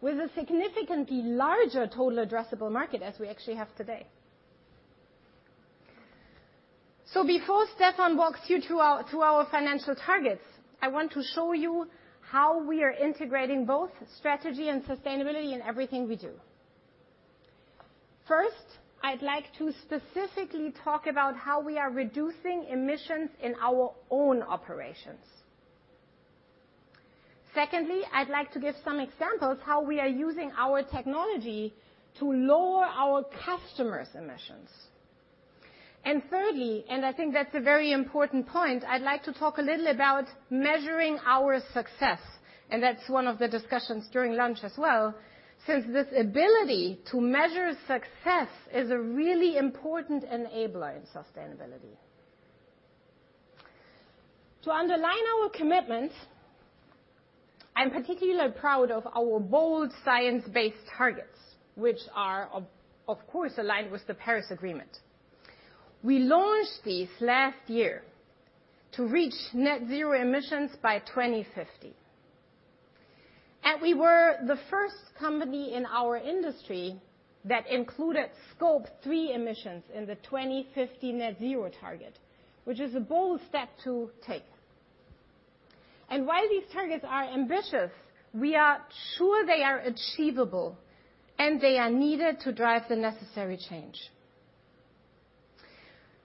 with a significantly larger total addressable market as we actually have today. Before Stephane walks you through our financial targets, I want to show you how we are integrating both strategy and sustainability in everything we do. First, I'd like to specifically talk about how we are reducing emissions in our own operations. Secondly, I'd like to give some examples how we are using our technology to lower our customers' emissions. Thirdly, and I think that's a very important point, I'd like to talk a little about measuring our success, and that's one of the discussions during lunch as well. Since this ability to measure success is a really important enabler in sustainability. To underline our commitment, I'm particularly proud of our bold science-based targets, which are, of course, aligned with the Paris Agreement. We launched these last year to reach net zero emissions by 2050. We were the first company in our industry that included Scope 3 emissions in the 2050 net zero target, which is a bold step to take. While these targets are ambitious, we are sure they are achievable, and they are needed to drive the necessary change.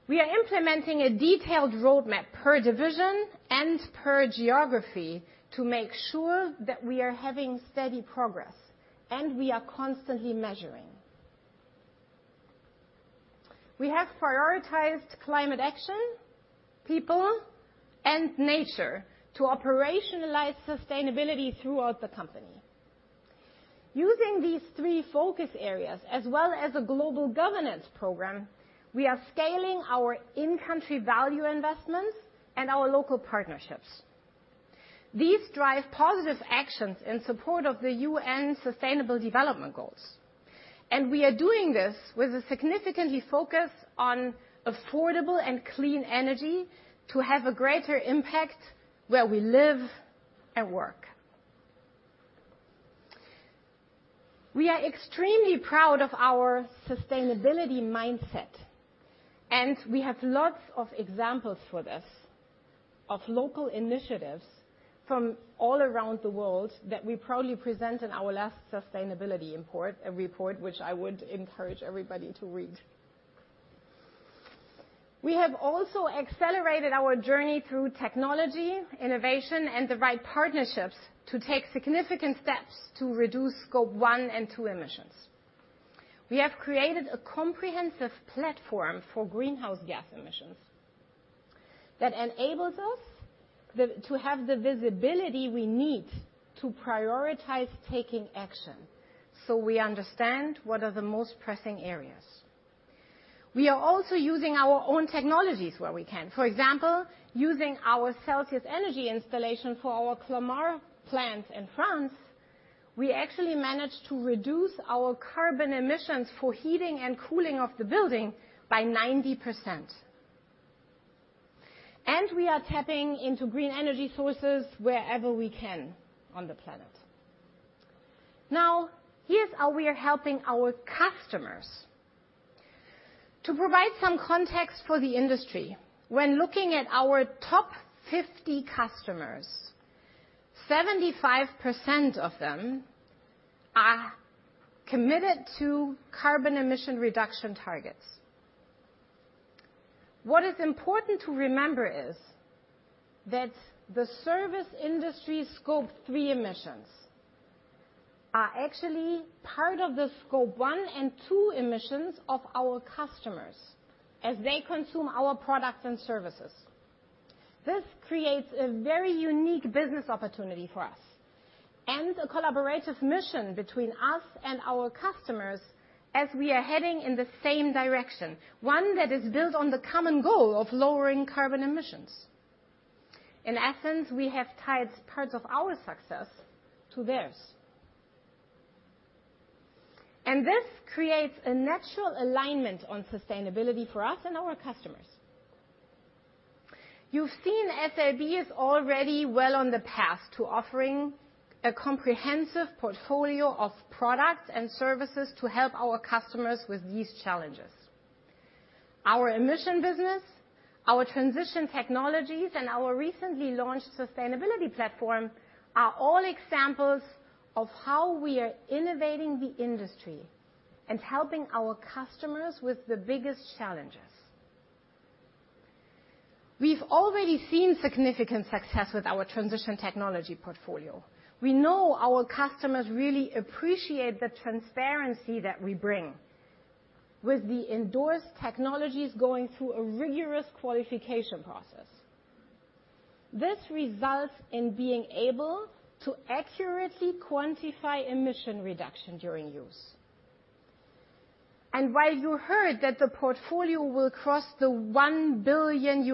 We are implementing a detailed roadmap per division and per geography to make sure that we are having steady progress, and we are constantly measuring. We have prioritized climate action, people, and nature to operationalize sustainability throughout the company. Using these three focus areas, as well as a global governance program, we are scaling our In-Country Value investments and our local partnerships. These drive positive actions in support of the U.N.'s Sustainable Development Goals, and we are doing this with a significant focus on affordable and clean energy to have a greater impact where we live and work. We are extremely proud of our sustainability mindset, and we have lots of examples for this, of local initiatives from all around the world that we proudly present in our last sustainability impact report, which I would encourage everybody to read. We have also accelerated our journey through technology, innovation, and the right partnerships to take significant steps to reduce Scope 1 and 2 emissions. We have created a comprehensive platform for greenhouse gas emissions that enables us to have the visibility we need to prioritize taking action, so we understand what are the most pressing areas. We are also using our own technologies where we can. For example, using our Celsius Energy installation for our Clamart plant in France, we actually managed to reduce our carbon emissions for heating and cooling of the building by 90%. We are tapping into green energy sources wherever we can on the planet. Now, here's how we are helping our customers. To provide some context for the industry, when looking at our top 50 customers, 75% of them are committed to carbon emission reduction targets. What is important to remember is that the service industry Scope 3 emissions are actually part of the Scope 1 and 2 emissions of our customers as they consume our products and services. This creates a very unique business opportunity for us and a collaborative mission between us and our customers as we are heading in the same direction, one that is built on the common goal of lowering carbon emissions. In essence, we have tied parts of our success to theirs. This creates a natural alignment on sustainability for us and our customers. You've seen SLB is already well on the path to offering a comprehensive portfolio of products and services to help our customers with these challenges. Our emissions business, our Transition Technologies and our recently launched sustainability platform are all examples of how we are innovating the industry and helping our customers with the biggest challenges. We've already seen significant success with our Transition Technology portfolio. We know our customers really appreciate the transparency that we bring. With the endorsed technologies going through a rigorous qualification process, this results in being able to accurately quantify emissions reduction during use. While you heard that the portfolio will cross the $1 billion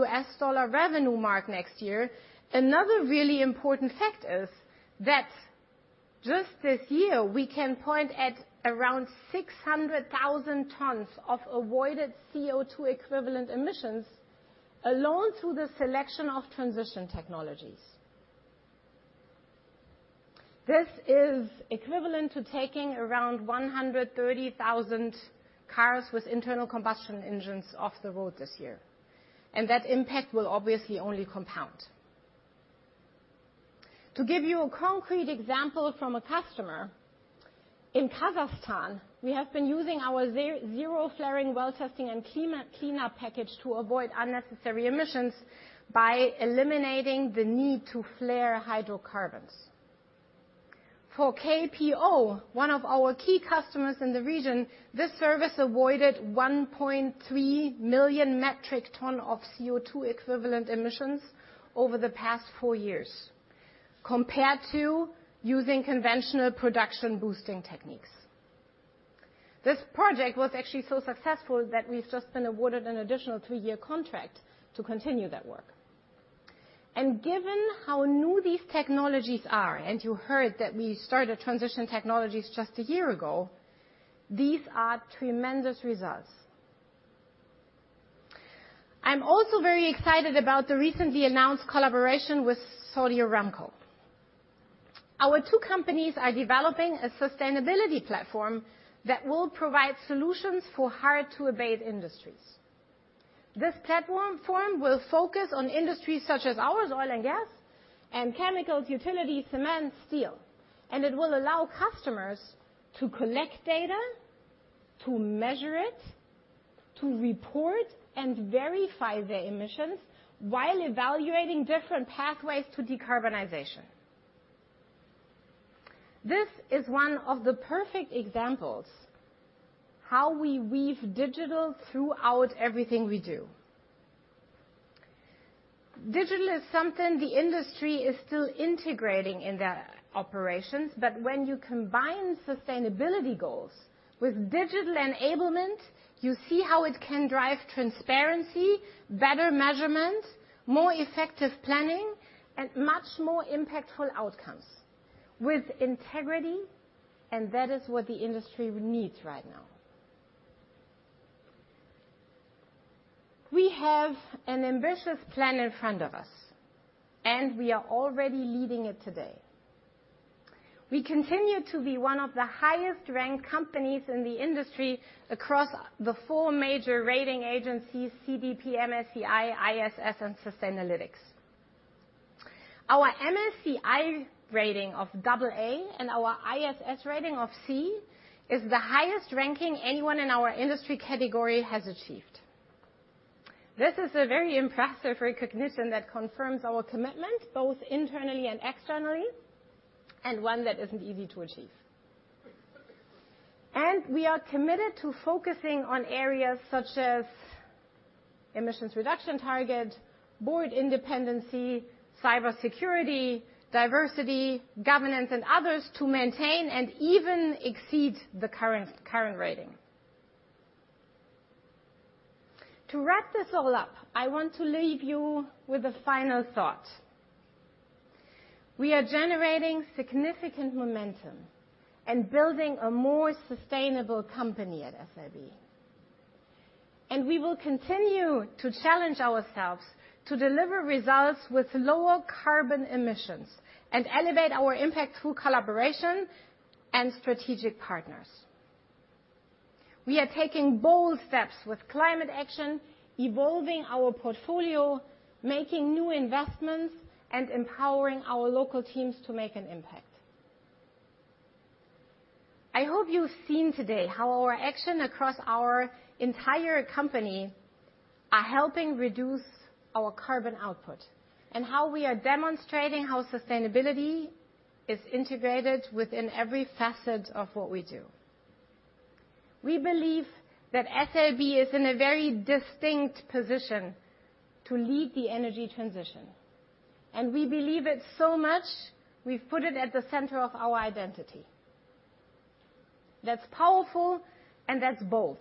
revenue mark next year, another really important fact is that just this year, we can point at around 600,000 tons of avoided CO2 equivalent emissions alone through the selection of Transition Technologies. This is equivalent to taking around 130,000 cars with internal combustion engines off the road this year, and that impact will obviously only compound. To give you a concrete example from a customer, in Kazakhstan, we have been using our zero flaring well testing and clean up package to avoid unnecessary emissions by eliminating the need to flare hydrocarbons. For KPO, one of our key customers in the region, this service avoided 1.3 million metric tons of CO2 equivalent emissions over the past four years compared to using conventional production boosting techniques. This project was actually so successful that we've just been awarded an additional two year contract to continue that work. Given how new these technologies are, and you heard that we started Transition Technologies just a year ago, these are tremendous results. I'm also very excited about the recently announced collaboration with Saudi Aramco. Our two companies are developing a sustainability platform that will provide solutions for hard to abate industries. This platform will focus on industries such as ours, oil and gas and chemicals, utilities, cement, steel, and it will allow customers to collect data, to measure it, to report and verify their emissions while evaluating different pathways to decarbonization. This is one of the perfect examples how we weave digital throughout everything we do. Digital is something the industry is still integrating in their operations, but when you combine sustainability goals with digital enablement, you see how it can drive transparency, better measurement, more effective planning, and much more impactful outcomes with integrity, and that is what the industry needs right now. We have an ambitious plan in front of us, and we are already leading it today. We continue to be one of the highest ranked companies in the industry across the four major rating agencies CDP, MSCI, ISS, and Sustainalytics. Our MSCI rating of AA and our ISS rating of C is the highest ranking anyone in our industry category has achieved. This is a very impressive recognition that confirms our commitment both internally and externally, and one that isn't easy to achieve. We are committed to focusing on areas such as emissions reduction target, board independence, cybersecurity, diversity, governance, and others to maintain and even exceed the current rating. To wrap this all up, I want to leave you with a final thought. We are generating significant momentum and building a more sustainable company at SLB, and we will continue to challenge ourselves to deliver results with lower carbon emissions and elevate our impact through collaboration and strategic partners. We are taking bold steps with climate action, evolving our portfolio, making new investments, and empowering our local teams to make an impact. I hope you've seen today how our action across our entire company are helping reduce our carbon output and how we are demonstrating how sustainability is integrated within every facet of what we do. We believe that SLB is in a very distinct position to lead the energy transition, and we believe it so much, we've put it at the center of our identity. That's powerful, and that's bold.